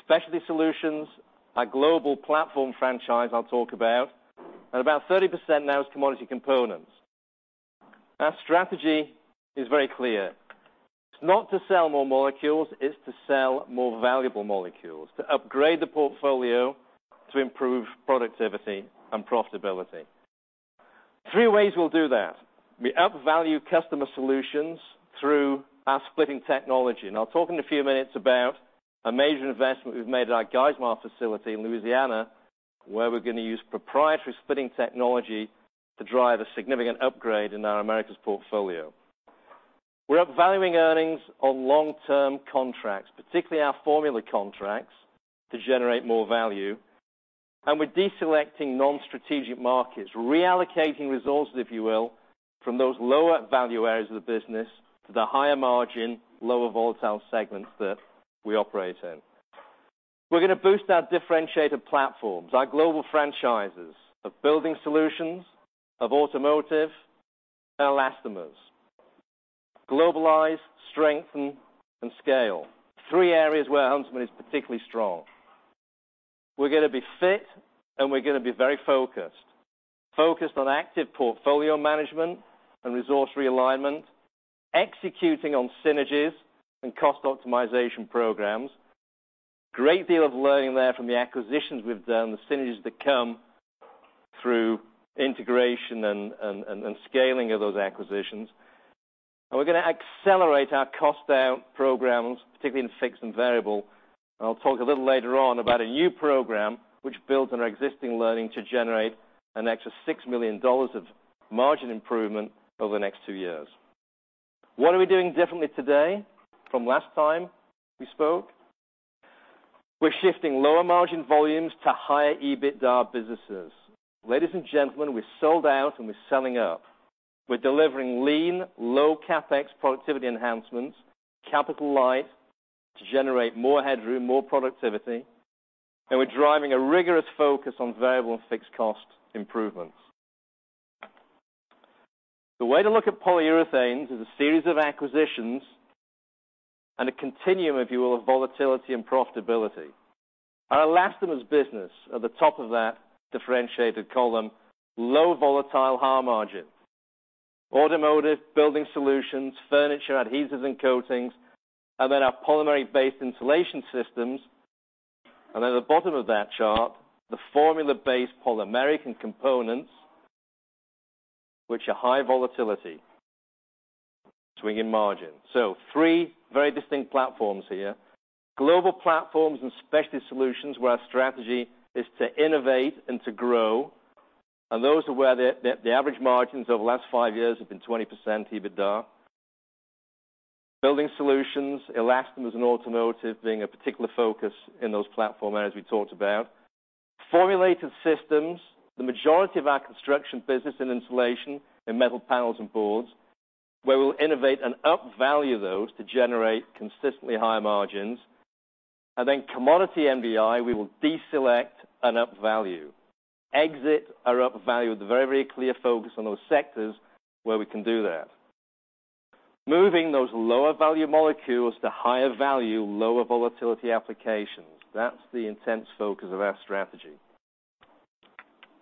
specialty solutions, our global platform franchise I'll talk about, and about 30% now is commodity components. Our strategy is very clear. It's not to sell more molecules, it's to sell more valuable molecules, to upgrade the portfolio, to improve productivity and profitability. 3 ways we'll do that. We up-value customer solutions through our splitting technology. Now, I'll talk in a few minutes about a major investment we've made at our Geismar facility in Louisiana, where we're gonna use proprietary splitting technology to drive a significant upgrade in our Americas portfolio. We're upvaluing earnings on long-term contracts, particularly our formula contracts to generate more value. We're deselecting non-strategic markets, reallocating resources, if you will, from those lower value areas of the business to the higher margin, lower volatile segments that we operate in. We're gonna boost our differentiated platforms, our global franchises of building solutions, of automotive, and elastomers. Globalize, strengthen, and scale. Three areas where Huntsman is particularly strong. We're gonna be fit, and we're gonna be very focused. Focused on active portfolio management and resource realignment, executing on synergies and cost optimization programs. Great deal of learning there from the acquisitions we've done, the synergies that come through integration and scaling of those acquisitions. We're gonna accelerate our cost down programs, particularly in fixed and variable. I'll talk a little later on about a new program which builds on our existing learning to generate an extra $6 million of margin improvement over the next two years. What are we doing differently today from last time we spoke? We're shifting lower margin volumes to higher EBITDA businesses. Ladies and gentlemen, we sold out and we're selling up. We're delivering lean, low CapEx productivity enhancements, capital light to generate more headroom, more productivity. We're driving a rigorous focus on variable and fixed cost improvements. The way to look at polyurethanes is a series of acquisitions and a continuum, if you will, of volatility and profitability. Our elastomers business at the top of that differentiated column, low volatile, high margin. Automotive, building solutions, furniture, adhesives and coatings, and then our polymeric-based insulation systems. At the bottom of that chart, the formula-based polymeric and components which are high volatility, swinging margin. Three very distinct platforms here. Global platforms and specialty solutions where our strategy is to innovate and to grow. Those are where the average margins over the last five years have been 20% EBITDA. Building solutions, elastomers and automotive being a particular focus in those platform areas we talked about. Formulated systems, the majority of our construction business in insulation, in metal panels and boards, where we'll innovate and up-value those to generate consistently higher margins. Then commodity MDI, we will deselect and up-value. Exit or up-value with a very clear focus on those sectors where we can do that. Moving those lower value molecules to higher value, lower volatility applications. That's the intense focus of our strategy.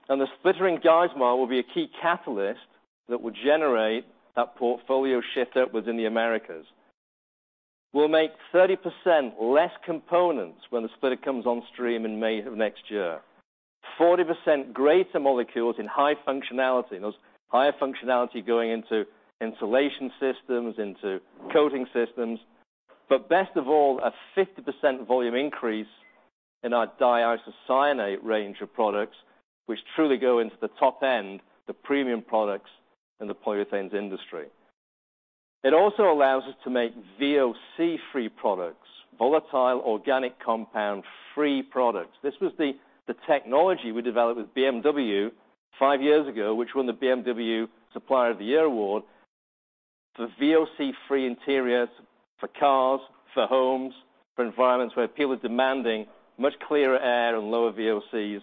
The splitter in Geismar will be a key catalyst that will generate that portfolio shift upwards in the Americas. We'll make 30% less components when the splitter comes on stream in May of next year. 40% greater molecules in high functionality. Those higher functionality going into insulation systems, into coating systems. Best of all, a 50% volume increase in our diisocyanate range of products, which truly go into the top end, the premium products in the polyurethanes industry. It also allows us to make VOC-free products, volatile organic compound-free products. This was the technology we developed with BMW five years ago, which won the BMW Supplier of the Year award. The VOC-free interiors for cars, for homes, for environments where people are demanding much clearer air and lower VOCs.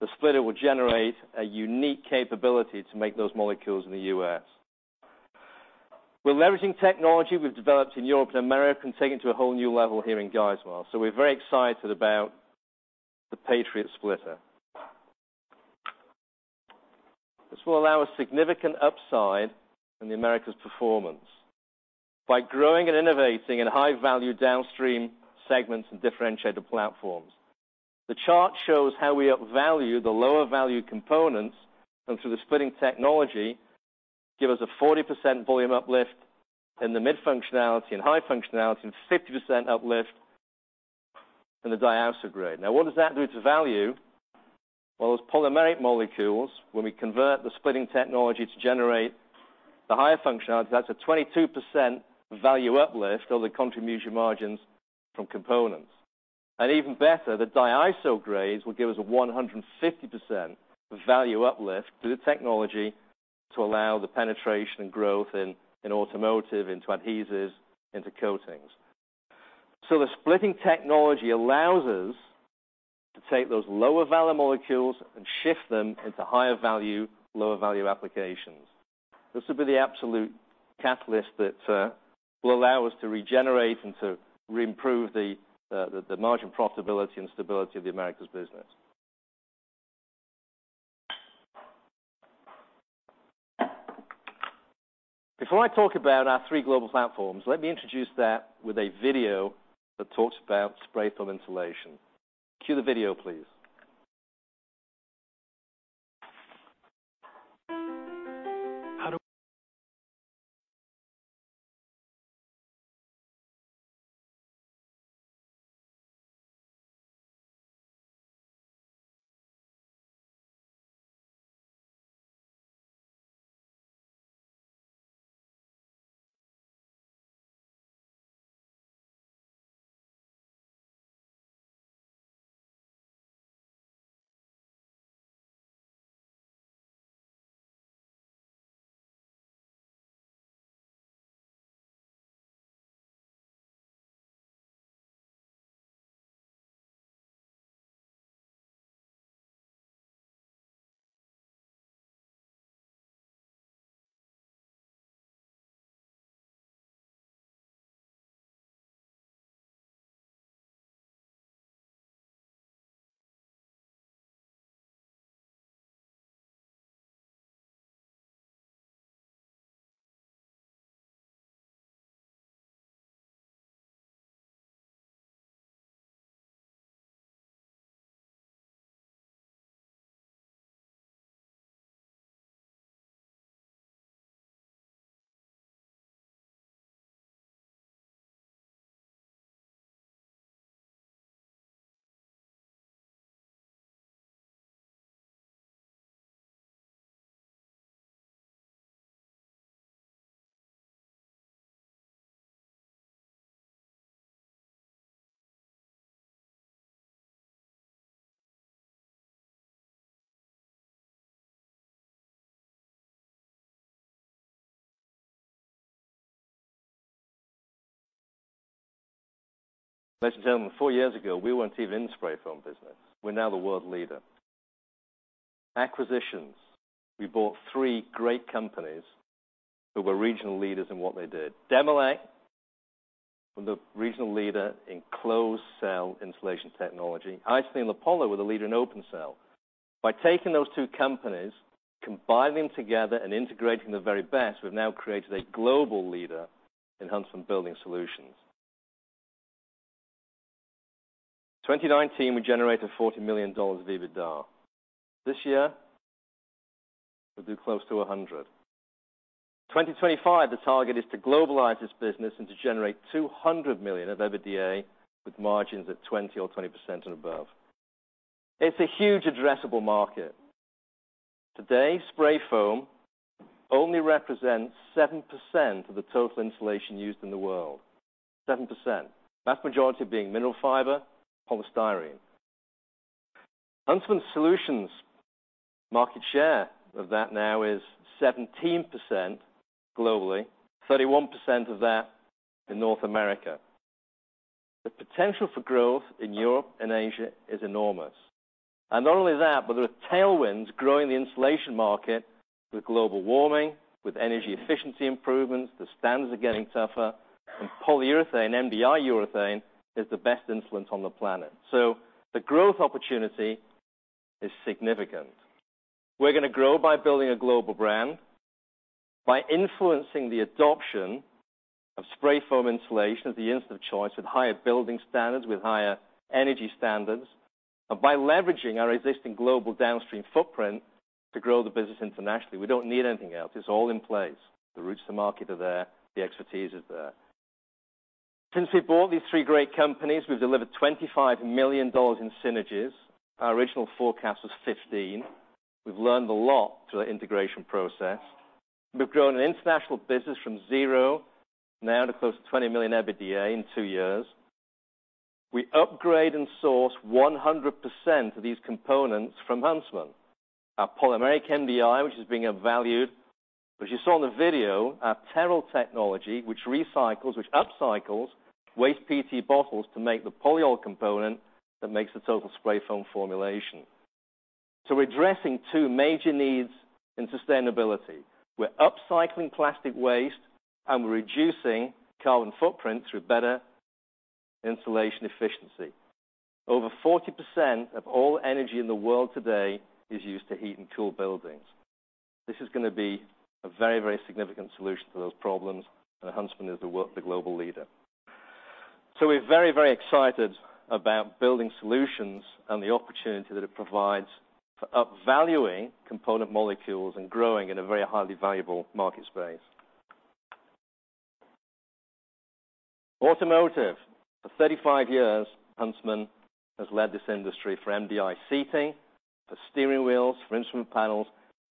The splitter will generate a unique capability to make those molecules in the U.S. We're leveraging technology we've developed in Europe and America and taking it to a whole new level here in Geismar. We're very excited about the Patriot splitter. This will allow a significant upside in the Americas performance by growing and innovating in high-value downstream segments and differentiated platforms. The chart shows how we upvalue the lower-value components and through the splitting technology, give us a 40% volume uplift in the mid-functionality and high-functionality, and 50% uplift in the diisocyanate. Now, what does that do to value? Well, those polymeric molecules, when we convert the splitting technology to generate the higher-functionality, that's a 22% value uplift to the contribution margins from components. And even better, the diisocyanates will give us a 150% value uplift through the technology to allow the penetration and growth in automotive, into adhesives, into coatings. The splitting technology allows us to take those lower-value molecules and shift them into higher-value, lower-volume applications. This will be the absolute catalyst that will allow us to regenerate and to reimprove the margin profitability and stability of the Americas business. Before I talk about our three global platforms, let me introduce that with a video that talks about spray foam insulation. Cue the video, please. Ladies and gentlemen, four years ago, we weren't even in the spray foam business. We're now the world leader. Acquisitions. We bought three great companies who were regional leaders in what they did. Demilec was the regional leader in closed cell insulation technology. Icynene-Lapolla were the leader in open cell. By taking those two companies, combining together and integrating the very best, we've now created a global leader in Huntsman Building Solutions. In 2019, we generated $40 million of EBITDA. This year, we'll do close to $100 million. 2025, the target is to globalize this business and to generate $200 million of EBITDA with margins of 20 or 20% and above. It's a huge addressable market. Today, spray foam only represents 7% of the total insulation used in the world. 7%. Vast majority being mineral fiber, polystyrene. Huntsman Building Solutions market share of that now is 17% globally, 31% of that in North America. The potential for growth in Europe and Asia is enormous. Not only that, but there are tailwinds growing the insulation market with global warming, with energy efficiency improvements, the standards are getting tougher, and polyurethane, MDI urethane, is the best insulation on the planet. The growth opportunity is significant. We're gonna grow by building a global brand, by influencing the adoption of spray foam insulation as the insulant of choice with higher building standards, with higher energy standards, and by leveraging our existing global downstream footprint to grow the business internationally. We don't need anything else. It's all in place. The routes to market are there, the expertise is there. Since we bought these three great companies, we've delivered $25 million in synergies. Our original forecast was 15. We've learned a lot through the integration process. We've grown an international business from zero now to close to 20 million EBITDA in two years. We upgrade and source 100% of these components from Huntsman. Our polymeric MDI, which is being valued. As you saw in the video, our TEROL technology, which upcycles waste PET bottles to make the polyol component that makes the total spray foam formulation. We're addressing two major needs in sustainability. We're upcycling plastic waste and we're reducing carbon footprint through better insulation efficiency. Over 40% of all energy in the world today is used to heat and cool buildings. This is gonna be a very, very significant solution to those problems, and Huntsman is the global leader. We're very, very excited about building solutions and the opportunity that it provides for upvaluing component molecules and growing in a very highly valuable market space. Automotive. For 35 years, Huntsman has led this industry for MDI seating, for steering wheels, for instrument panels,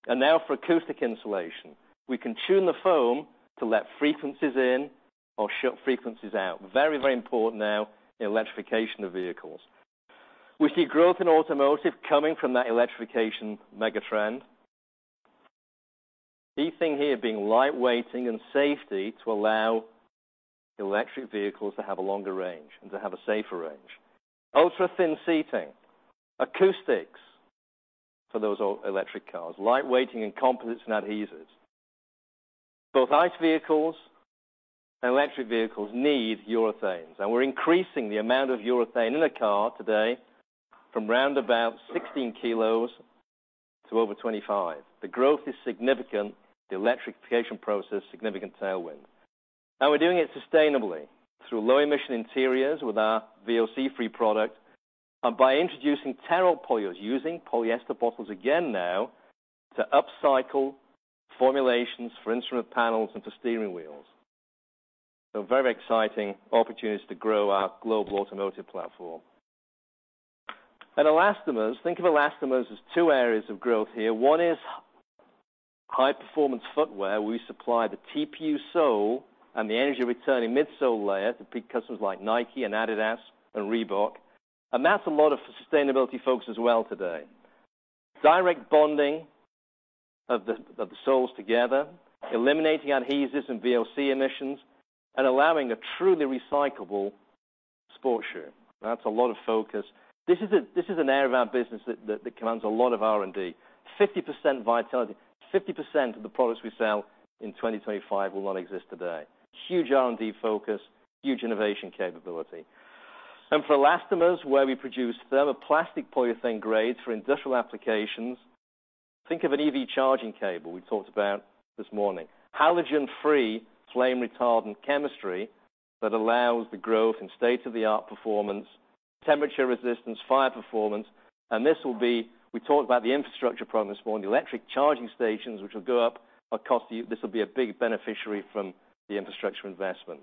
and now for acoustic insulation. We can tune the foam to let frequencies in or shut frequencies out. Very, very important now in electrification of vehicles. We see growth in automotive coming from that electrification mega-trend. Key thing here being lightweighting and safety to allow electric vehicles to have a longer range and to have a safer range. Ultra-thin seating, acoustics for those electric cars, lightweighting and composites and adhesives. Both ICE vehicles and electric vehicles need urethanes, and we're increasing the amount of urethane in a car today from round about 16 kilos to over 25. The growth is significant. The electrification process, significant tailwind. We're doing it sustainably through low-emission interiors with our VOC-free product and by introducing TEROL polyols, using polyester bottles again now to upcycle formulations for instrument panels and for steering wheels. Very exciting opportunities to grow our global automotive platform. Elastomers. Think of elastomers as two areas of growth here. One is high-performance footwear. We supply the TPU sole and the energy-returning midsole layer to big customers like Nike and Adidas and Reebok. That's a lot of sustainability folks as well today. Direct bonding of the soles together, eliminating adhesives and VOC emissions, and allowing a truly recyclable sports shoe. That's a lot of focus. This is an area of our business that commands a lot of R&D. 50% vitality. 50% of the products we sell in 2025 will not exist today. Huge R&D focus, huge innovation capability. For elastomers, where we produce thermoplastic polyurethane grades for industrial applications, think of an EV charging cable we talked about this morning. Halogen-free flame retardant chemistry that allows the growth in state-of-the-art performance, temperature resistance, fire performance. We talked about the infrastructure problem this morning, the electric charging stations, which will go up. This will be a big beneficiary from the infrastructure investment.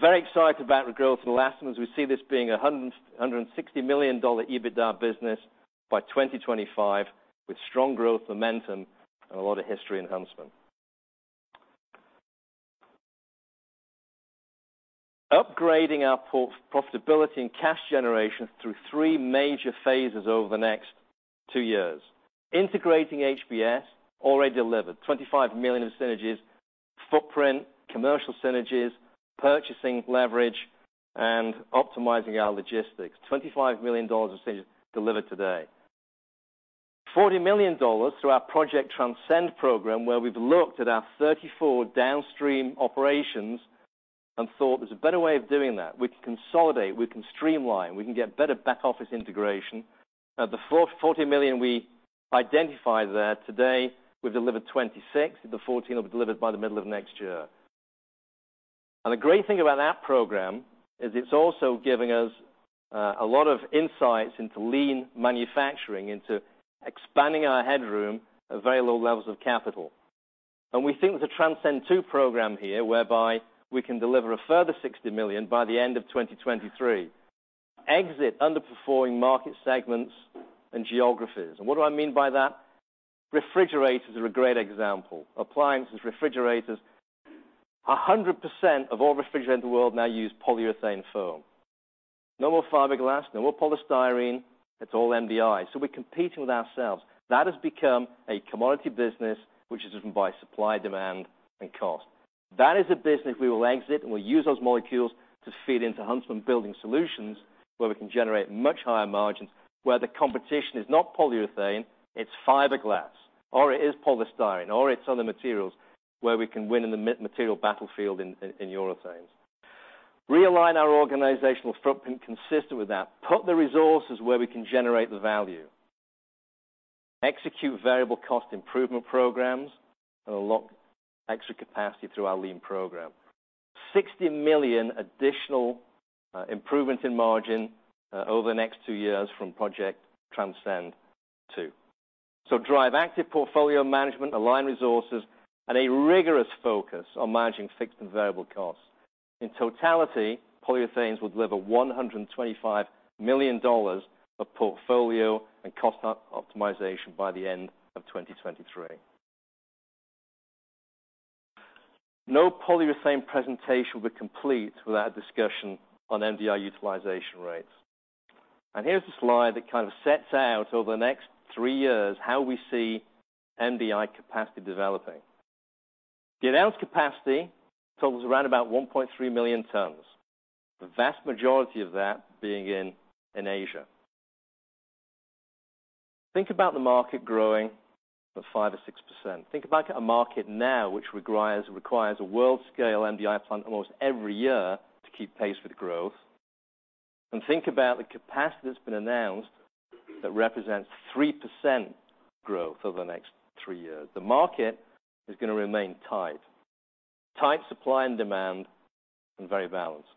Very excited about the growth in elastomers. We see this being a $160 million EBITDA business by 2025, with strong growth momentum and a lot of history in Huntsman. Upgrading our profitability and cash generation through three major phases over the next two years. Integrating HBS already delivered $25 million of synergies, footprint, commercial synergies, purchasing leverage, and optimizing our logistics. $25 million of synergies delivered today. $40 million through our Project Transcend program, where we've looked at our 34 downstream operations and thought there's a better way of doing that. We can consolidate, we can streamline, we can get better back-office integration. Of the $40 million we identified there today, we've delivered 26. The 14 will be delivered by the middle of next year. The great thing about that program is it's also giving us a lot of insights into lean manufacturing, into expanding our headroom at very low levels of capital. We think there's a Transcend 2 program here whereby we can deliver a further $60 million by the end of 2023. Exit underperforming market segments and geographies. What do I mean by that? Refrigerators are a great example. Appliances, refrigerators. 100% of all refrigerators in the world now use polyurethane foam. No more fiberglass, no more polystyrene. It's all MDI. We're competing with ourselves. That has become a commodity business, which is driven by supply, demand, and cost. That is a business we will exit, and we'll use those molecules to feed into Huntsman Building Solutions, where we can generate much higher margins, where the competition is not polyurethane, it's fiberglass, or it is polystyrene, or it's other materials, where we can win in the materials battlefield in urethanes. Realign our organizational structure consistent with that. Put the resources where we can generate the value. Execute variable cost improvement programs, and unlock extra capacity through our lean program. $60 million additional improvement in margin over the next two years from Project Transcend 2. Drive active portfolio management, align resources, and a rigorous focus on managing fixed and variable costs. In totality, polyurethanes will deliver $125 million of portfolio and cost optimization by the end of 2023. No polyurethane presentation would complete without a discussion on MDI utilization rates. Here's a slide that kind of sets out over the next three years how we see MDI capacity developing. The announced capacity totals around about 1.3 million tons. The vast majority of that being in Asia. Think about the market growing at 5% or 6%. Think about a market now which requires a world-scale MDI plant almost every year to keep pace with growth. Think about the capacity that's been announced that represents 3% growth over the next three years. The market is gonna remain tight. Tight supply and demand, and very balanced.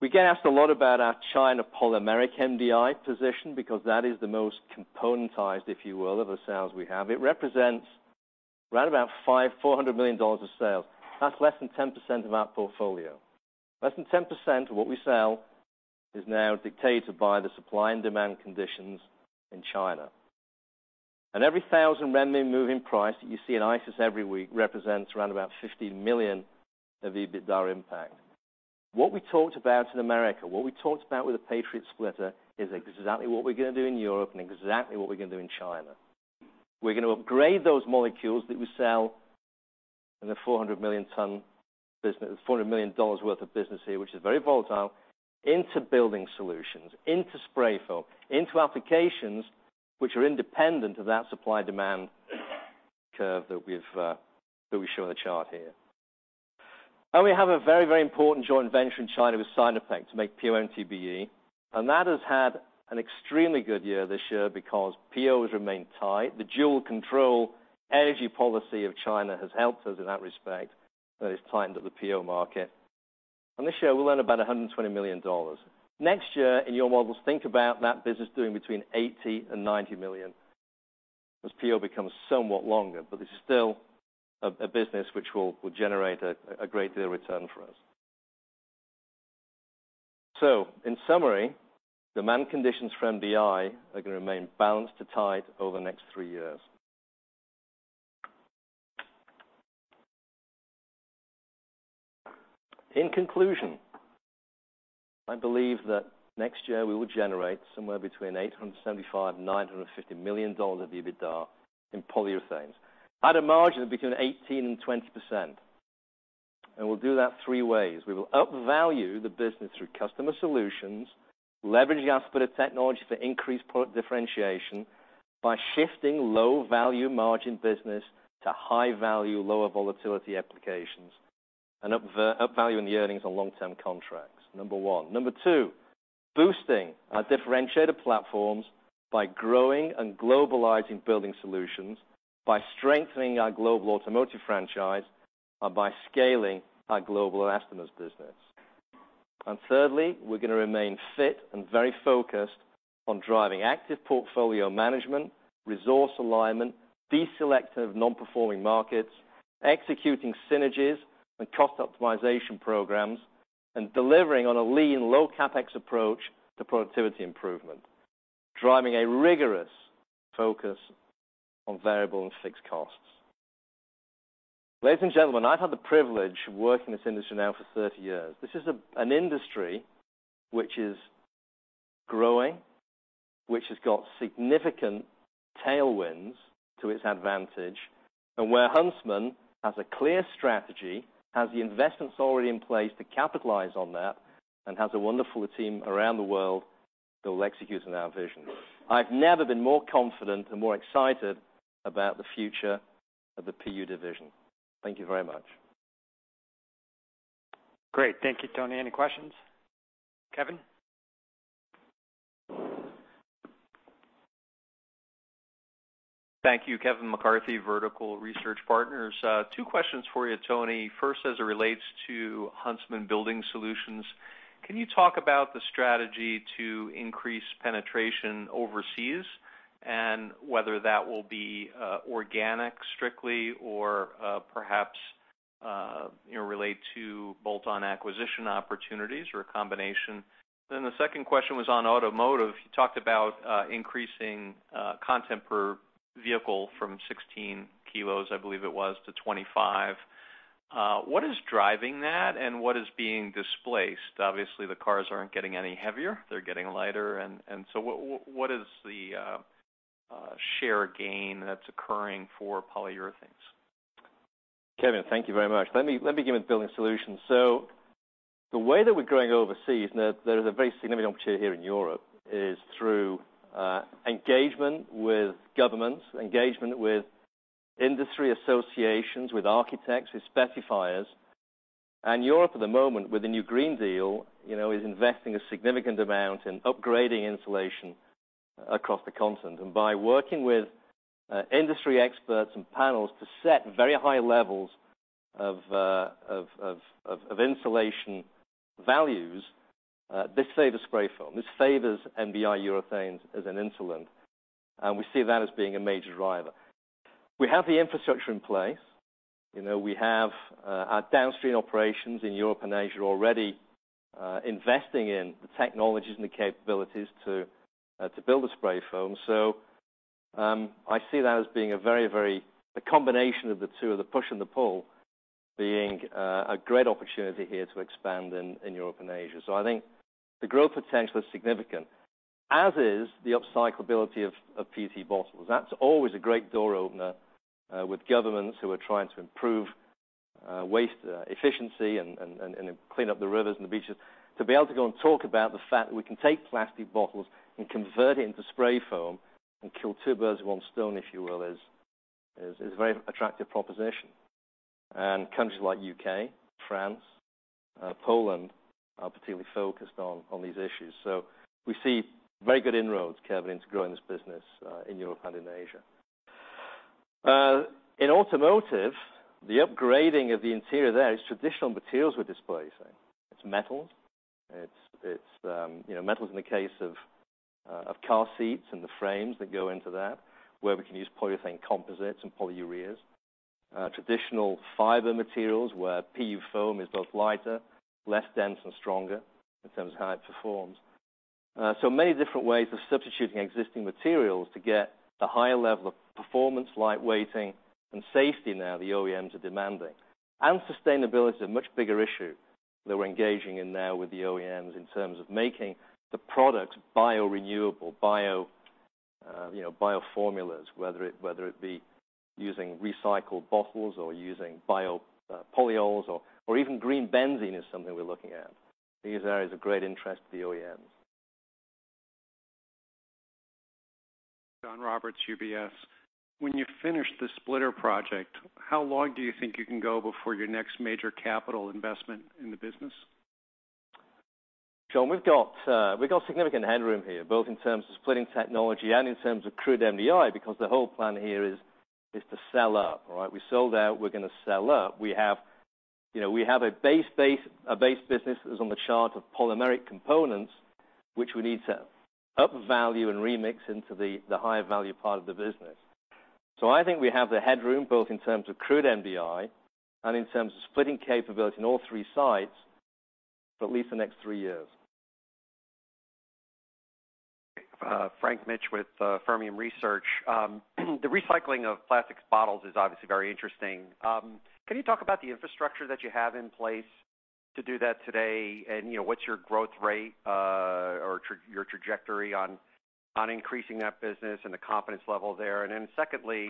We get asked a lot about our China polymeric MDI position because that is the most commoditized, if you will, of the sales we have. It represents around $400 million of sales. That's less than 10% of our portfolio. Less than 10% of what we sell is now dictated by the supply and demand conditions in China. Every thousand renminbi move in price that you see in ICIS every week represents around about $50 million of EBITDA impact. What we talked about in America, what we talked about with the Patriot splitter is exactly what we're gonna do in Europe and exactly what we're gonna do in China. We're gonna upgrade those molecules that we sell in the 400 million ton business—$400 million worth of business here, which is very volatile, into building solutions, into spray foam, into applications which are independent of that supply-demand curve that we show in the chart here. We have a very, very important joint venture in China with Sinopec to make PO/MTBE, and that has had an extremely good year this year because POs remain tight. The dual control energy policy of China has helped us in that respect, and it's tightened up the PO market. This year, we'll earn about $120 million. Next year, in your models, think about that business doing between $80 million-$90 million as PO becomes somewhat longer. It's still a business which will generate a great deal of return for us. In summary, demand conditions for MDI are gonna remain balanced to tight over the next three years. In conclusion, I believe that next year we will generate somewhere between $875 million and $950 million of EBITDA in polyurethanes at a margin between 18% and 20%. We'll do that three ways. We will upvalue the business through customer solutions, leveraging our splitter technology to increase product differentiation by shifting low-value margin business to high-value, lower volatility applications and upvaluing the earnings on long-term contracts, number one. Number two, boosting our differentiated platforms by growing and globalizing building solutions, by strengthening our global automotive franchise, and by scaling our global elastomers business. Thirdly, we're gonna remain fit and very focused on driving active portfolio management, resource alignment, deselecting of non-performing markets, executing synergies and cost optimization programs, and delivering on a lean low CapEx approach to productivity improvement, driving a rigorous focus on variable and fixed costs. Ladies and gentlemen, I've had the privilege of working in this industry now for 30 years. This is an industry which is growing, which has got significant tailwinds to its advantage, and where Huntsman has a clear strategy, has the investments already in place to capitalize on that, and has a wonderful team around the world that will execute on our vision. I've never been more confident and more excited about the future of the PU division. Thank you very much. Great. Thank you, Tony. Any questions? Kevin? Thank you. Kevin McCarthy, Vertical Research Partners. Two questions for you, Tony. First, as it relates to Huntsman Building Solutions, can you talk about the strategy to increase penetration overseas and whether that will be organic strictly, or perhaps you know relate to bolt-on acquisition opportunities or a combination? Then the second question was on automotive. You talked about increasing content per vehicle from 16 kilos, I believe it was, to 25. What is driving that, and what is being displaced? Obviously, the cars aren't getting any heavier. They're getting lighter. So what is the share gain that's occurring for polyurethanes? Kevin, thank you very much. Let me begin with building solutions. The way that we're growing overseas, and there is a very significant opportunity here in Europe, is through engagement with governments, engagement with industry associations, with architects, with specifiers. Europe at the moment, with the new Green Deal, you know, is investing a significant amount in upgrading insulation across the continent. By working with industry experts and panels to set very high levels of insulation values, this favors spray foam. This favors MDI urethanes as an insulant. We see that as being a major driver. We have the infrastructure in place. You know, we have our downstream operations in Europe and Asia already investing in the technologies and the capabilities to build a spray foam. I see that as the combination of the two, the push and the pull, being a great opportunity here to expand in Europe and Asia. I think the growth potential is significant, as is the upcyclability of PET bottles. That's always a great door opener with governments who are trying to improve waste efficiency and clean up the rivers and the beaches. To be able to go and talk about the fact that we can take plastic bottles and convert it into spray foam and kill two birds with one stone, if you will, is a very attractive proposition. Countries like U.K., France, Poland are particularly focused on these issues. We see very good inroads, Kevin, into growing this business in Europe and in Asia. In automotive, the upgrading of the interior there are traditional materials we're displacing. It's metals, you know, metals in the case of of car seats and the frames that go into that, where we can use polyurethane composites and polyureas. Traditional fiber materials where PU foam is both lighter, less dense, and stronger in terms of how it performs. Many different ways of substituting existing materials to get the higher level of performance, light weighting, and safety now the OEMs are demanding. Sustainability is a much bigger issue that we're engaging in now with the OEMs in terms of making the products biorenewable, bio, you know, bio formulas, whether it be using recycled bottles or using bio polyols or even green benzene is something we're looking at. These areas of great interest to the OEMs. John Roberts, UBS. When you finish the splitter project, how long do you think you can go before your next major capital investment in the business? John, we've got significant headroom here, both in terms of splitting technology and in terms of crude MDI, because the whole plan here is to sell up, all right? We sold out, we're gonna sell up. We have a base business that's on the chart of polymeric components, which we need to up value and remix into the higher value part of the business. I think we have the headroom, both in terms of crude MDI and in terms of splitting capability in all three sites for at least the next three years. Frank Mitsch with Fermium Research. The recycling of plastic bottles is obviously very interesting. Can you talk about the infrastructure that you have in place to do that today? You know, what's your growth rate or your trajectory on increasing that business and the confidence level there? Secondly,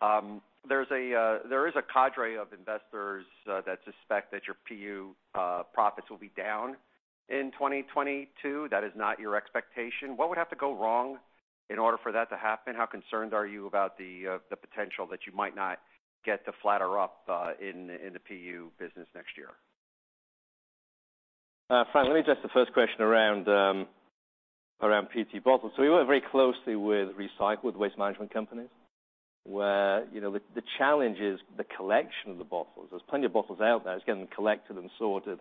there is a cadre of investors that suspect that your PU profits will be down in 2022. That is not your expectation. What would have to go wrong in order for that to happen? How concerned are you about the potential that you might not get to flatten out in the PU business next year? Frank, let me address the first question around PET bottles. We work very closely with waste management companies, where, you know, the challenge is the collection of the bottles. There's plenty of bottles out there. It's getting them collected and sorted,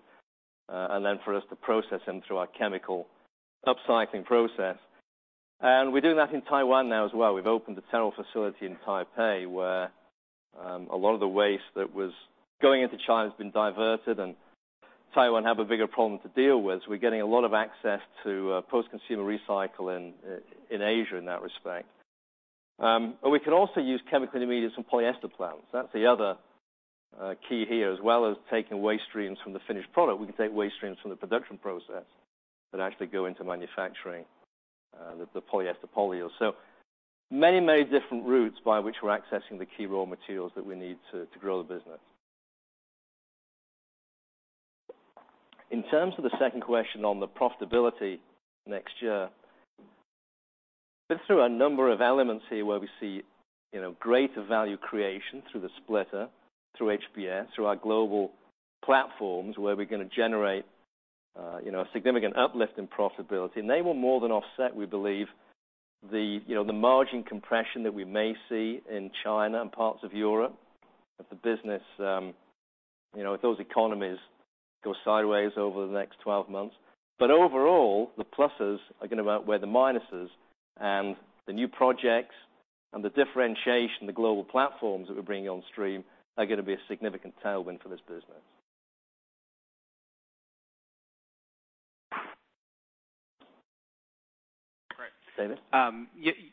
and then for us to process them through our chemical upcycling process. We're doing that in Taiwan now as well. We've opened a TEROL facility in Taipei where a lot of the waste that was going into China has been diverted, and Taiwan have a bigger problem to deal with. We're getting a lot of access to post-consumer recycle in Asia in that respect. We can also use chemical intermediates from polyester plants. That's the other key here. As well as taking waste streams from the finished product, we can take waste streams from the production process that actually go into manufacturing the polyester polyol. Many different routes by which we're accessing the key raw materials that we need to grow the business. In terms of the second question on the profitability next year, we've been through a number of elements here where we see, you know, greater value creation through the splitter, through HBS, through our global platforms, where we're gonna generate, you know, a significant uplift in profitability. They will more than offset, we believe, you know, the margin compression that we may see in China and parts of Europe if the business, you know, if those economies go sideways over the next 12 months. Overall, the pluses are gonna outweigh the minuses, and the new projects and the differentiation, the global platforms that we're bringing on stream are gonna be a significant tailwind for this business. Great. David?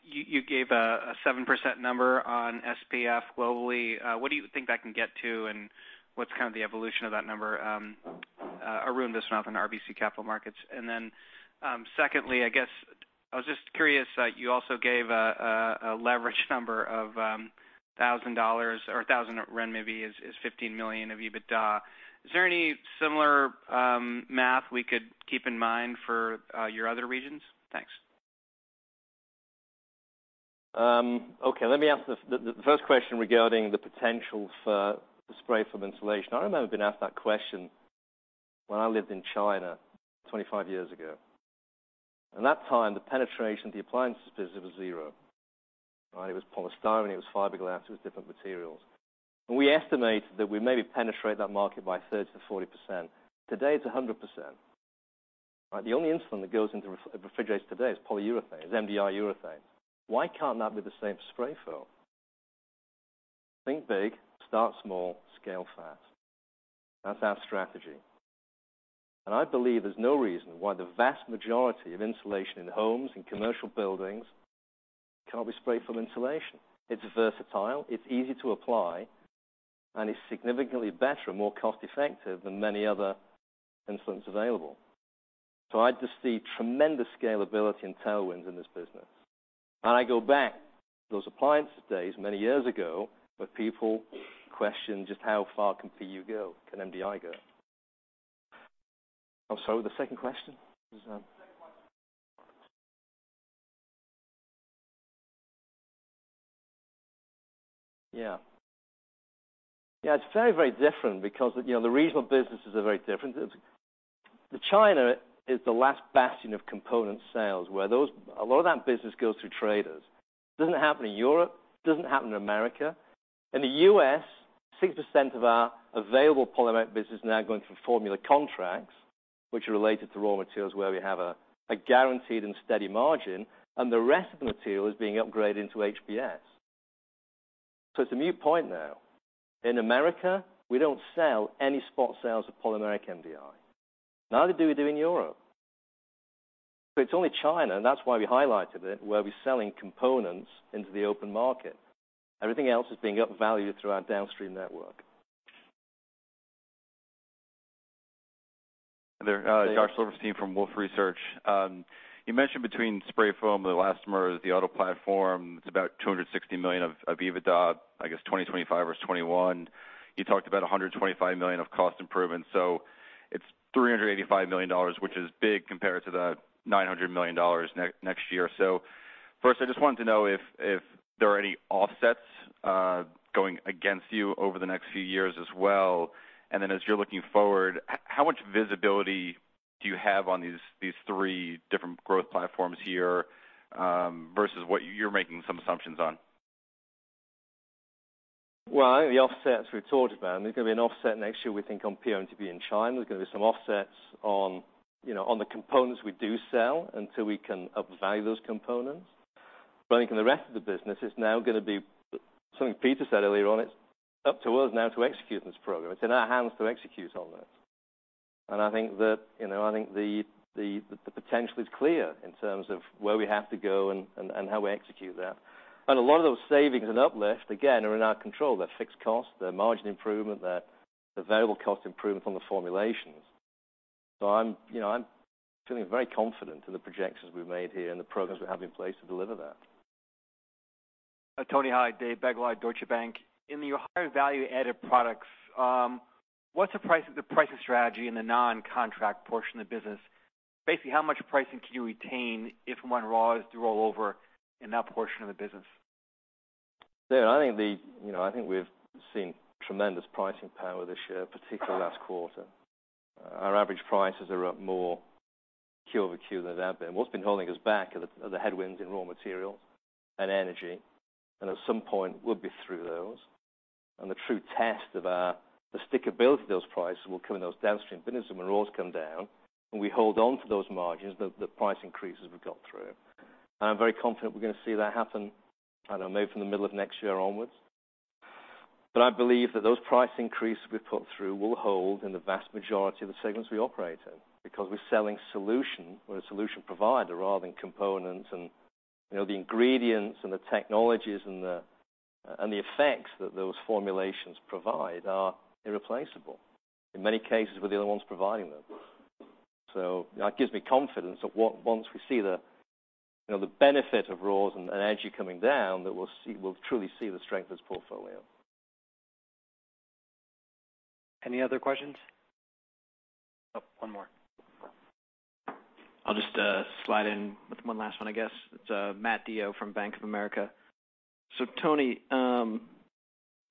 You gave a 7% number on SPF globally. What do you think that can get to, and what's kind of the evolution of that number? Arun Viswanathan on RBC Capital Markets. Secondly, I guess I was just curious, you also gave a leverage number of $1,000 or 1,000 renminbi is $15 million of EBITDA. Is there any similar math we could keep in mind for your other regions? Thanks. Okay, let me answer the first question regarding the potential for the spray foam insulation. I remember being asked that question when I lived in China 25 years ago. At that time, the penetration, the appliances business was 0. Right? It was polystyrene, it was fiberglass, it was different materials. We estimated that we maybe penetrate that market by 30%-40%. Today, it's 100%. Right? The only insulation that goes into refrigerators today is polyurethane. It's MDI urethane. Why can't that be the same for spray foam? Think big, start small, scale fast. That's our strategy. I believe there's no reason why the vast majority of insulation in homes and commercial buildings can't be spray foam insulation. It's versatile, it's easy to apply, and it's significantly better and more cost-effective than many other insulants available. I just see tremendous scalability and tailwinds in this business. I go back to those appliances days many years ago, where people questioned just how far can PU go, can MDI go. I'm sorry, the second question is, Yeah. Yeah, it's very, very different because the regional businesses are very different. It's the China is the last bastion of component sales, where a lot of that business goes through traders. It doesn't happen in Europe, it doesn't happen in America. In the U.S., 6% of our available polymeric business is now going through formula contracts, which are related to raw materials, where we have a guaranteed and steady margin, and the rest of the material is being upgraded into HBS. It's a moot point now. In America, we don't sell any spot sales of polymeric MDI, neither do we do in Europe. It's only China, and that's why we highlighted it, where we're selling components into the open market. Everything else is being upvalued through our downstream network. There- Yes. Josh Silverstein from Wolfe Research. You mentioned between spray foam, the elastomers, the auto platform, it's about $260 million of EBITDA, I guess, 2025 versus 2021. You talked about $125 million of cost improvements. It's $385 million, which is big compared to the $900 million next year. First, I just wanted to know if there are any offsets going against you over the next few years as well. Then as you're looking forward, how much visibility do you have on these three different growth platforms here versus what you're making some assumptions on? Well, I think the offsets we've talked about, and there's gonna be an offset next year, we think on PO/MTBE in China. There's gonna be some offsets on, you know, on the components we do sell until we can upvalue those components. But I think in the rest of the business, it's now gonna be something Peter said earlier on, it's up to us now to execute this program. It's in our hands to execute on that. I think that, you know, I think the potential is clear in terms of where we have to go and how we execute that. A lot of those savings and uplifts, again, are in our control. They're fixed costs, they're margin improvement, they're available cost improvements on the formulations. I'm, you know, feeling very confident in the projections we've made here and the programs we have in place to deliver that. Tony, hi. Dave Begleiter, Deutsche Bank. In your higher value-added products, what's the pricing strategy in the non-contract portion of the business? Basically, how much pricing can you retain if and when raws do roll over in that portion of the business? Yeah, I think the, you know, I think we've seen tremendous pricing power this year, particularly last quarter. Our average prices are up more quarter-over-quarter than they have been. What's been holding us back are the headwinds in raw materials and energy. At some point, we'll be through those. The true test of the stickability of those prices will come in those downstream businesses when raws come down, and we hold on to those margins, the price increases we've got through. I'm very confident we're gonna see that happen, I don't know, maybe from the middle of next year onwards. I believe that those price increases we put through will hold in the vast majority of the segments we operate in because we're selling solution. We're a solution provider rather than components. You know, the ingredients and the technologies and the effects that those formulations provide are irreplaceable. In many cases, we're the only ones providing them. That gives me confidence that once we see the, you know, the benefit of raws and energy coming down, that we'll truly see the strength of this portfolio. Any other questions? Oh, one more. I'll just slide in with one last one, I guess. It's Matthew DeYoe from Bank of America. Tony,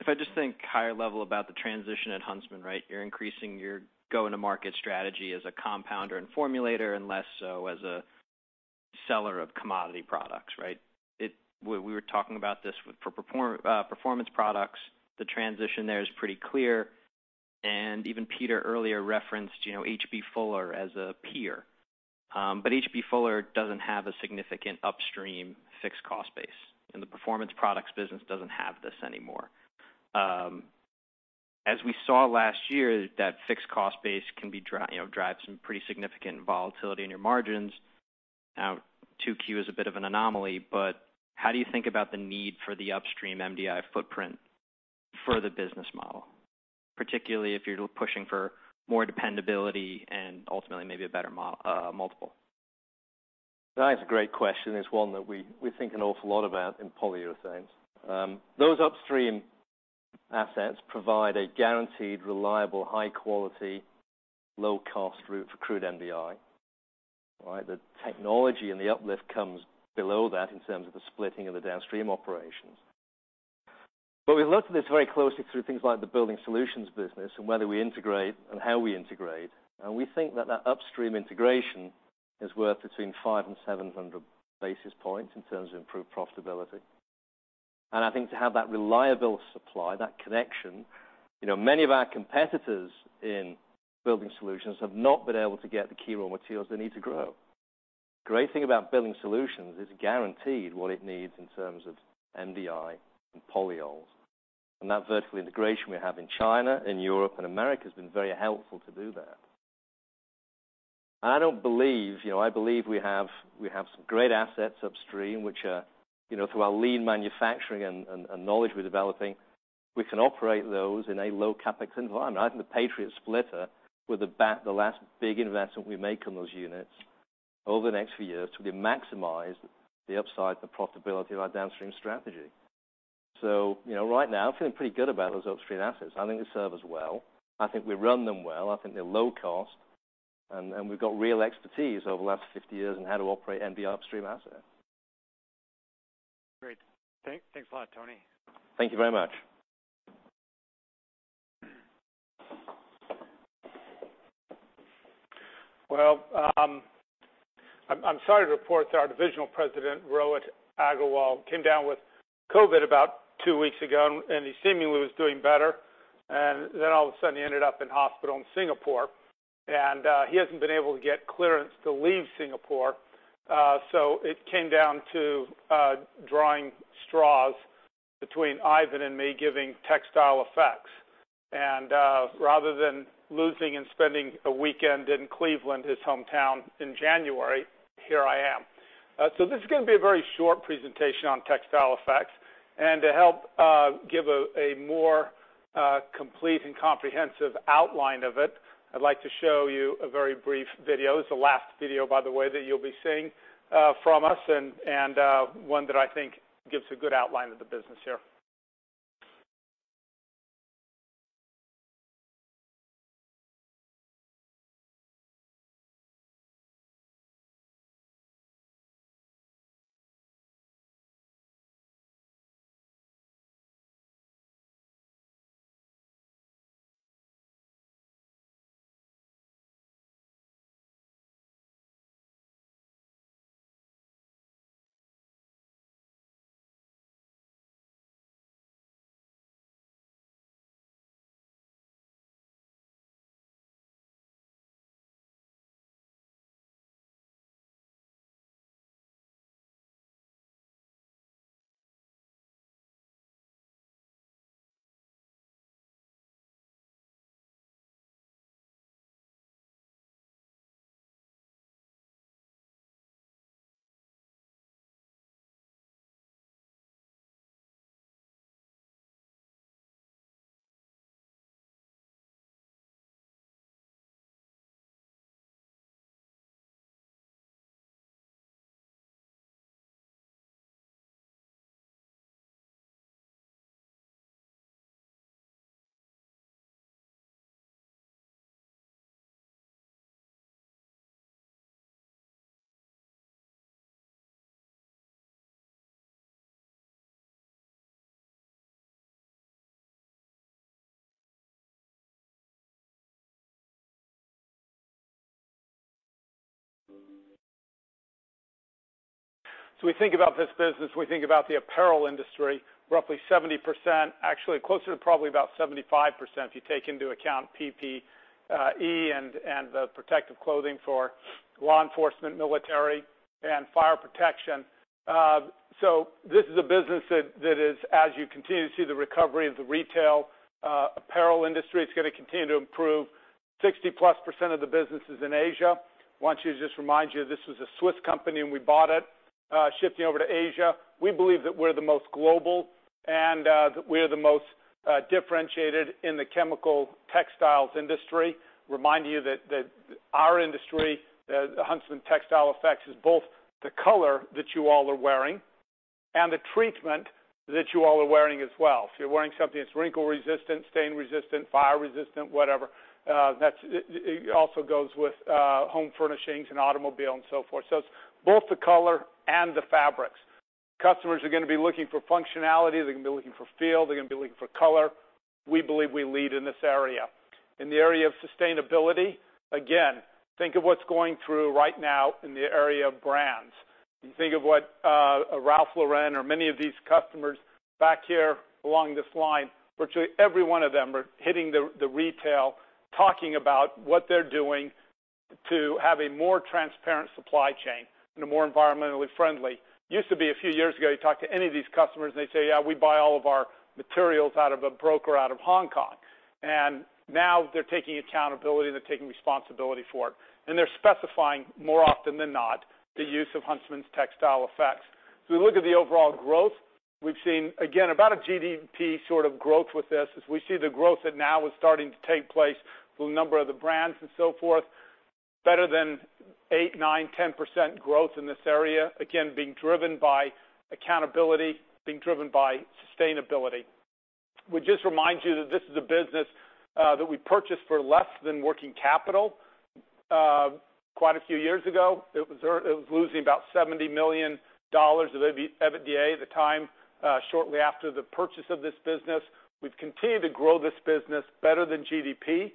if I just think higher level about the transition at Huntsman, right? You're increasing your go-to-market strategy as a compounder and formulator, and less so as a seller of commodity products, right? We were talking about this for Performance Products. The transition there is pretty clear. Even Peter earlier referenced, you know, H.B. Fuller as a peer. But H.B. Fuller doesn't have a significant upstream fixed cost base, and the Performance Products business doesn't have this anymore. As we saw last year, that fixed cost base can drive some pretty significant volatility in your margins. Now, 2Q is a bit of an anomaly, but how do you think about the need for the upstream MDI footprint for the business model, particularly if you're pushing for more dependability and ultimately maybe a better multiple? That is a great question. It's one that we think an awful lot about in polyurethanes. Those upstream assets provide a guaranteed, reliable, high quality, low-cost route for crude MDI. All right? The technology and the uplift comes below that in terms of the splitting of the downstream operations. We looked at this very closely through things like the Building Solutions business and whether we integrate and how we integrate. We think that that upstream integration is worth between 500 and 700 basis points in terms of improved profitability. I think to have that reliable supply, that connection, you know, many of our competitors in Building Solutions have not been able to get the key raw materials they need to grow. Great thing about Building Solutions is guaranteed what it needs in terms of MDI and polyols. That vertical integration we have in China, in Europe, and America has been very helpful to do that. You know, I believe we have we have some great assets upstream which are, you know, through our lean manufacturing and knowledge we're developing, we can operate those in a low CapEx environment. I think the Patriot splitter was the last big investment we make on those units over the next few years to maximize the upside, the profitability of our downstream strategy. You know, right now, I'm feeling pretty good about those upstream assets. I think they serve us well. I think we run them well. I think they're low cost. And we've got real expertise over the last 50 years on how to operate MDI upstream assets. Great. Thanks a lot, Tony. Thank you very much. Well, I'm sorry to report that our Divisional President, Rohit Aggarwal, came down with COVID about two weeks ago, and he seemingly was doing better. He ended up in hospital in Singapore, and he hasn't been able to get clearance to leave Singapore. It came down to drawing straws between Ivan and me giving Textile Effects. Rather than losing and spending a weekend in Cleveland, his hometown, in January, here I am. This is gonna be a very short presentation on Textile Effects. To help give a more complete and comprehensive outline of it, I'd like to show you a very brief video. It's the last video, by the way, that you'll be seeing from us and one that I think gives a good outline of the business here. We think about this business, we think about the apparel industry, roughly 70%, actually closer to probably about 75% if you take into account PPE and the protective clothing for law enforcement, military, and fire protection. This is a business that is, as you continue to see the recovery of the retail apparel industry, it's gonna continue to improve. 60+% of the business is in Asia. Want to just remind you this was a Swiss company, and we bought it shifting over to Asia. We believe that we're the most global and we're the most differentiated in the chemical textiles industry. Remind you that our industry, Huntsman Textile Effects, is both the color that you all are wearing and the treatment that you all are wearing as well. If you're wearing something that's wrinkle-resistant, stain-resistant, fire-resistant, whatever, that's it also goes with home furnishings and automobile and so forth. So it's both the color and the fabrics. Customers are gonna be looking for functionality. They're gonna be looking for feel. They're gonna be looking for color. We believe we lead in this area. In the area of sustainability, again, think of what's going through right now in the area of brands. You think of what Ralph Lauren or many of these customers back here along this line, virtually every one of them are hitting the retail, talking about what they're doing to have a more transparent supply chain and a more environmentally friendly. Used to be a few years ago, you talk to any of these customers, and they say, "Yeah, we buy all of our materials out of a broker out of Hong Kong." Now they're taking accountability, they're taking responsibility for it, and they're specifying more often than not the use of Huntsman Textile Effects. We look at the overall growth. We've seen, again, about a GDP sort of growth with this as we see the growth that now is starting to take place with a number of the brands and so forth, better than 8, 9, 10% growth in this area, again, being driven by accountability, being driven by sustainability. We just remind you that this is a business that we purchased for less than working capital, quite a few years ago. It was losing about $70 million of EBITDA at the time, shortly after the purchase of this business. We've continued to grow this business better than GDP.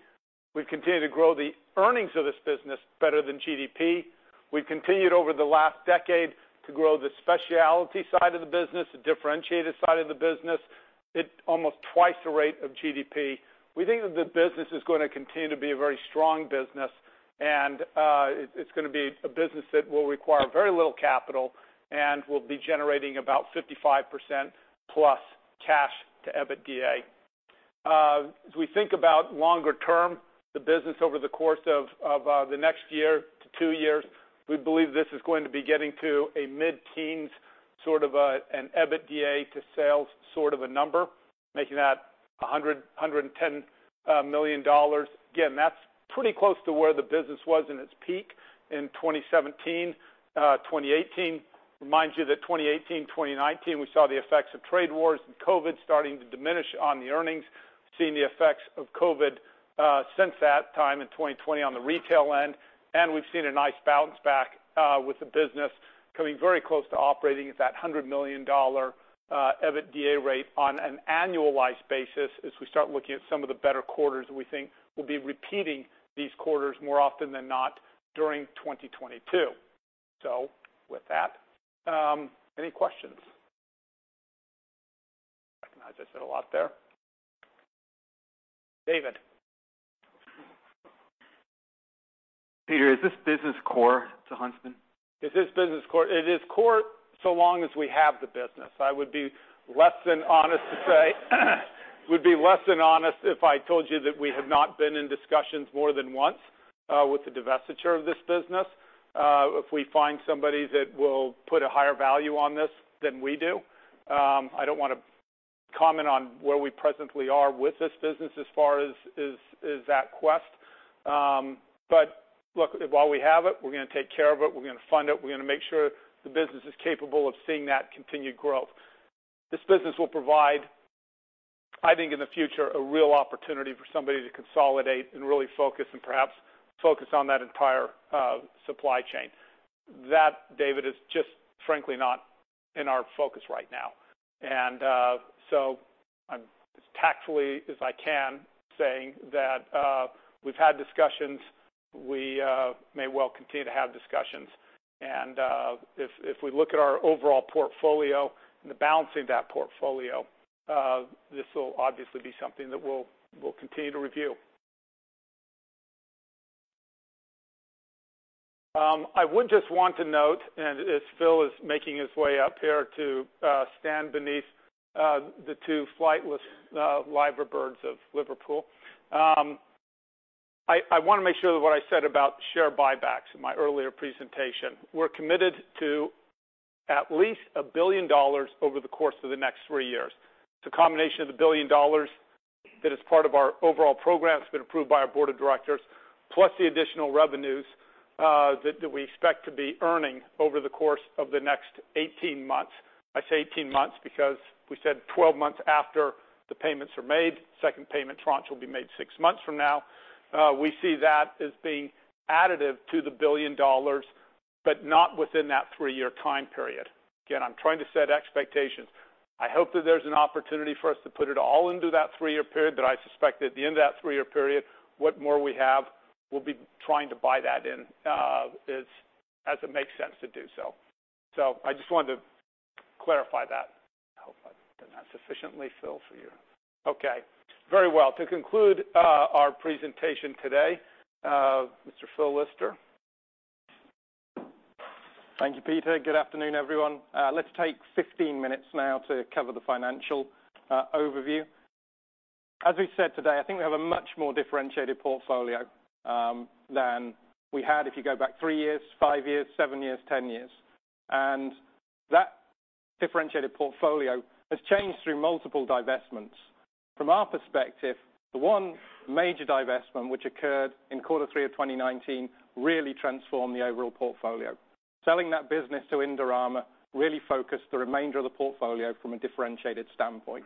We've continued to grow the earnings of this business better than GDP. We've continued over the last decade to grow the specialty side of the business, the differentiated side of the business. It's almost twice the rate of GDP. We think that the business is gonna continue to be a very strong business, and it's gonna be a business that will require very little capital and will be generating about 55%+ cash to EBITDA. As we think about longer term, the business over the course of the next year to 2 years, we believe this is going to be getting to a mid-teens sort of an EBITDA to sales sort of a number, making that $110 million. Again, that's pretty close to where the business was in its peak in 2017, 2018. Remind you that 2018, 2019, we saw the effects of trade wars and COVID starting to diminish on the earnings. Seeing the effects of COVID since that time in 2020 on the retail end, and we've seen a nice bounce back with the business coming very close to operating at that $100 million EBITDA rate on an annualized basis as we start looking at some of the better quarters that we think we'll be repeating these quarters more often than not during 2022. With that, any questions? Recognize I said a lot there. David. Peter, is this business core to Huntsman? Is this business core? It is core so long as we have the business. I would be less than honest if I told you that we have not been in discussions more than once with the divestiture of this business. If we find somebody that will put a higher value on this than we do, I don't wanna comment on where we presently are with this business as far as that goes. Look, while we have it, we're gonna take care of it, we're gonna fund it, we're gonna make sure the business is capable of seeing that continued growth. This business will provide, I think in the future, a real opportunity for somebody to consolidate and really focus and perhaps focus on that entire supply chain. That, David, is just frankly not in our focus right now. I'm as tactfully as I can saying that, we've had discussions. We may well continue to have discussions. If we look at our overall portfolio and the balancing of that portfolio, this will obviously be something that we'll continue to review. I would just want to note, and as Phil is making his way up here to stand beneath the two flightless Liver Birds of Liverpool, I wanna make sure that what I said about share buybacks in my earlier presentation. We're committed to at least $1 billion over the course of the next three years. It's a combination of the $1 billion that is part of our overall program that's been approved by our board of directors, plus the additional revenues that we expect to be earning over the course of the next 18 months. I say 18 months because we said 12 months after the payments are made. Second payment tranche will be made 6 months from now. We see that as being additive to the $1 billion, but not within that 3-year time period. Again, I'm trying to set expectations. I hope that there's an opportunity for us to put it all into that 3-year period, but I suspect at the end of that 3-year period, what more we have, we'll be trying to buy that in, as it makes sense to do so. I just wanted to clarify that. I hope I've done that sufficiently, Phil, for you. Okay. Very well. To conclude, our presentation today, Mr. Phil Lister. Thank you, Peter. Good afternoon, everyone. Let's take 15 minutes now to cover the financial overview. As we've said today, I think we have a much more differentiated portfolio than we had if you go back 3 years, 5 years, 7 years, 10 years. That differentiated portfolio has changed through multiple divestments. From our perspective, the one major divestment, which occurred in quarter three of 2019, really transformed the overall portfolio. Selling that business to Indorama really focused the remainder of the portfolio from a differentiated standpoint.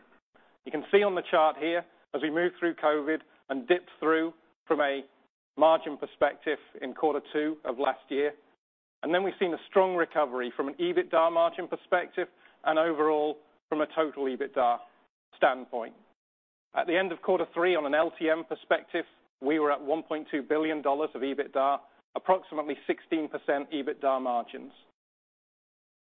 You can see on the chart here as we moved through COVID and dipped through from a margin perspective in quarter two of last year. Then we've seen a strong recovery from an EBITDA margin perspective and overall from a total EBITDA standpoint. At the end of quarter three on an LTM perspective, we were at $1.2 billion of EBITDA, approximately 16% EBITDA margins.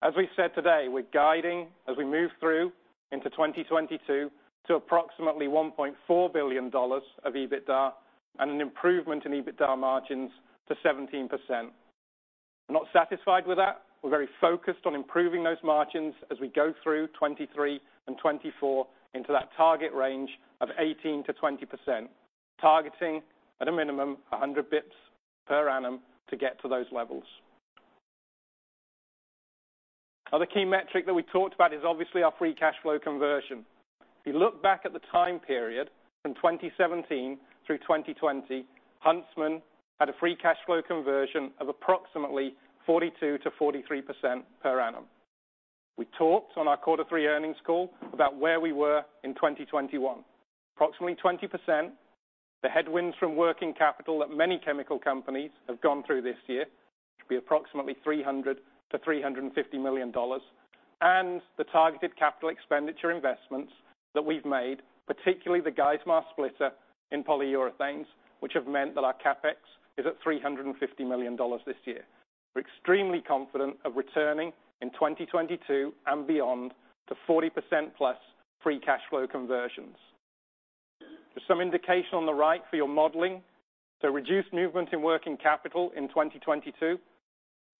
As we said today, we're guiding as we move through into 2022 to approximately $1.4 billion of EBITDA and an improvement in EBITDA margins to 17%. We're not satisfied with that. We're very focused on improving those margins as we go through 2023 and 2024 into that target range of 18%-20%, targeting at a minimum 100 basis points per annum to get to those levels. Other key metric that we talked about is obviously our free cash flow conversion. If you look back at the time period from 2017 through 2020, Huntsman had a free cash flow conversion of approximately 42%-43% per annum. We talked on our Q3 earnings call about where we were in 2021. Approximately 20%, the headwinds from working capital that many chemical companies have gone through this year, which would be approximately $300 million-$350 million, and the targeted capital expenditure investments that we've made, particularly the Geismar splitter in polyurethanes, which have meant that our CapEx is at $350 million this year. We're extremely confident of returning in 2022 and beyond to 40%+ free cash flow conversions. There's some indication on the right for your modeling. The reduced movement in working capital in 2022,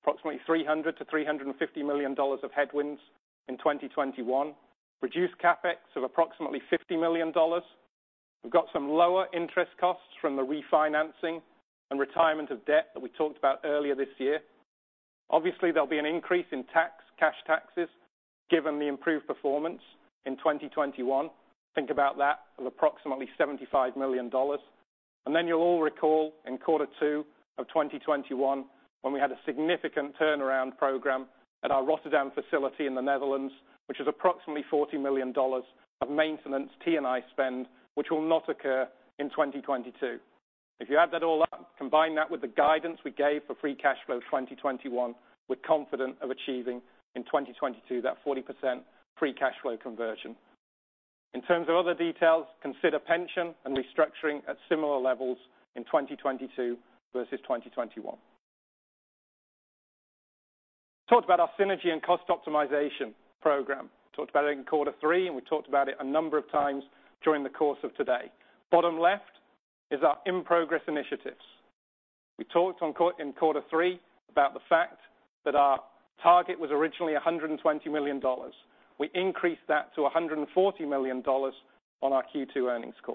approximately $300 million-$350 million of headwinds in 2021. Reduced CapEx of approximately $50 million. We've got some lower interest costs from the refinancing and retirement of debt that we talked about earlier this year. Obviously, there'll be an increase in tax, cash taxes, given the improved performance in 2021. Think about that of approximately $75 million. You'll all recall in quarter two of 2021 when we had a significant turnaround program at our Rotterdam facility in the Netherlands, which is approximately $40 million of maintenance T&I spend, which will not occur in 2022. If you add that all up, combine that with the guidance we gave for free cash flow 2021, we're confident of achieving in 2022 that 40% free cash flow conversion. In terms of other details, consider pension and restructuring at similar levels in 2022 versus 2021, talked about our synergy and cost optimization program. talked about it in quarter three, and we talked about it a number of times during the course of today. Bottom left is our in-progress initiatives. We talked in quarter three about the fact that our target was originally $120 million. We increased that to $140 million on our Q3 earnings call.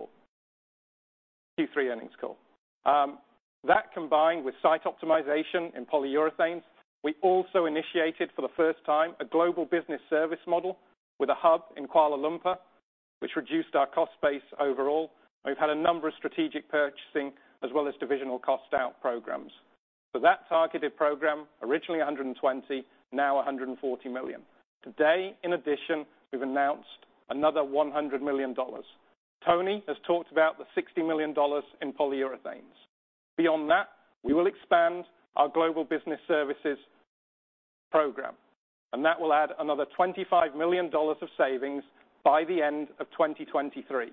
That combined with site optimization in polyurethanes, we also initiated for the first time a global business service model with a hub in Kuala Lumpur, which reduced our cost base overall. We've had a number of strategic purchasing as well as divisional cost out programs. That targeted program, originally $120 million, now $140 million. Today, in addition, we've announced another $100 million. Tony has talked about the $60 million in polyurethanes. Beyond that, we will expand our global business services program, and that will add another $25 million of savings by the end of 2023.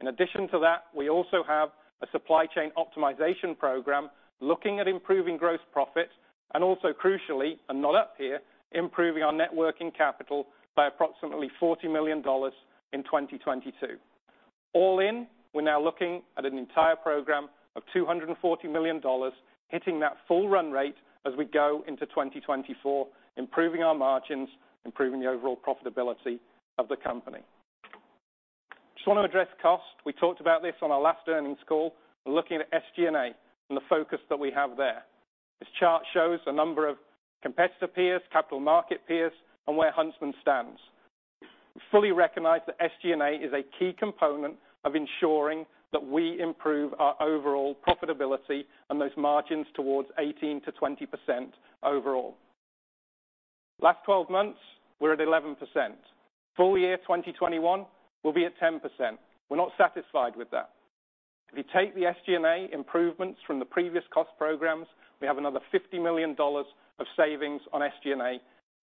In addition to that, we also have a supply chain optimization program looking at improving gross profits and also, crucially, and not up here, improving our net working capital by approximately $40 million in 2022. All in, we're now looking at an entire program of $240 million, hitting that full run rate as we go into 2024, improving our margins, improving the overall profitability of the company. Just wanna address cost. We talked about this on our last earnings call. We're looking at SG&A and the focus that we have there. This chart shows the number of competitor peers, capital market peers, and where Huntsman stands. We fully recognize that SG&A is a key component of ensuring that we improve our overall profitability and those margins towards 18%-20% overall. Last twelve months, we're at 11%. Full year, 2021, we'll be at 10%. We're not satisfied with that. If you take the SG&A improvements from the previous cost programs, we have another $50 million of savings on SG&A,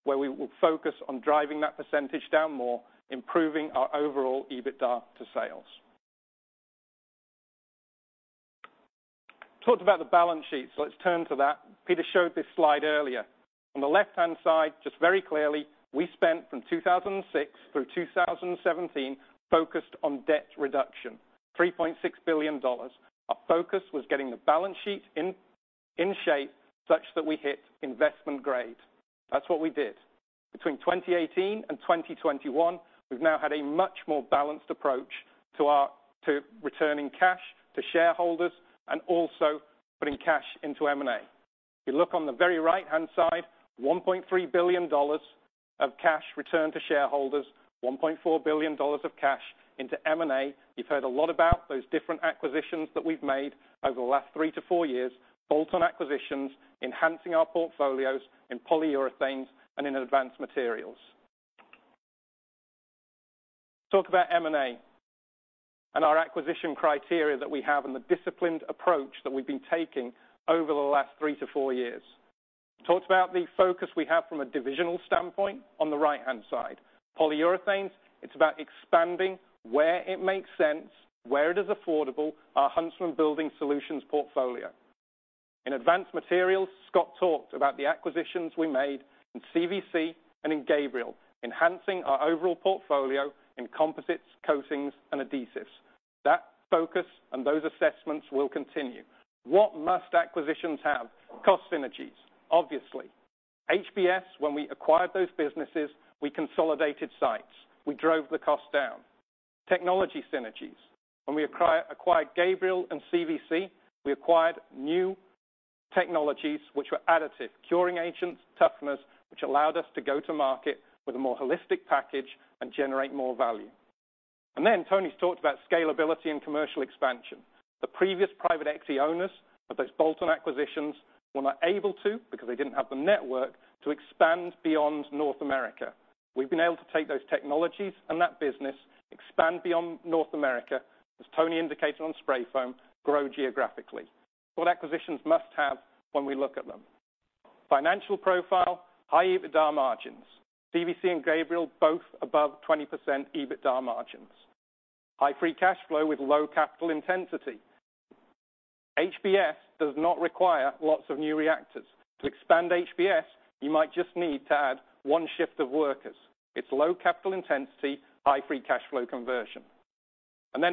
where we will focus on driving that percentage down more, improving our overall EBITDA to sales. Talked about the balance sheet, so let's turn to that. Peter showed this slide earlier. On the left-hand side, just very clearly, we spent from 2006 through 2017 focused on debt reduction, $3.6 billion. Our focus was getting the balance sheet in shape such that we hit investment grade. That's what we did. Between 2018 and 2021, we've now had a much more balanced approach to returning cash to shareholders and also putting cash into M&A. If you look on the very right-hand side, $1.3 billion of cash returned to shareholders, $1.4 billion of cash into M&A. You've heard a lot about those different acquisitions that we've made over the last three to four years, bolt-on acquisitions, enhancing our portfolios in Polyurethanes and in Advanced Materials. Talk about M&A and our acquisition criteria that we have and the disciplined approach that we've been taking over the last three to four years. Talked about the focus we have from a divisional standpoint on the right-hand side. Polyurethanes, it's about expanding where it makes sense, where it is affordable, our Huntsman Building Solutions portfolio. In advanced materials, Scott talked about the acquisitions we made in CVC and in Gabriel, enhancing our overall portfolio in composites, coatings, and adhesives. That focus and those assessments will continue. What must acquisitions have? Cost synergies, obviously. HBS, when we acquired those businesses, we consolidated sites. We drove the cost down. Technology synergies. When we acquired Gabriel and CVC, we acquired new technologies which were additive, curing agents, toughness, which allowed us to go to market with a more holistic package and generate more value. Tony's talked about scalability and commercial expansion. The previous private equity owners of those bolt-on acquisitions were not able to, because they didn't have the network, to expand beyond North America. We've been able to take those technologies and that business, expand beyond North America, as Tony indicated on spray foam, grow geographically. What acquisitions must have when we look at them? Financial profile, high EBITDA margins. CVC and Gabriel, both above 20% EBITDA margins. High free cash flow with low capital intensity. HBS does not require lots of new reactors. To expand HBS, you might just need to add one shift of workers. It's low capital intensity, high free cash flow conversion.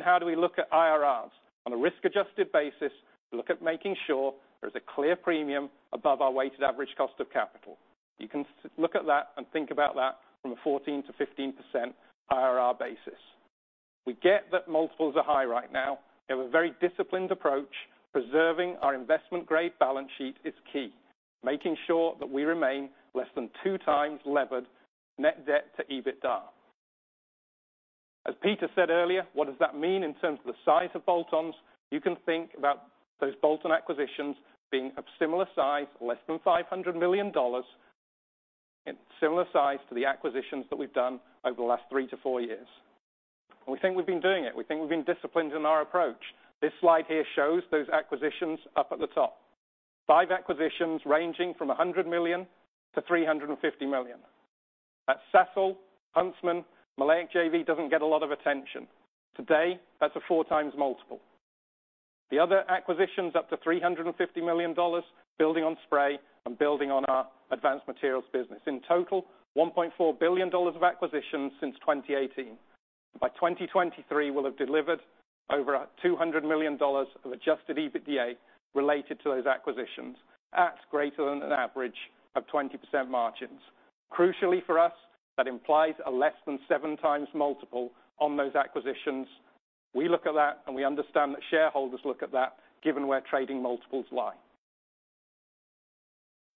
How do we look at IRRs? On a risk-adjusted basis, we look at making sure there's a clear premium above our weighted average cost of capital. You can look at that and think about that from a 14%-15% IRR basis. We get that multiples are high right now. They have a very disciplined approach. Preserving our investment-grade balance sheet is key, making sure that we remain less than 2x levered net debt to EBITDA. As Peter said earlier, what does that mean in terms of the size of bolt-ons? You can think about those bolt-on acquisitions being of similar size, less than $500 million, and similar size to the acquisitions that we've done over the last 3 to 4 years. We think we've been doing it. We think we've been disciplined in our approach. This slide here shows those acquisitions up at the top. Five acquisitions ranging from $100 million to $350 million. At Sasol, Huntsman, Maleic JV doesn't get a lot of attention. Today, that's a 4x multiple. The other acquisitions up to $350 million, building on spray and building on our advanced materials business. In total, $1.4 billion of acquisitions since 2018. By 2023, we'll have delivered over $200 million of adjusted EBITDA related to those acquisitions at greater than an average of 20% margins. Crucially for us, that implies a less than 7x multiple on those acquisitions. We look at that, and we understand that shareholders look at that given where trading multiples lie.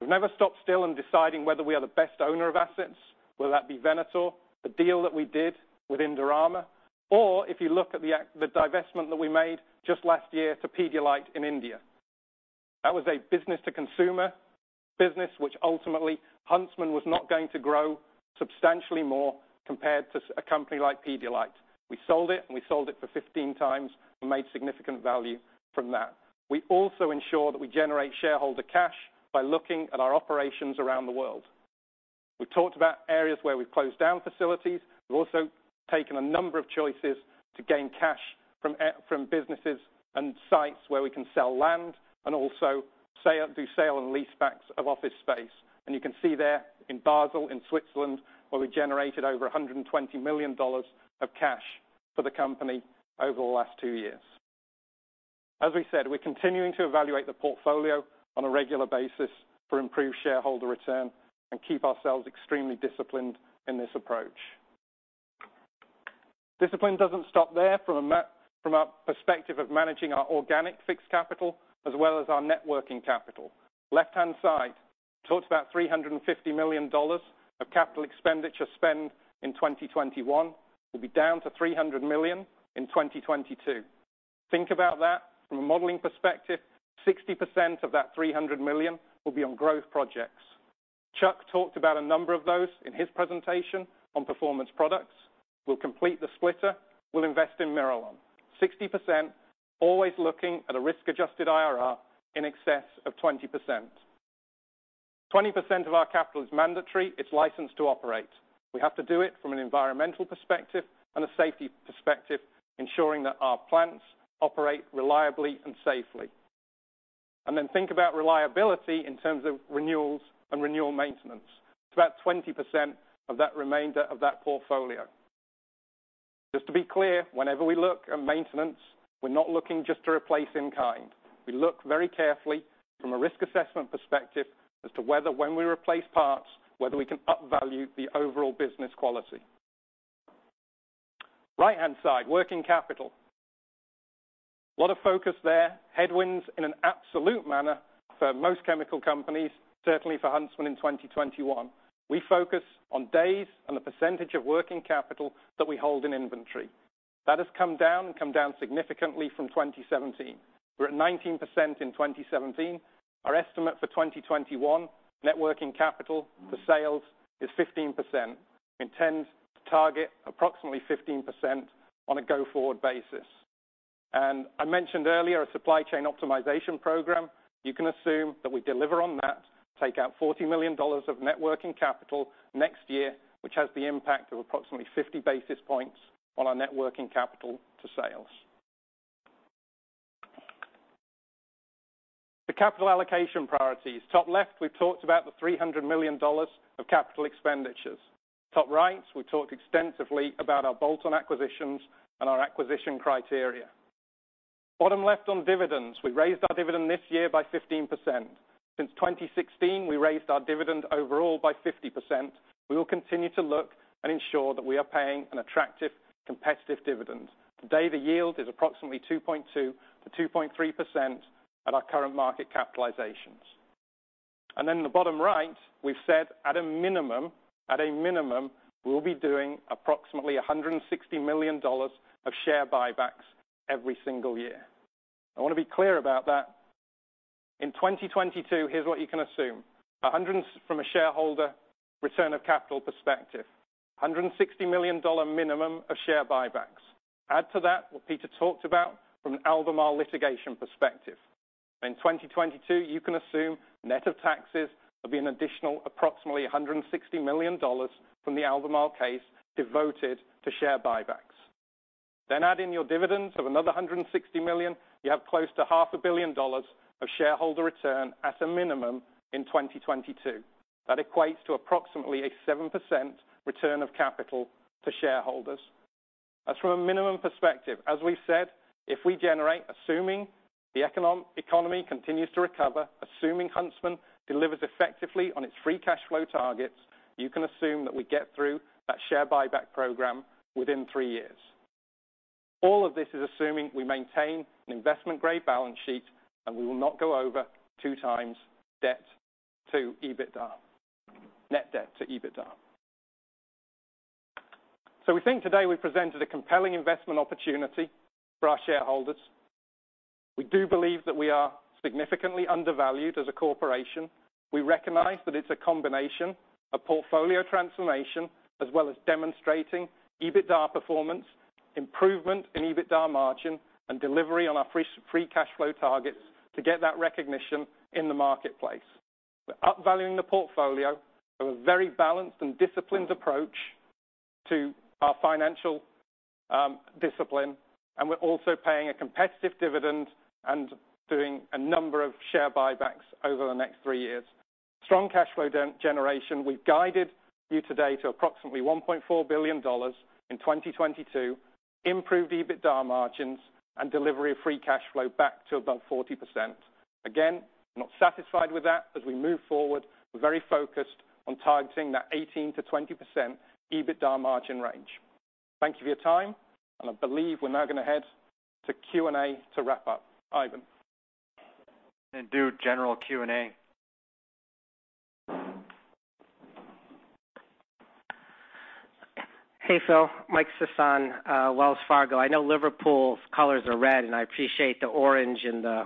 We've never stopped still in deciding whether we are the best owner of assets, whether that be Venator, the deal that we did with Indorama, or if you look at the divestment that we made just last year to Pidilite in India. That was a business-to-consumer business which ultimately Huntsman was not going to grow substantially more compared to a company like Pidilite. We sold it, and we sold it for 15x and made significant value from that. We also ensure that we generate shareholder cash by looking at our operations around the world. We've talked about areas where we've closed down facilities. We've also taken a number of choices to gain cash from businesses and sites where we can sell land and also do sale and lease backs of office space. You can see there in Basel, in Switzerland, where we generated over $120 million of cash for the company over the last two years. As we said, we're continuing to evaluate the portfolio on a regular basis to improve shareholder return and keep ourselves extremely disciplined in this approach. Discipline doesn't stop there from a perspective of managing our organic fixed capital as well as our working capital. Left-hand side, talked about $350 million of capital expenditure spend in 2021. We'll be down to $300 million in 2022. Think about that from a modeling perspective. 60% of that $300 million will be on growth projects. Chuck talked about a number of those in his presentation on Performance Products. We'll complete the splitter. We'll invest in MIRALON. 60% always looking at a risk-adjusted IRR in excess of 20%. 20% of our capital is mandatory. It's licensed to operate. We have to do it from an environmental perspective and a safety perspective, ensuring that our plants operate reliably and safely. Then think about reliability in terms of renewals and renewal maintenance. It's about 20% of that remainder of that portfolio. Just to be clear, whenever we look at maintenance, we're not looking just to replace in kind. We look very carefully from a risk assessment perspective as to whether when we replace parts, whether we can up value the overall business quality. Right-hand side, working capital. A lot of focus there. Headwinds in an absolute manner for most chemical companies, certainly for Huntsman in 2021. We focus on days and the percentage of working capital that we hold in inventory. That has come down significantly from 2017. We're at 19% in 2017. Our estimate for 2021, net working capital for sales is 15%. We intend to target approximately 15% on a go-forward basis. I mentioned earlier a supply chain optimization program. You can assume that we deliver on that, take out $40 million of net working capital next year, which has the impact of approximately 50 basis points on our net working capital to sales. The capital allocation priorities. Top left, we've talked about the $300 million of capital expenditures. Top right, we talked extensively about our bolt-on acquisitions and our acquisition criteria. Bottom left on dividends, we raised our dividend this year by 15%. Since 2016, we raised our dividend overall by 50%. We will continue to look and ensure that we are paying an attractive, competitive dividend. Today, the yield is approximately 2.2%-2.3% at our current market capitalizations. In the bottom right, we've said at a minimum, we'll be doing approximately $160 million of share buybacks every single year. I wanna be clear about that. In 2022, here's what you can assume. From a shareholder return of capital perspective, $160 million minimum of share buybacks. Add to that what Peter talked about from an Albemarle litigation perspective. In 2022, you can assume net of taxes will be an additional approximately $160 million from the Albemarle case devoted to share buybacks. Add in your dividends of another $160 million, you have close to half a billion dollars of shareholder return at a minimum in 2022. That equates to approximately 7% return of capital to shareholders. That's from a minimum perspective. As we've said, if we generate, assuming the economy continues to recover, assuming Huntsman delivers effectively on its free cash flow targets, you can assume that we get through that share buyback program within three years. All of this is assuming we maintain an investment grade balance sheet, and we will not go over 2x debt to EBITDA, net debt to EBITDA. We think today we presented a compelling investment opportunity for our shareholders. We do believe that we are significantly undervalued as a corporation. We recognize that it's a combination of portfolio transformation as well as demonstrating EBITDA performance, improvement in EBITDA margin, and delivery on our free cash flow targets to get that recognition in the marketplace. We're up-valuing the portfolio with a very balanced and disciplined approach to our financial discipline, and we're also paying a competitive dividend and doing a number of share buybacks over the next three years. Strong cash flow generation, we've guided you today to approximately $1.4 billion in 2022, improved EBITDA margins and delivery of free cash flow back to above 40%. Again, not satisfied with that as we move forward, we're very focused on targeting that 18%-20% EBITDA margin range. Thank you for your time, and I believe we're now gonna head to Q&A to wrap up. Ivan? Do general Q&A. Hey, Phil, Mike Sison, Wells Fargo. I know Liverpool's colors are red, and I appreciate the orange and the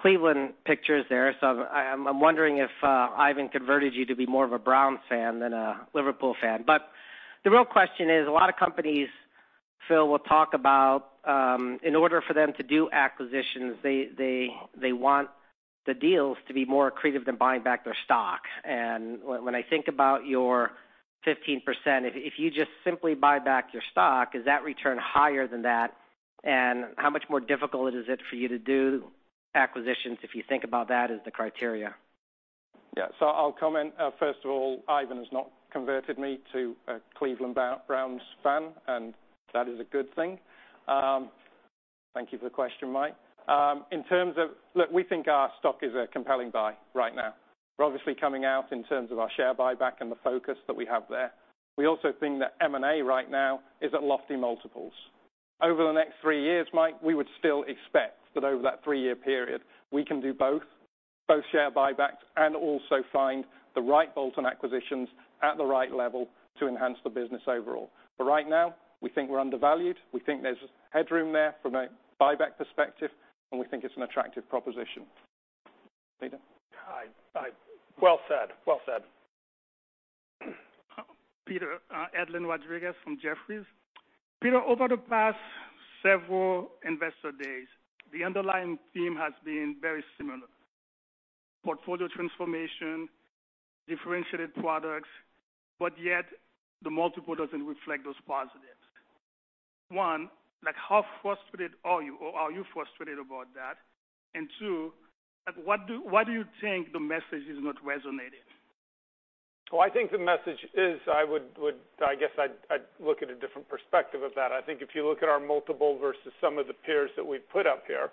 Cleveland pictures there. I'm wondering if Ivan converted you to be more of a Browns fan than a Liverpool fan. The real question is, a lot of companies, Phil, will talk about in order for them to do acquisitions, they want the deals to be more accretive than buying back their stock. When I think about your 15%, if you just simply buy back your stock, is that return higher than that? How much more difficult is it for you to do acquisitions if you think about that as the criteria? Yeah. I'll comment. First of all, Ivan has not converted me to a Cleveland Browns fan, and that is a good thing. Thank you for the question, Mike. Look, we think our stock is a compelling buy right now. We're obviously coming out in terms of our share buyback and the focus that we have there. We also think that M&A right now is at lofty multiples. Over the next three years, Mike, we would still expect that over that three-year period, we can do both share buybacks and also find the right bolt-on acquisitions at the right level to enhance the business overall. Right now, we think we're undervalued, we think there's headroom there from a buyback perspective, and we think it's an attractive proposition. Peter? Well said. Well said. Peter, Edlain Rodriguez from Jefferies. Peter, over the past several investor days, the underlying theme has been very similar. Portfolio transformation, differentiated products, but yet the multiple doesn't reflect those positives. One, like how frustrated are you, or are you frustrated about that? And two, like why do you think the message is not resonating? I think the message is I would—I guess I'd look at a different perspective of that. I think if you look at our multiple versus some of the peers that we've put up here,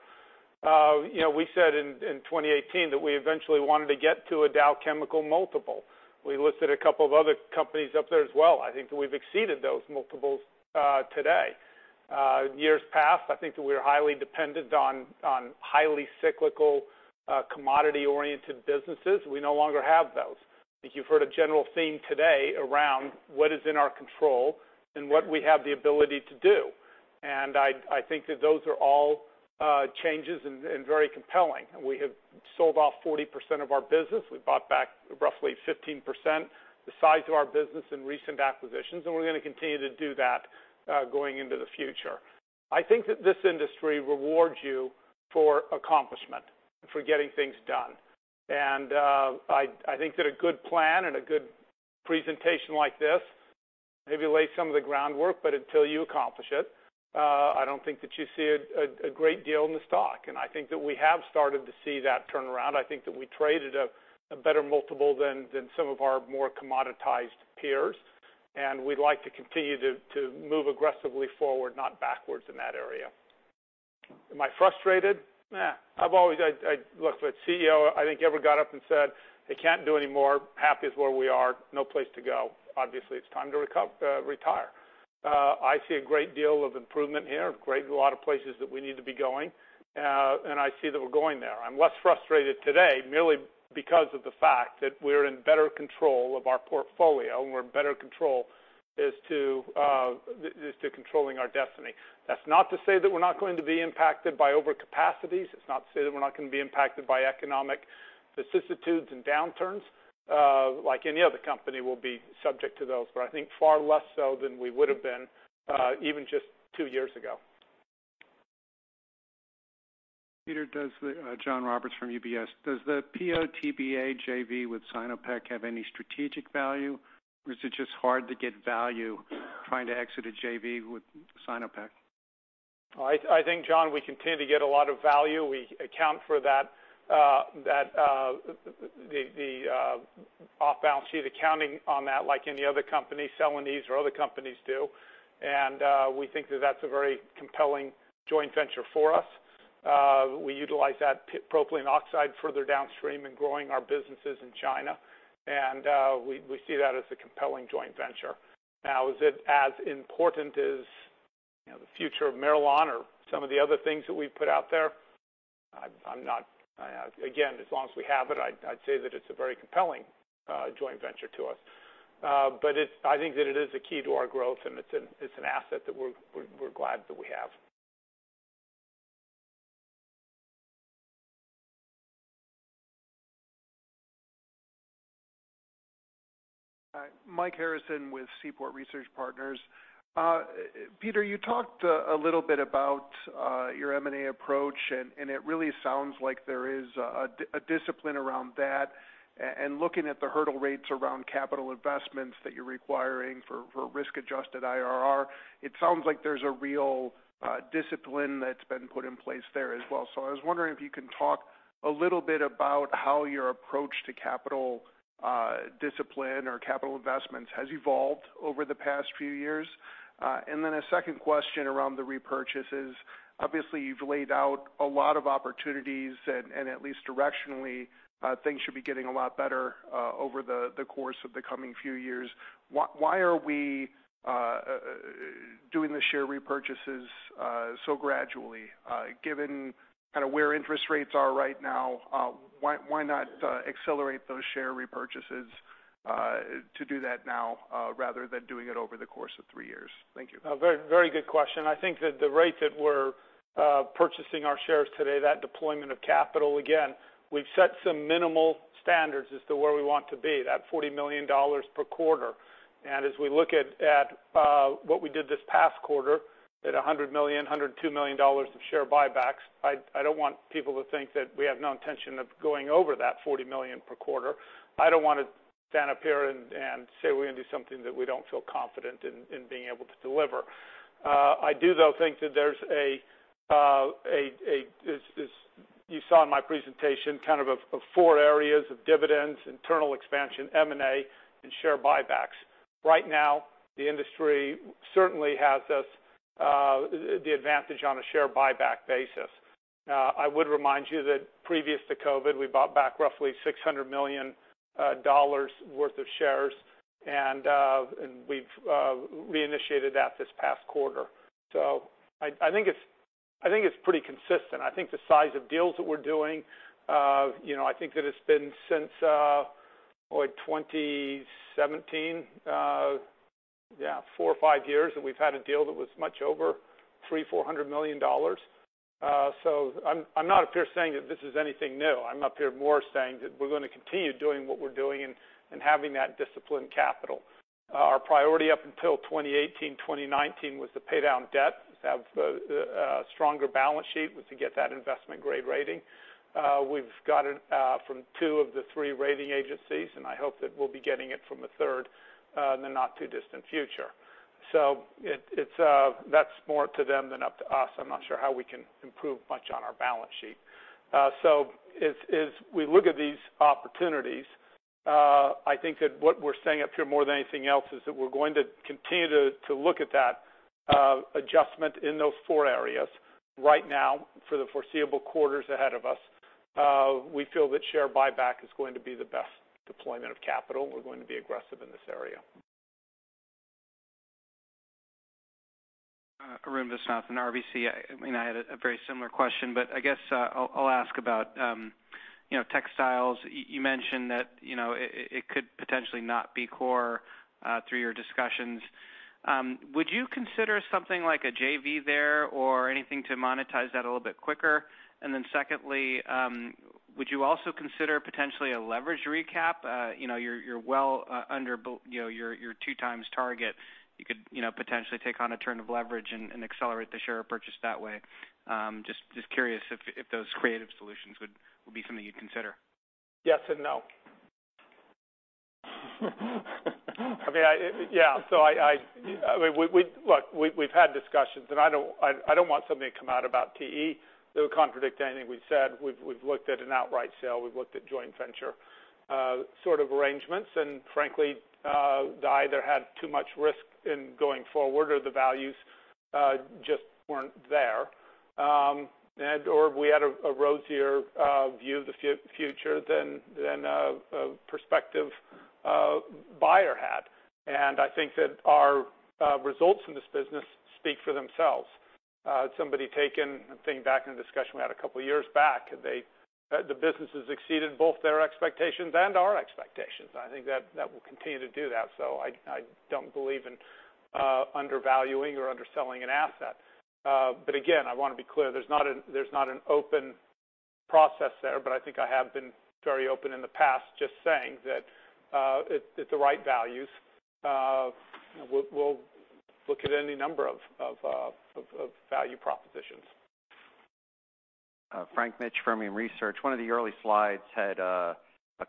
you know, we said in 2018 that we eventually wanted to get to a Dow multiple. We listed a couple of other companies up there as well. I think that we've exceeded those multiples today. In years past, I think that we were highly dependent on highly cyclical commodity-oriented businesses. We no longer have those. I think you've heard a general theme today around what is in our control and what we have the ability to do. I think that those are all changes and very compelling. We have sold off 40% of our business. We bought back roughly 15% the size of our business in recent acquisitions, and we're gonna continue to do that, going into the future. I think that this industry rewards you for accomplishment, for getting things done. I think that a good plan and a good presentation like this maybe lay some of the groundwork, but until you accomplish it, I don't think that you see a great deal in the stock. I think that we have started to see that turnaround. I think that we trade at a better multiple than some of our more commoditized peers. We'd like to continue to move aggressively forward, not backwards in that area. Am I frustrated? Nah. I've always Look, if a CEO I think ever got up and said, "They can't do any more. Happy is where we are. No place to go," obviously it's time to retire. I see a great deal of improvement here, a great deal of places that we need to be going, and I see that we're going there. I'm less frustrated today merely because of the fact that we're in better control of our portfolio, and we're in better control as to controlling our destiny. That's not to say that we're not going to be impacted by overcapacities. It's not to say that we're not gonna be impacted by economic vicissitudes and downturns. Like any other company, we'll be subject to those, but I think far less so than we would've been, even just two years ago. Peter, John Roberts from UBS. Does the PO/MTBE JV with Sinopec have any strategic value, or is it just hard to get value trying to exit a JV with Sinopec? I think, John, we continue to get a lot of value. We account for that off-balance sheet accounting on that like any other company, Celanese or other companies do. We think that that's a very compelling joint venture for us. We utilize that propylene oxide further downstream in growing our businesses in China. We see that as a compelling joint venture. Now, is it as important as, you know, the future of MIRALON or some of the other things that we've put out there? I'm not. Again, as long as we have it, I'd say that it's a very compelling joint venture to us. I think that it is a key to our growth, and it's an asset that we're glad that we have. Hi, Mike Harrison with Seaport Research Partners. Peter, you talked a little bit about your M&A approach, and it really sounds like there is a discipline around that. Looking at the hurdle rates around capital investments that you're requiring for risk-adjusted IRR, it sounds like there's a real discipline that's been put in place there as well. I was wondering if you can talk a little bit about how your approach to capital discipline or capital investments has evolved over the past few years. Then a second question around the repurchases. Obviously, you've laid out a lot of opportunities, and at least directionally, things should be getting a lot better over the course of the coming few years. Why are we doing the share repurchases so gradually? Given kind of where interest rates are right now, why not accelerate those share repurchases to do that now rather than doing it over the course of three years? Thank you. Very, very good question. I think that the rate that we're purchasing our shares today, that deployment of capital, again, we've set some minimal standards as to where we want to be, that $40 million per quarter. As we look at what we did this past quarter, at $100 million, $102 million of share buybacks, I don't want people to think that we have no intention of going over that $40 million per quarter. I don't wanna stand up here and say we're gonna do something that we don't feel confident in being able to deliver. I do, though, think that there's this you saw in my presentation kind of four areas of dividends, internal expansion, M&A, and share buybacks. Right now, the industry certainly has us the advantage on a share buyback basis. I would remind you that previous to COVID, we bought back roughly $600 million worth of shares, and we've reinitiated that this past quarter. I think it's pretty consistent. I think the size of deals that we're doing, you know, I think that it's been since 2017, yeah, 4 or 5 years that we've had a deal that was much over $300-$400 million. I'm not up here saying that this is anything new. I'm up here more saying that we're gonna continue doing what we're doing and having that disciplined capital. Our priority up until 2018, 2019 was to pay down debt, to have a stronger balance sheet, was to get that investment-grade rating. We've got it from two of the three rating agencies, and I hope that we'll be getting it from the third in the not too distant future. It's more up to them than up to us. I'm not sure how we can improve much on our balance sheet. As we look at these opportunities, I think that what we're saying up here more than anything else is that we're going to continue to look at that adjustment in those four areas. Right now, for the foreseeable quarters ahead of us, we feel that share buyback is going to be the best deployment of capital. We're going to be aggressive in this area. Arun Viswanathan, RBC. I mean, I had a very similar question, but I guess I'll ask about, you know, textiles. You mentioned that, you know, it could potentially not be core through your discussions. Would you consider something like a JV there or anything to monetize that a little bit quicker? And then secondly, would you also consider potentially a leverage recap? You know, you're well under your 2x target. You could potentially take on a turn of leverage and accelerate the share purchase that way. Just curious if those creative solutions would be something you'd consider. Yes and no. I mean, yeah, so I mean, look, we've had discussions, and I don't want something to come out about TE that would contradict anything we've said. We've looked at an outright sale. We've looked at joint venture arrangements. Frankly, they either had too much risk in going forward or the values just weren't there. Or we had a rosier view of the future than a prospective buyer had. I think that our results in this business speak for themselves. Somebody took a thing back in a discussion we had a couple years back, they, the business has exceeded both their expectations and our expectations. I think that will continue to do that, so I don't believe in undervaluing or underselling an asset. But again, I wanna be clear, there's not an open process there, but I think I have been very open in the past just saying that, at the right values, you know, we'll look at any number of value propositions. Frank Mitsch from Fermium Research. One of the early slides had a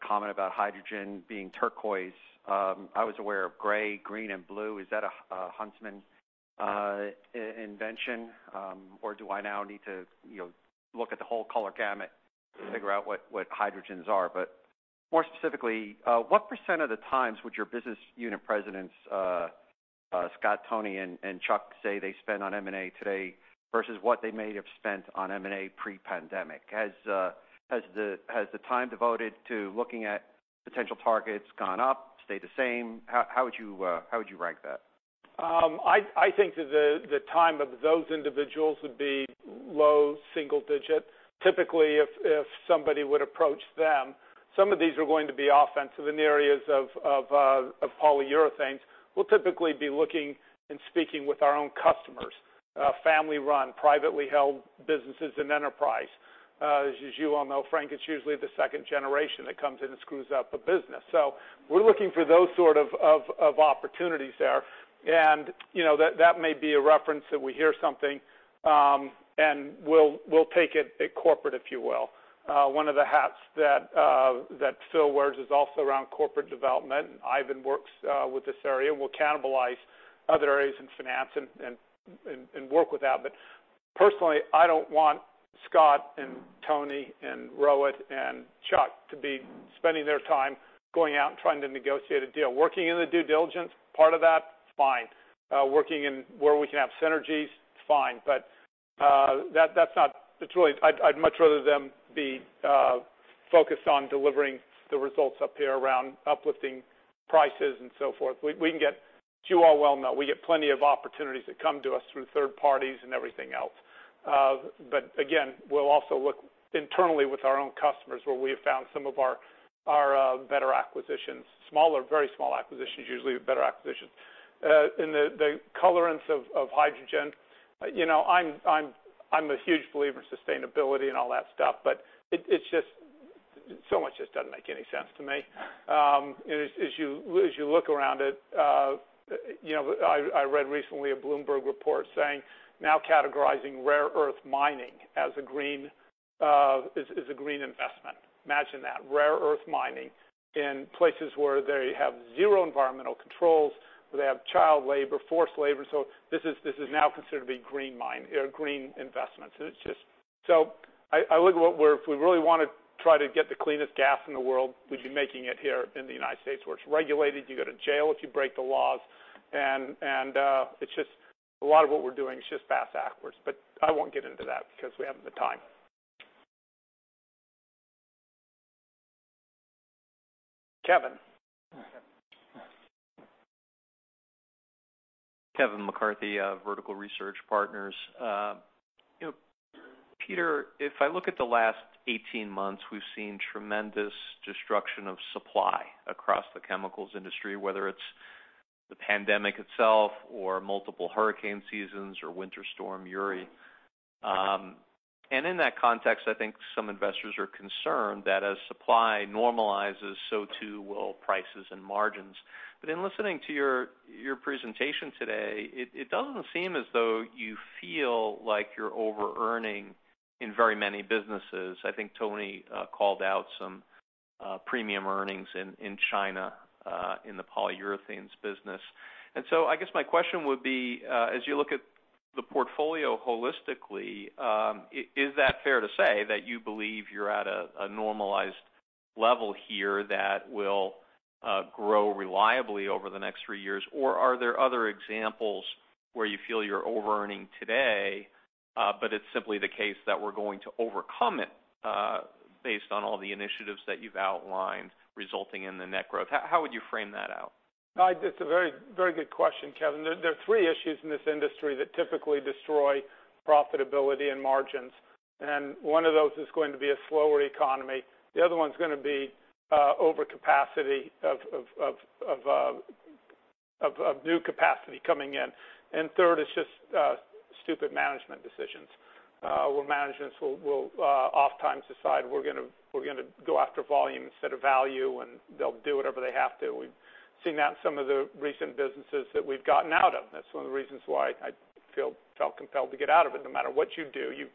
comment about hydrogen being turquoise. I was aware of gray, green and blue. Is that a Huntsman invention or do I now need to, you know, look at the whole color gamut to figure out what hydrogens are? But more specifically, what percent of the times would your business unit presidents, Scott, Tony and Chuck say they spend on M&A today versus what they may have spent on M&A pre-pandemic? Has the time devoted to looking at potential targets gone up, stayed the same? How would you rank that? I think that the time of those individuals would be low single digit. Typically, if somebody would approach them, some of these are going to be offensive in areas of polyurethanes. We'll typically be looking and speaking with our own customers, family-run, privately held businesses and enterprises. As you all know, Frank, it's usually the second generation that comes in and screws up a business. We're looking for those sort of opportunities there. You know, that may be a reference that we hear something, and we'll take it corporate, if you will. One of the hats that Phil wears is also around corporate development. Ivan works with this area, and we'll cannibalize other areas in finance and work with that. Personally, I don't want Scott and Tony and Rohit and Chuck to be spending their time going out and trying to negotiate a deal. Working in the due diligence part of that, fine. Working in where we can have synergies, fine. That's not it. It's really I'd much rather them be focused on delivering the results up here around uplifting prices and so forth. You all well know, we get plenty of opportunities that come to us through third parties and everything else. Again, we'll also look internally with our own customers, where we have found some of our better acquisitions. Smaller, very small acquisitions, usually the better acquisitions. The color on the horizon. You know, I'm a huge believer in sustainability and all that stuff, but it's just so much just doesn't make any sense to me. As you look around it, you know, I read recently a Bloomberg report saying now categorizing rare earth mining as a green investment. Imagine that, rare earth mining in places where they have zero environmental controls, where they have child labor, forced labor. This is now considered to be green investments. It's just. I look at if we really wanna try to get the cleanest gas in the world, we'd be making it here in the United States where it's regulated. You go to jail if you break the laws. It's just a lot of what we're doing is just fast backwards. I won't get into that because we haven't the time. Kevin. Kevin McCarthy, Vertical Research Partners. You know, Peter, if I look at the last 18 months, we've seen tremendous destruction of supply across the chemicals industry, whether it's the pandemic itself or multiple hurricane seasons or Winter Storm Uri. In that context, I think some investors are concerned that as supply normalizes, so too will prices and margins. In listening to your presentation today, it doesn't seem as though you feel like you're overearning in very many businesses. I think Tony called out some premium earnings in China in the polyurethanes business. I guess my question would be, as you look at the portfolio holistically, is that fair to say that you believe you're at a normalized level here that will grow reliably over the next three years? Are there other examples where you feel you're overearning today, but it's simply the case that we're going to overcome it, based on all the initiatives that you've outlined resulting in the net growth? How would you frame that out? It's a very, very good question, Kevin. There are three issues in this industry that typically destroy profitability and margins, and one of those is going to be a slower economy. The other one's gonna be overcapacity of new capacity coming in. Third is just stupid management decisions, where managements will ofttimes decide we're gonna go after volume instead of value, and they'll do whatever they have to. We've seen that in some of the recent businesses that we've gotten out of. That's one of the reasons why I felt compelled to get out of it. No matter what you do, you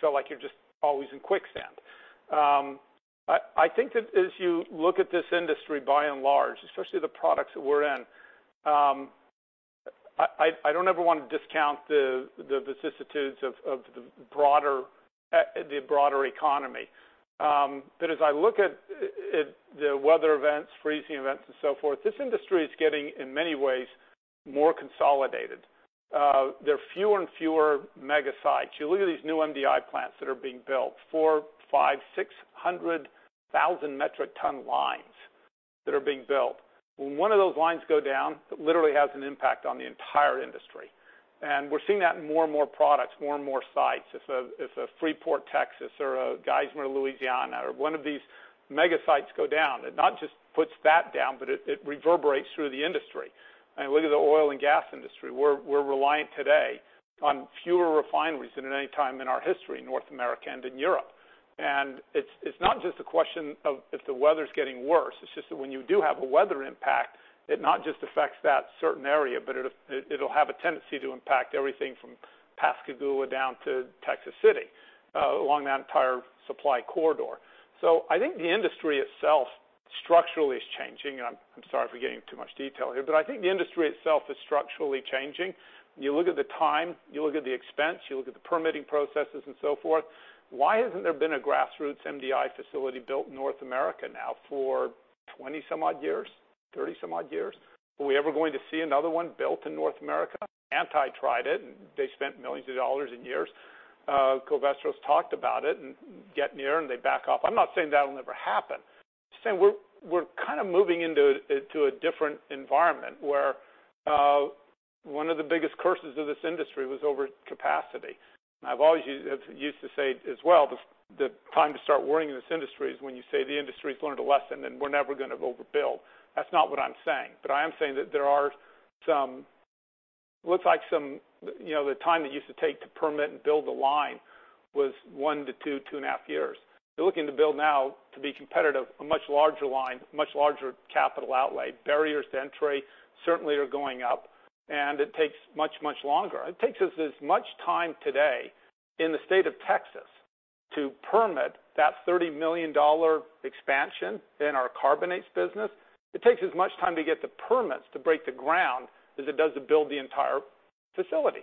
feel like you're just always in quicksand. I think that as you look at this industry, by and large, especially the products that we're in, I don't ever want to discount the vicissitudes of the broader economy. As I look at the weather events, freezing events and so forth, this industry is getting, in many ways, more consolidated. There are fewer and fewer mega sites. You look at these new MDI plants that are being built, 400,000-600,000 metric ton lines that are being built. When one of those lines go down, it literally has an impact on the entire industry. We're seeing that in more and more products, more and more sites. If a Freeport, Texas or a Geismar, Louisiana or one of these mega sites go down, it not just puts that down, but it reverberates through the industry. Look at the oil and gas industry. We're reliant today on fewer refineries than at any time in our history, North America and in Europe. It's not just a question of if the weather's getting worse. It's just that when you do have a weather impact, it not just affects that certain area, but it'll have a tendency to impact everything from Pascagoula down to Texas City along that entire supply corridor. I think the industry itself structurally is changing. I'm sorry for getting into too much detail here, but I think the industry itself is structurally changing. You look at the time, you look at the expense, you look at the permitting processes, and so forth. Why hasn't there been a grassroots MDI facility built in North America now for 20-some-odd years, 30-some-odd years? Are we ever going to see another one built in North America? INEOS tried it, and they spent $ millions and years. Covestro's talked about it and got near, and they back off. I'm not saying that'll never happen. Just saying we're kind of moving into a different environment, where one of the biggest curses of this industry was overcapacity. I've always used to say as well, the time to start worrying in this industry is when you say the industry's learned a lesson, and we're never gonna overbuild. That's not what I'm saying. I am saying that there are some, you know, the time it used to take to permit and build a line was 1-2, 2.5 years. You're looking to build now, to be competitive, a much larger line, much larger capital outlay. Barriers to entry certainly are going up, and it takes much, much longer. It takes us as much time today in the state of Texas to permit that $30 million expansion in our carbonates business. It takes as much time to get the permits to break the ground as it does to build the entire facility.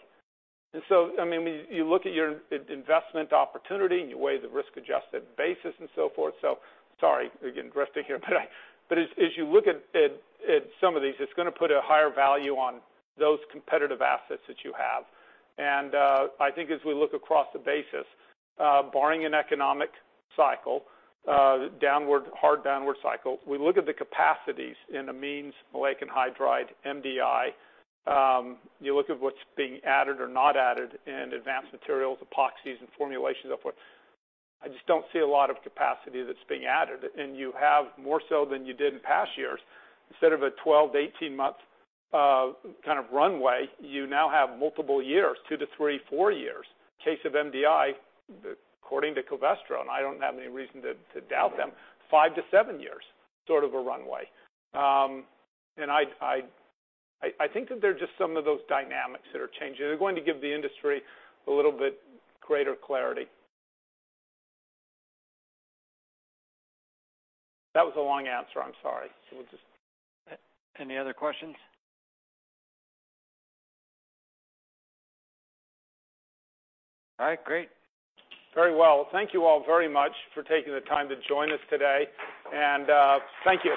I mean, when you look at your investment opportunity, and you weigh the risk-adjusted basis and so forth. Sorry, we're getting drastic here, but as you look at some of these, it's gonna put a higher value on those competitive assets that you have. I think as we look across the business, barring a hard downward economic cycle, we look at the capacities in amines, maleic anhydride, MDI. You look at what's being added or not added in advanced materials, epoxies and formulations, so forth. I just don't see a lot of capacity that's being added. You have more so than you did in past years. Instead of a 12- to 18-month kind of runway, you now have multiple years, 2- to 3-, 4 years. In the case of MDI, according to Covestro, and I don't have any reason to doubt them, 5- to 7 years, sort of a runway. I think that they're just some of those dynamics that are changing. They're going to give the industry a little bit greater clarity. That was a long answer, I'm sorry. We'll just- Any other questions? All right, great. Very well. Thank you all very much for taking the time to join us today. Thank you.